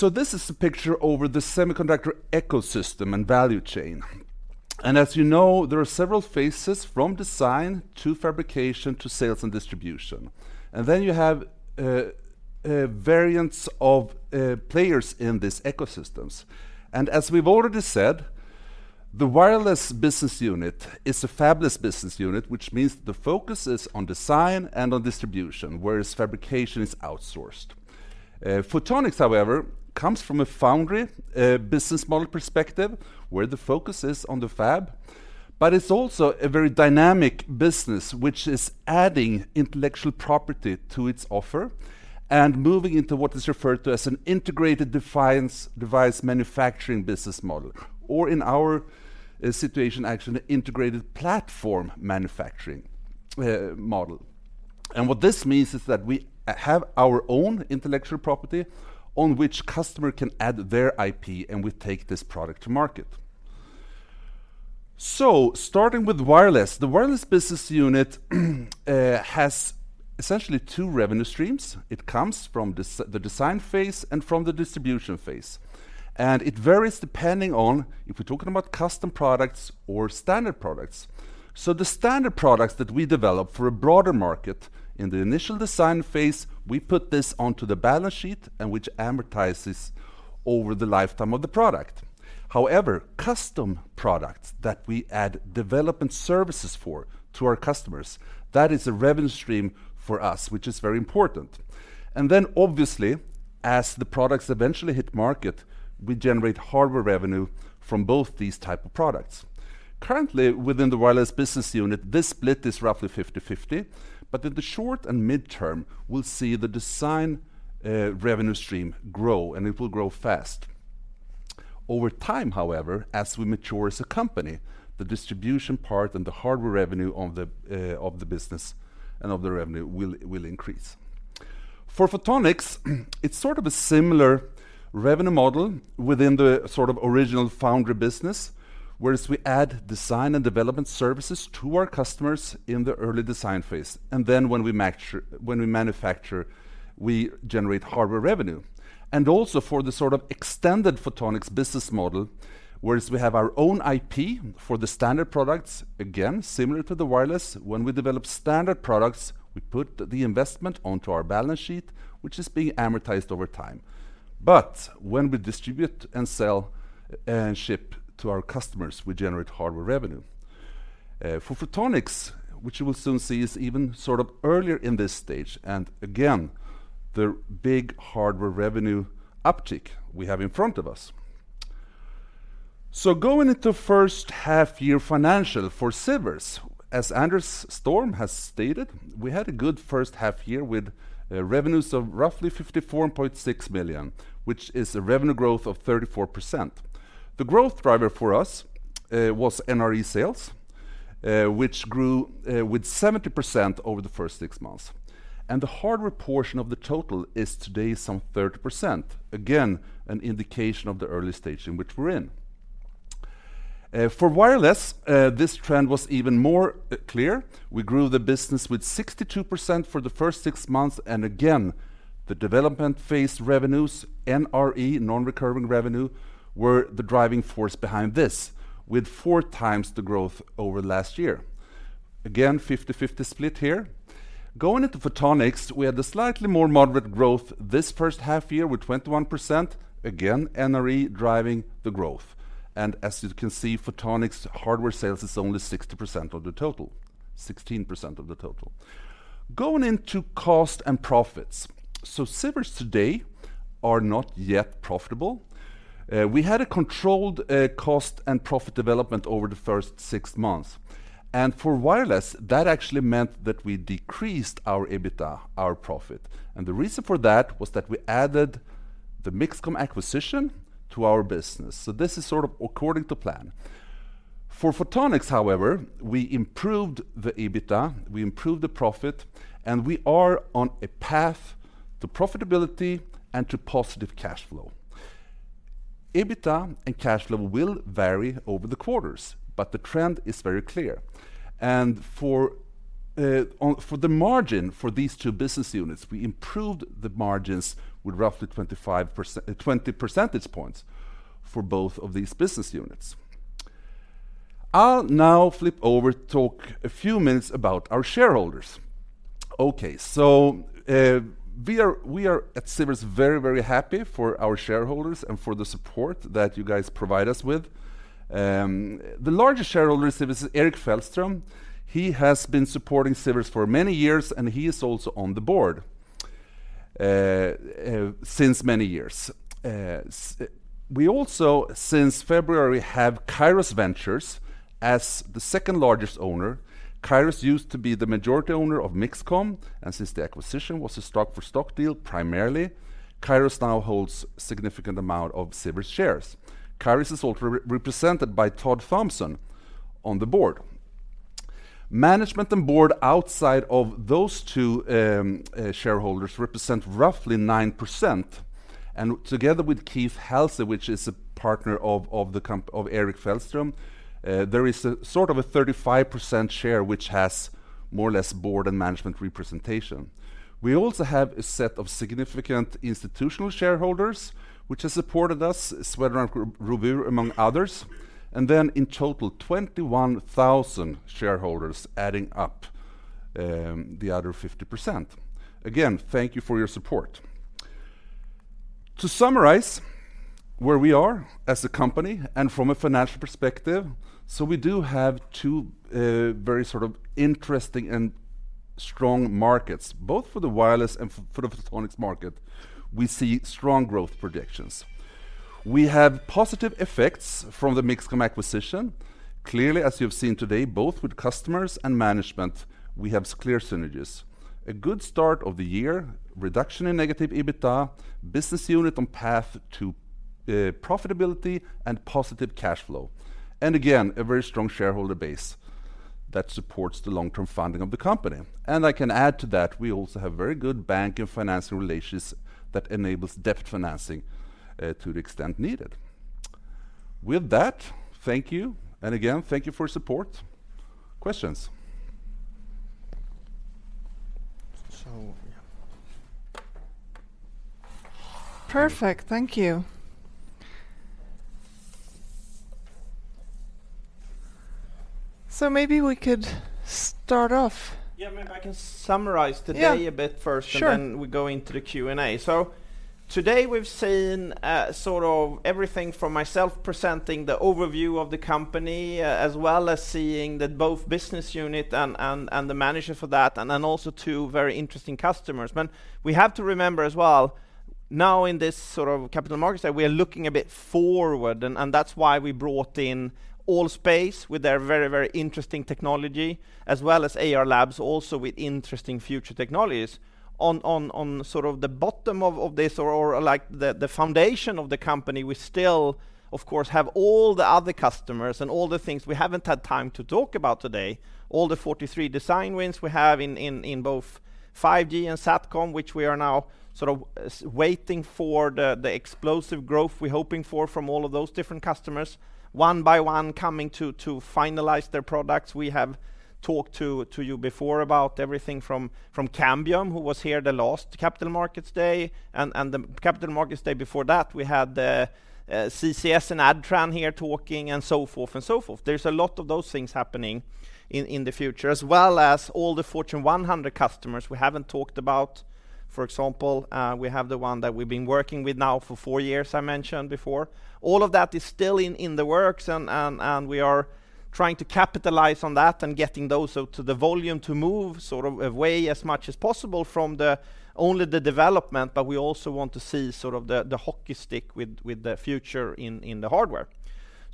Speaker 8: This is a picture over the semiconductor ecosystem and value chain. As you know, there are several phases from design to fabrication to sales and distribution. Then you have variants of players in these ecosystems. As we've already said, the Wireless business unit is a fabless business unit, which means the focus is on design and on distribution, whereas fabrication is outsourced. Photonics, however, comes from a foundry business model perspective, where the focus is on the fab, but it's also a very dynamic business which is adding intellectual property to its offer and moving into what is referred to as an integrated device manufacturing business model, or in our situation, actually, an integrated platform manufacturing model. What this means is that we have our own intellectual property on which customer can add their IP, and we take this product to market. Starting with Wireless, the Wireless business unit has essentially two revenue streams. It comes from the design phase and from the distribution phase. It varies depending on if we're talking about custom products or standard products. The standard products that we develop for a broader market, in the initial design phase, we put this onto the balance sheet and which amortizes over the lifetime of the product. However, custom products that we add development services for to our customers, that is a revenue stream for us, which is very important. Obviously, as the products eventually hit market, we generate hardware revenue from both these type of products. Currently, within the Wireless business unit, this split is roughly 50/50, but in the short and midterm, we'll see the design revenue stream grow, and it will grow fast. Over time, however, as we mature as a company, the distribution part and the hardware revenue of the business and of the revenue will increase. For Photonics, it's sort of a similar revenue model within the sort of original foundry business, whereas we add design and development services to our customers in the early design phase. Then when we manufacture, we generate hardware revenue. Also for the sort of extended Photonics business model, whereas we have our own IP for the standard products, again, similar to the Wireless, when we develop standard products, we put the investment onto our balance sheet, which is being amortized over time. When we distribute and sell and ship to our customers, we generate hardware revenue. For Photonics, which you will soon see is even sort of earlier in this stage, and again, the big hardware revenue uptick we have in front of us. Going into first half year financial for Sivers, as Anders Storm has stated, we had a good first half year with revenues of roughly 54.6 million, which is a revenue growth of 34%. The growth driver for us was NRE sales, which grew with 70% over the first six months. The hardware portion of the total is today some 30%, again, an indication of the early stage in which we're in. For Wireless, this trend was even more clear. We grew the business with 62% for the first six months, and again, the development phase revenues, NRE, non-recurring revenue, were the driving force behind this, with four times the growth over last year. Again, 50/50 split here. Going into Photonics, we had a slightly more moderate growth this first half year with 21%. Again, NRE driving the growth. As you can see, Photonics hardware sales is only 60% of the total. 16% of the total. Going into cost and profits. Sivers today are not yet profitable. We had a controlled cost and profit development over the first six months. For Wireless, that actually meant that we decreased our EBITDA, our profit. The reason for that was that we added the MixComm acquisition to our business. This is sort of according to plan. For Photonics, however, we improved the EBITDA, we improved the profit, and we are on a path to profitability and to positive cash flow. EBITDA and cash flow will vary over the quarters, but the trend is very clear. For the margin for these two business units, we improved the margins with roughly 20 percentage points for both of these business units. I'll now flip over, talk a few minutes about our shareholders. We are at Sivers very happy for our shareholders and for the support that you guys provide us with. The largest shareholder of Sivers is Erik Fällström. He has been supporting Sivers for many years, and he is also on the board since many years. We also, since February, have Kairos Ventures as the second-largest owner. Kairos used to be the majority owner of MixComm, and since the acquisition was a stock for stock deal primarily, Kairos now holds significant amount of Sivers shares. Kairos is also represented by Todd Thomson on the board. Management and board outside of those two shareholders represent roughly 9%. Together with Keith Halsey, which is a partner of Erik Fällström, there is a sort of a 35% share which has more or less board and management representation. We also have a set of significant institutional shareholders which has supported us, Swedbank Robur among others. Then in total, 21,000 shareholders adding up the other 50%. Again, thank you for your support. To summarize where we are as a company and from a financial perspective, we do have two very sort of interesting and strong markets, both for the Wireless and for the Photonics market. We see strong growth projections. We have positive effects from the MixComm acquisition. Clearly, as you've seen today, both with customers and management, we have clear synergies. A good start of the year, reduction in negative EBITDA, business unit on path to profitability and positive cash flow. Again, a very strong shareholder base that supports the long-term funding of the company. I can add to that, we also have very good bank and financial relationships that enables debt financing to the extent needed. With that, thank you. Again, thank you for your support. Questions? Yeah.
Speaker 5: Perfect. Thank you. Maybe we could start off.
Speaker 1: Yeah. Maybe I can summarize today a bit first.
Speaker 5: Yeah. Sure.
Speaker 1: We go into the Q&A. Today we've seen sort of everything from myself presenting the overview of the company, as well as seeing that both business unit and the manager for that, and then also two very interesting customers. We have to remember as well now in this sort of Capital Markets Day, we are looking a bit forward and that's why we brought in ALL.SPACE with their very, very interesting technology as well as Ayar Labs also with interesting future technologies. On sort of the bottom of this or like the foundation of the company, we still of course have all the other customers and all the things we haven't had time to talk about today. All the 43 design wins we have in both 5G and SatCom, which we are now sort of waiting for the explosive growth we're hoping for from all of those different customers, one by one coming to finalize their products. We have talked to you before about everything from Cambium who was here the last Capital Markets Day and the Capital Markets Day before that, we had the CCS and Adtran here talking and so forth. There's a lot of those things happening in the future, as well as all the Fortune 100 customers we haven't talked about. For example, we have the one that we've been working with now for four years, I mentioned before. All of that is still in the works and we are trying to capitalize on that and getting those out to the volume to move sort of away as much as possible from the only the development, but we also want to see sort of the hockey stick with the future in the hardware.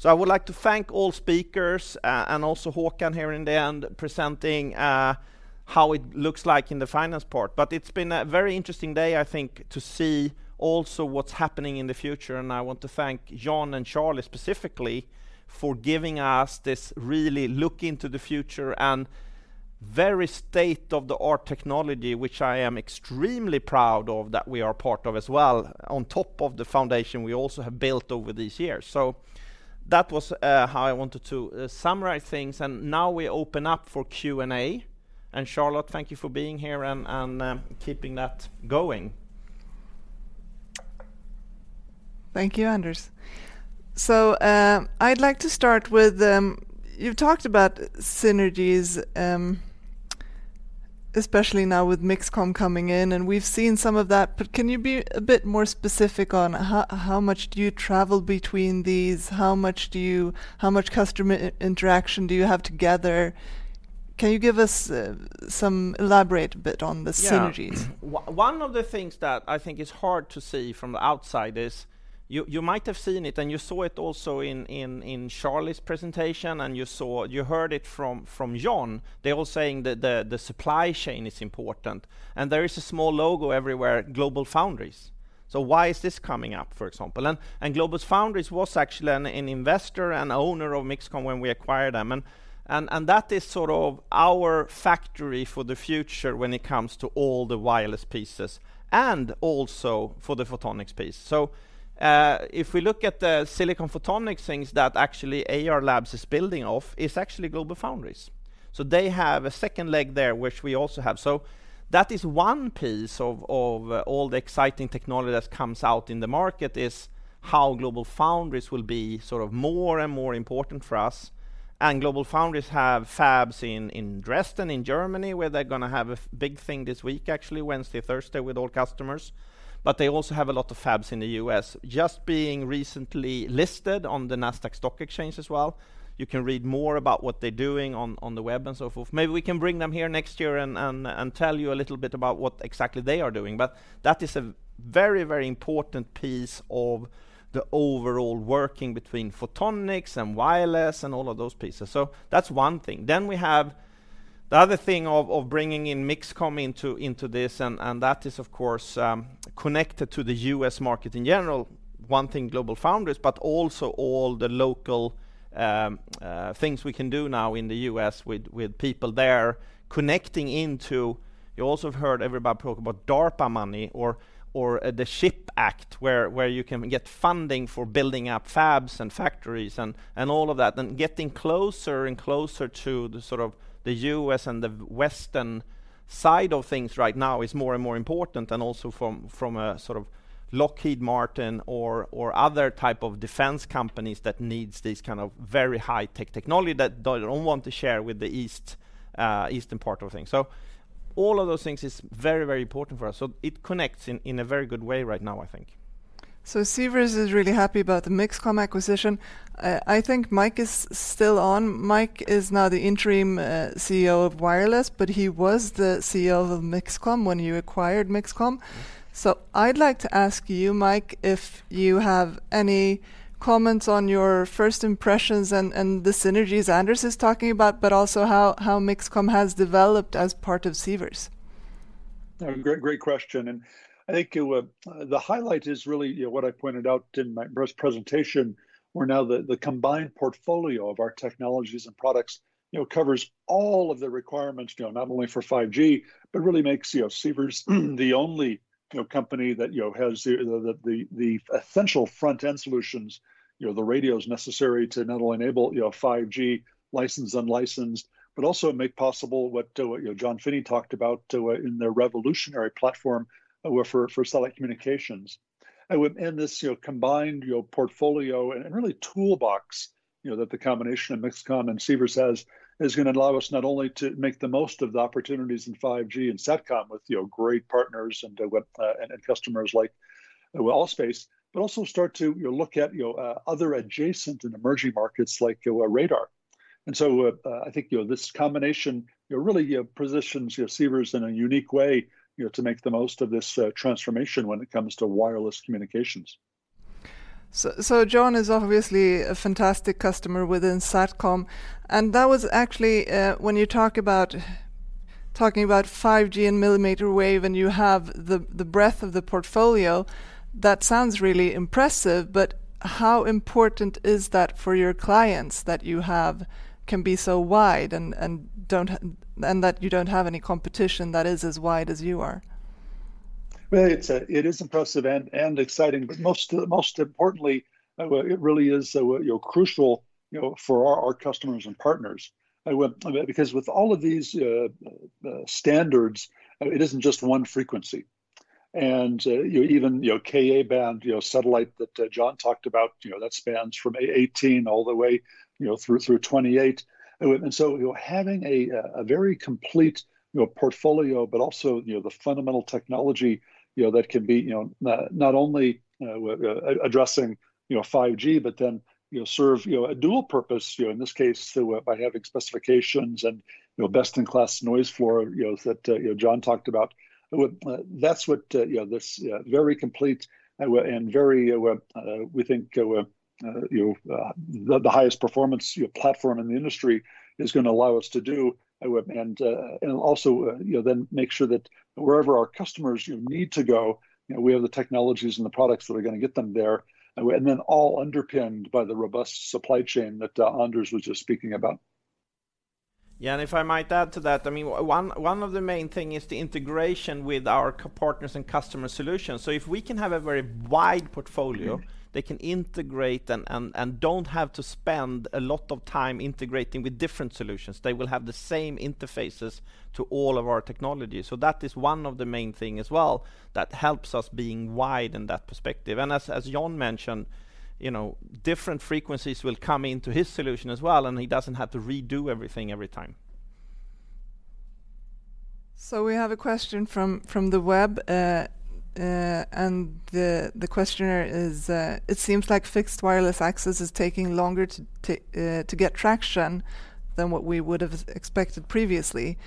Speaker 1: I would like to thank all speakers and also Håkan here in the end presenting how it looks like in the finance part. It's been a very interesting day, I think, to see also what's happening in the future. I want to thank John and Charlie specifically for giving us this real look into the future and very state-of-the-art technology, which I am extremely proud of that we are part of as well, on top of the foundation we also have built over these years. That was how I wanted to summarize things, and now we open up for Q&A. Charlotte, thank you for being here and keeping that going.
Speaker 5: Thank you, Anders. I'd like to start with, you've talked about synergies, especially now with MixComm coming in, and we've seen some of that, but can you be a bit more specific on how much do you travel between these? How much customer interaction do you have together? Elaborate a bit on the synergies?
Speaker 1: One of the things that I think is hard to see from the outside is you might have seen it, and you saw it also in Charlie's presentation, and you heard it from John. They're all saying the supply chain is important, and there is a small logo everywhere, GlobalFoundries. Why is this coming up, for example? GlobalFoundries was actually an investor and owner of MixComm when we acquired them and that is sort of our factory for the future when it comes to all the Wireless pieces, and also for the Photonics piece. If we look at the Silicon Photonics things that actually Ayar Labs is building off, it's actually GlobalFoundries. They have a second leg there, which we also have. That is one piece of all the exciting technology that comes out in the market is how GlobalFoundries will be sort of more and more important for us. GlobalFoundries have fabs in Dresden, in Germany, where they're gonna have a big thing this week, actually, Wednesday, Thursday, with all customers, but they also have a lot of fabs in the U.S. Just being recently listed on the Nasdaq Stock Exchange as well. You can read more about what they're doing on the web and so forth. Maybe we can bring them here next year and tell you a little bit about what exactly they are doing. That is a very, very important piece of the overall working between Photonics and Wireless and all of those pieces. That's one thing. We have the other thing of bringing in MixComm into this and that is, of course, connected to the U.S. market in general. One thing GlobalFoundries, but also all the local things we can do now in the U.S. with people there connecting into. You also have heard everybody talk about DARPA money or the CHIPS Act, where you can get funding for building up fabs and factories and all of that. Getting closer and closer to the, sort of, the U.S. and the Western side of things right now is more and more important, and also from a, sort of, Lockheed Martin or other type of defense companies that needs this kind of very high tech technology that they don't want to share with the East, Eastern part of things. All of those things is very, very important for us. It connects in a very good way right now, I think.
Speaker 5: Sivers is really happy about the MixComm acquisition. I think Mike is still on. Mike is now the interim CEO of Wireless, but he was the CEO of MixComm when you acquired MixComm. I'd like to ask you, Mike, if you have any comments on your first impressions and the synergies Anders is talking about, but also how MixComm has developed as part of Sivers.
Speaker 3: Great question. I think the highlight is really, you know, what I pointed out in my first presentation, where now the combined portfolio of our technologies and products, you know, covers all of the requirements, you know, not only for 5G, but really makes, you know, Sivers the only, you know, company that, you know, has the essential front-end solutions, you know, the radios necessary to not only enable, you know, 5G licensed, unlicensed, but also make possible what, you know, John Finney talked about in their revolutionary platform for satellite communications. With... This, you know, combined, you know, portfolio and really toolbox, you know, that the combination of MixComm and Sivers has is gonna allow us not only to make the most of the opportunities in 5G and SatCom with, you know, great partners and customers like ALL.SPACE, but also start to, you know, look at, you know, other adjacent and emerging markets like radar. I think, you know, this combination, you know, really positions, you know, Sivers in a unique way, you know, to make the most of this transformation when it comes to Wireless communications.
Speaker 5: John is obviously a fantastic customer within SatCom, and that was actually when you talk about 5G and millimeter wave, and you have the breadth of the portfolio, that sounds really impressive. How important is that for your clients that you have can be so wide and that you don't have any competition that is as wide as you are?
Speaker 3: Well, it is impressive and exciting, but most importantly, it really is, you know, crucial, you know, for our customers and partners. Because with all of these standards, it isn't just one frequency. You know, even Ka-band satellite that John talked about, you know, that spans from 18 all the way, you know, through 28. You know, having a very complete portfolio, but also the fundamental technology that can be, you know, not only addressing 5G, but then serve a dual purpose, you know, in this case, by having specifications and best-in-class noise floor that John talked about. That's what you know this very complete and very we think you know the highest performance you know platform in the industry is gonna allow us to do. Also you know then make sure that wherever our customers you know need to go you know we have the technologies and the products that are gonna get them there. All underpinned by the robust supply chain that Anders was just speaking about.
Speaker 1: Yeah, if I might add to that, I mean, one of the main thing is the integration with our key partners and customer solutions. If we can have a very wide portfolio, they can integrate and don't have to spend a lot of time integrating with different solutions. They will have the same interfaces to all of our technology. That is one of the main thing as well that helps us being wide in that perspective. As John mentioned, you know, different frequencies will come into his solution as well, and he doesn't have to redo everything every time.
Speaker 5: We have a question from the web. The questioner is, "It seems like fixed Wireless access is taking longer to get traction than what we would have as expected previously.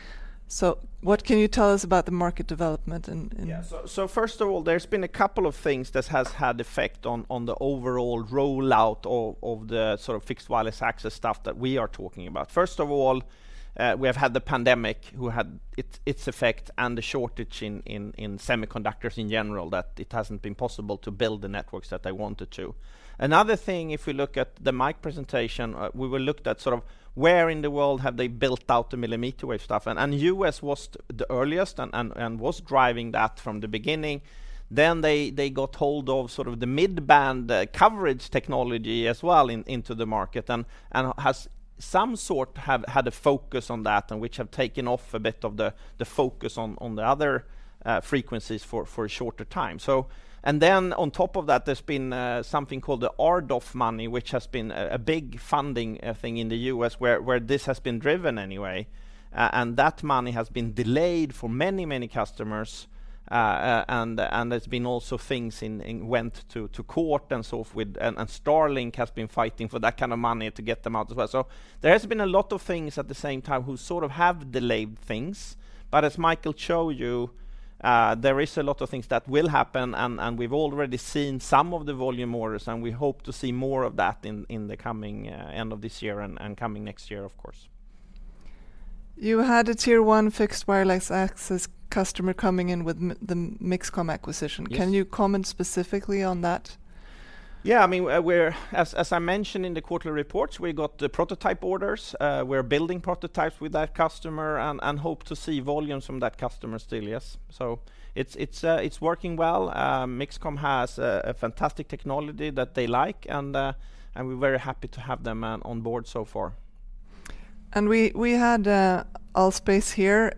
Speaker 5: What can you tell us about the market development in,
Speaker 1: Yeah. First of all, there's been a couple of things that has had effect on the overall rollout of the sort of fixed Wireless access stuff that we are talking about. First of all, we have had the pandemic, which had its effect, and the shortage in semiconductors in general that it hasn't been possible to build the networks that they wanted to. Another thing, if we look at the Mike presentation, we looked at sort of where in the world have they built out the millimeter wave stuff and U.S. was the earliest and was driving that from the beginning. They got hold of sort of the mid-band coverage technology as well into the market and has had some sort of focus on that and which have taken off a bit of the focus on the other frequencies for a shorter time. On top of that, there's been something called the RDOF money, which has been a big funding thing in the U.S. where this has been driven anyway. And that money has been delayed for many customers. And there's been also things that went to court and so forth with. Starlink has been fighting for that kind of money to get them out as well. There has been a lot of things at the same time who sort of have delayed things. As Michael showed you, there is a lot of things that will happen and we've already seen some of the volume orders, and we hope to see more of that in the coming end of this year and coming next year, of course.
Speaker 5: You had a Tier 1 fixed Wireless access customer coming in with the MixComm acquisition.
Speaker 1: Yes.
Speaker 5: Can you comment specifically on that?
Speaker 1: I mean, as I mentioned in the quarterly reports, we got the prototype orders. We're building prototypes with that customer and hope to see volumes from that customer still. Yes. It's working well. MixComm has a fantastic technology that they like and we're very happy to have them on board so far.
Speaker 5: We had ALL.SPACE here,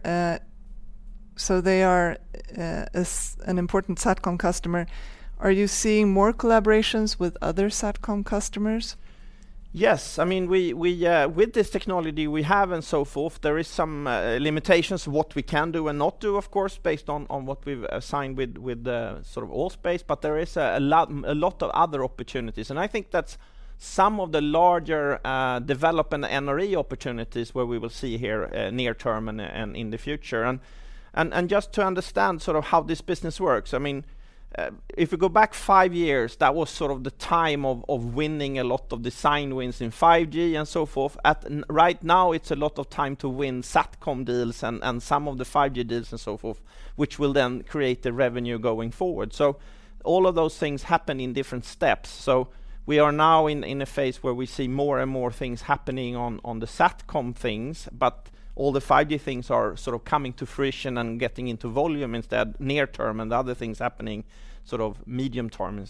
Speaker 5: so they are an important SatCom customer. Are you seeing more collaborations with other SatCom customers?
Speaker 1: Yes. I mean, we with this technology we have and so forth, there is some limitations what we can do and not do, of course, based on what we've signed with the sort of ALL.SPACE. But there is a lot of other opportunities, and I think that's some of the larger development NRE opportunities where we will see here near term and in the future. Just to understand sort of how this business works, I mean, if we go back five years, that was sort of the time of winning a lot of design wins in 5G and so forth. And right now, it's a lot of time to win SatCom deals and some of the 5G deals and so forth, which will then create the revenue going forward. All of those things happen in different steps. We are now in a phase where we see more and more things happening on the SatCom things, but all the 5G things are sort of coming to fruition and getting into volume in the near term, and other things happening sort of in the medium term.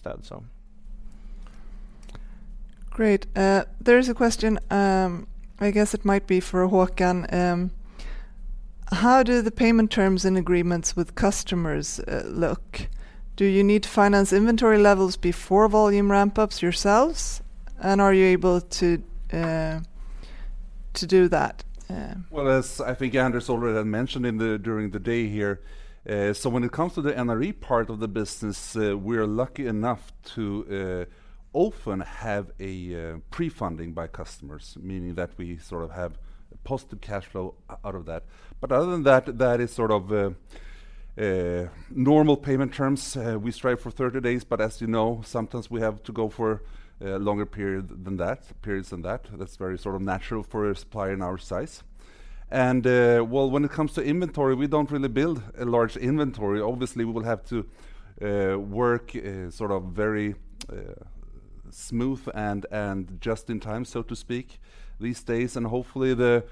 Speaker 5: Great. There is a question, I guess it might be for Håkan. How do the payment terms and agreements with customers look? Do you need to finance inventory levels before volume ramp-ups yourselves, and are you able to do that?
Speaker 8: Well, as I think Anders already had mentioned during the day here, so when it comes to the NRE part of the business, we're lucky enough to often have a pre-funding by customers, meaning that we sort of have positive cash flow out of that. But other than that is sort of a normal payment terms. We strive for 30 days, but as you know, sometimes we have to go for a longer period than that. That's very sort of natural for a supplier in our size. Well, when it comes to inventory, we don't really build a large inventory. Obviously, we will have to work sort of very smooth and just in time, so to speak, these days. Hopefully the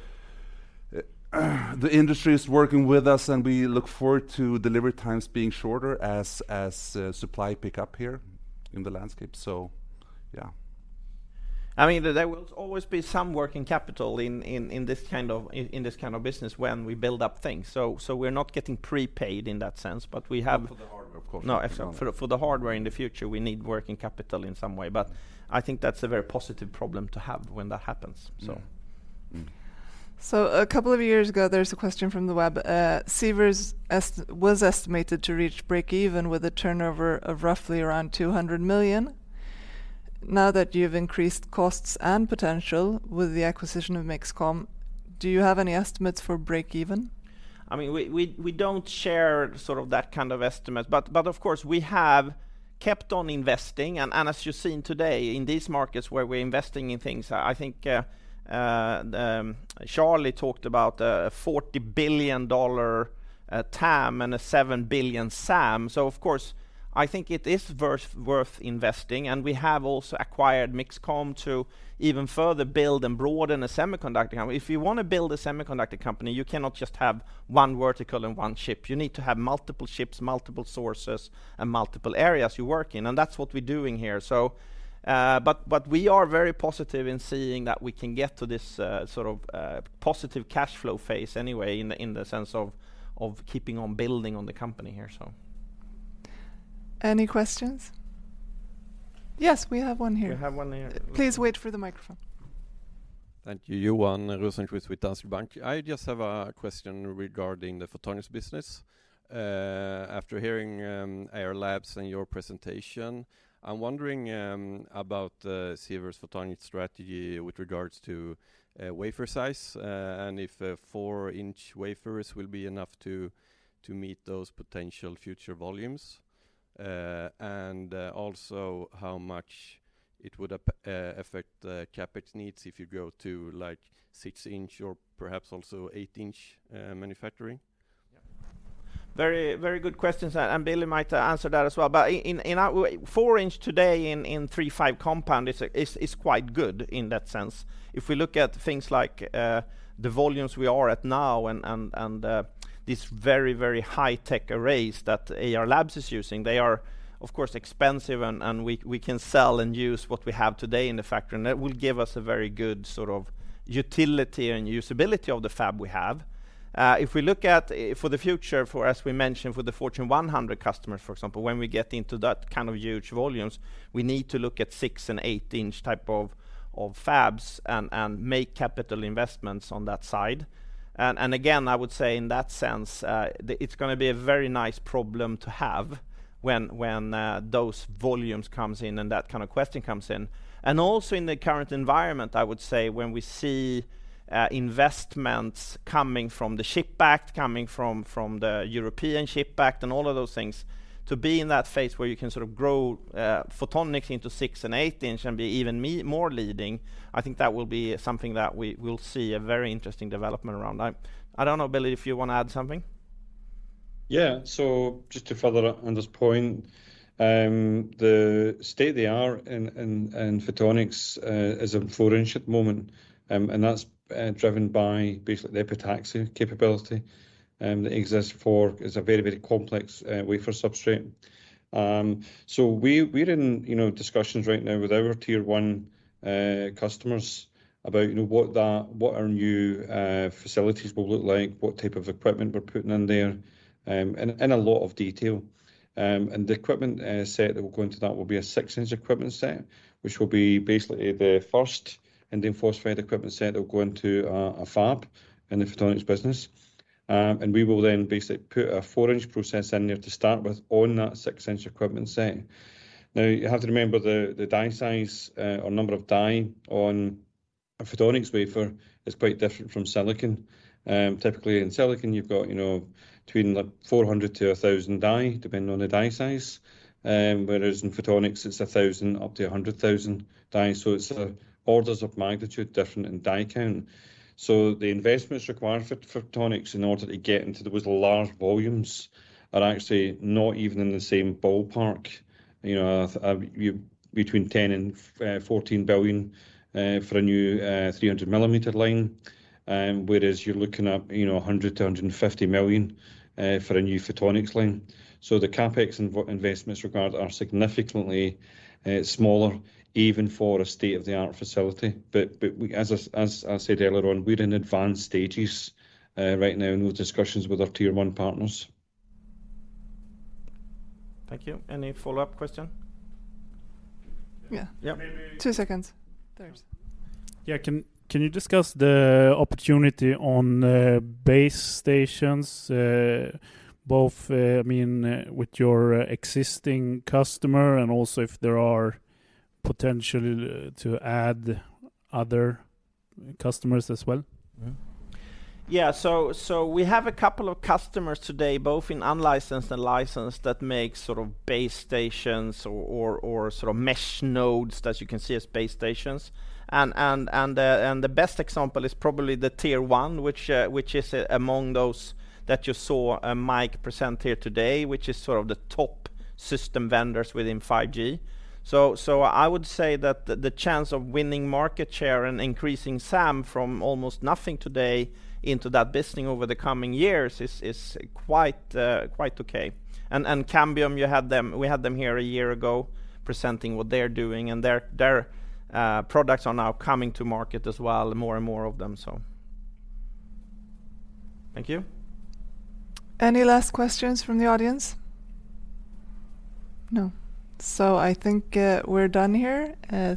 Speaker 8: industry is working with us, and we look forward to delivery times being shorter as supply pick up here in the landscape. Yeah.
Speaker 1: I mean, there will always be some working capital in this kind of business when we build up things. We're not getting prepaid in that sense, but we have-
Speaker 8: For the hardware, of course.
Speaker 1: No. For the hardware in the future, we need working capital in some way. I think that's a very positive problem to have when that happens, so.
Speaker 8: Yeah.
Speaker 5: A couple of years ago, there's a question from the web. Sivers' EBITDA was estimated to reach break even with a turnover of roughly around 200 million. Now that you've increased costs and potential with the acquisition of MixComm, do you have any estimates for break even?
Speaker 1: I mean, we don't share sort of that kind of estimate. Of course we have kept on investing, and as you're seeing today, in these markets where we're investing in things, I think Charlie talked about a $40 billion TAM and a $7 billion SAM. Of course, I think it is worth investing, and we have also acquired MixComm to even further build and broaden the semiconductor. If you wanna build a semiconductor company, you cannot just have one vertical and one chip. You need to have multiple chips, multiple sources, and multiple areas you work in, and that's what we're doing here. So, but we are very positive in seeing that we can get to this sort of positive cash flow phase anyway in the sense of keeping on building on the company here.
Speaker 5: Any questions? Yes, we have one here.
Speaker 1: We have one here.
Speaker 5: Please wait for the microphone.
Speaker 9: Thank you. Johan Rosenqvist with Danske Bank. I just have a question regarding the Photonics business. After hearing Ayar Labs and your presentation, I'm wondering about Sivers Photonics strategy with regards to wafer size, and if 4-inch wafers will be enough to meet those potential future volumes. Also how much it would affect the CapEx needs if you go to, like, 6-inch or perhaps also 8-inch manufacturing.
Speaker 1: Yeah. Very, very good questions. Billy might answer that as well. 4-inch today in III-V compound is quite good in that sense. If we look at things like the volumes we are at now and these very, very high-tech arrays that Ayar Labs is using, they are, of course, expensive and we can sell and use what we have today in the factory, and that will give us a very good sort of utility and usability of the fab we have. If we look at for the future, as we mentioned, for the Fortune 100 customers, for example, when we get into that kind of huge volumes, we need to look at 6- and 8-inch type of fabs and make capital investments on that side. Again, I would say in that sense, it's gonna be a very nice problem to have when those volumes comes in and that kind of question comes in. Also in the current environment, I would say when we see investments coming from the CHIPS Act, coming from the European Chips Act and all of those things, to be in that phase where you can sort of grow Photonics into 6- and 8-inch and be even more leading, I think that will be something that we will see a very interesting development around that. I don't know, Billy, if you wanna add something.
Speaker 6: Yeah. Just to follow up on this point, the state they are in Photonics is at 4-inch at the moment, and that's driven by basically the epitaxy capability that exists for. It's a very complex wafer substrate. We're in, you know, discussions right now with our tier one customers about, you know, what our new facilities will look like, what type of equipment we're putting in there, in a lot of detail. The equipment set that will go into that will be a 6-inch equipment set, which will be basically the first indium phosphide equipment set that will go into a fab in the Photonics business. We will then basically put a 4-inch process in there to start with on that 6-inch equipment set. Now you have to remember the die size or number of die on a Photonics wafer is quite different from silicon. Typically in silicon you've got, you know, between like 400 to 1,000 die depending on the die size. Whereas in Photonics it's 1,000 up to 100,000 die. It's orders of magnitude different in die count. The investments required for Photonics in order to get into those large volumes are actually not even in the same ballpark. You know, between 10 billion-14 billion for a new 300 millimeter line, whereas you're looking at, you know, 100 million-150 million for a new Photonics line. The CapEx investments are significantly smaller even for a state-of-the-art facility. We... As I said earlier on, we're in advanced stages right now in those discussions with our tier one partners.
Speaker 1: Thank you. Any follow-up question?
Speaker 5: Yeah.
Speaker 1: Yeah.
Speaker 9: Maybe-
Speaker 5: 2 seconds. There is.
Speaker 9: Yeah. Can you discuss the opportunity on base stations, both, I mean, with your existing customer and also if there are potentially to add other customers as well?
Speaker 1: We have a couple of customers today, both in unlicensed and licensed, that make sort of base stations or sort of mesh nodes that you can see as base stations. The best example is probably the tier one, which is among those that you saw Mike present here today, which is sort of the top system vendors within 5G. I would say that the chance of winning market share and increasing SAM from almost nothing today into that business over the coming years is quite okay. Cambium, you had them. We had them here a year ago presenting what they're doing, and their products are now coming to market as well, more and more of them. Thank you.
Speaker 5: Any last questions from the audience? No. I think, we're done here.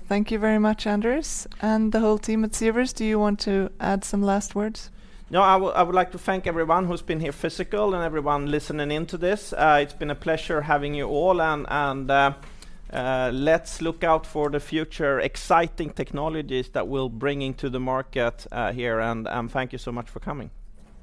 Speaker 5: Thank you very much, Anders, and the whole team at Sivers. Do you want to add some last words?
Speaker 1: Now I would like to thank everyone who's been here physically and everyone listening in to this. It's been a pleasure having you all and let's look out for the future exciting technologies that we'll bring into the market, here, and thank you so much for coming.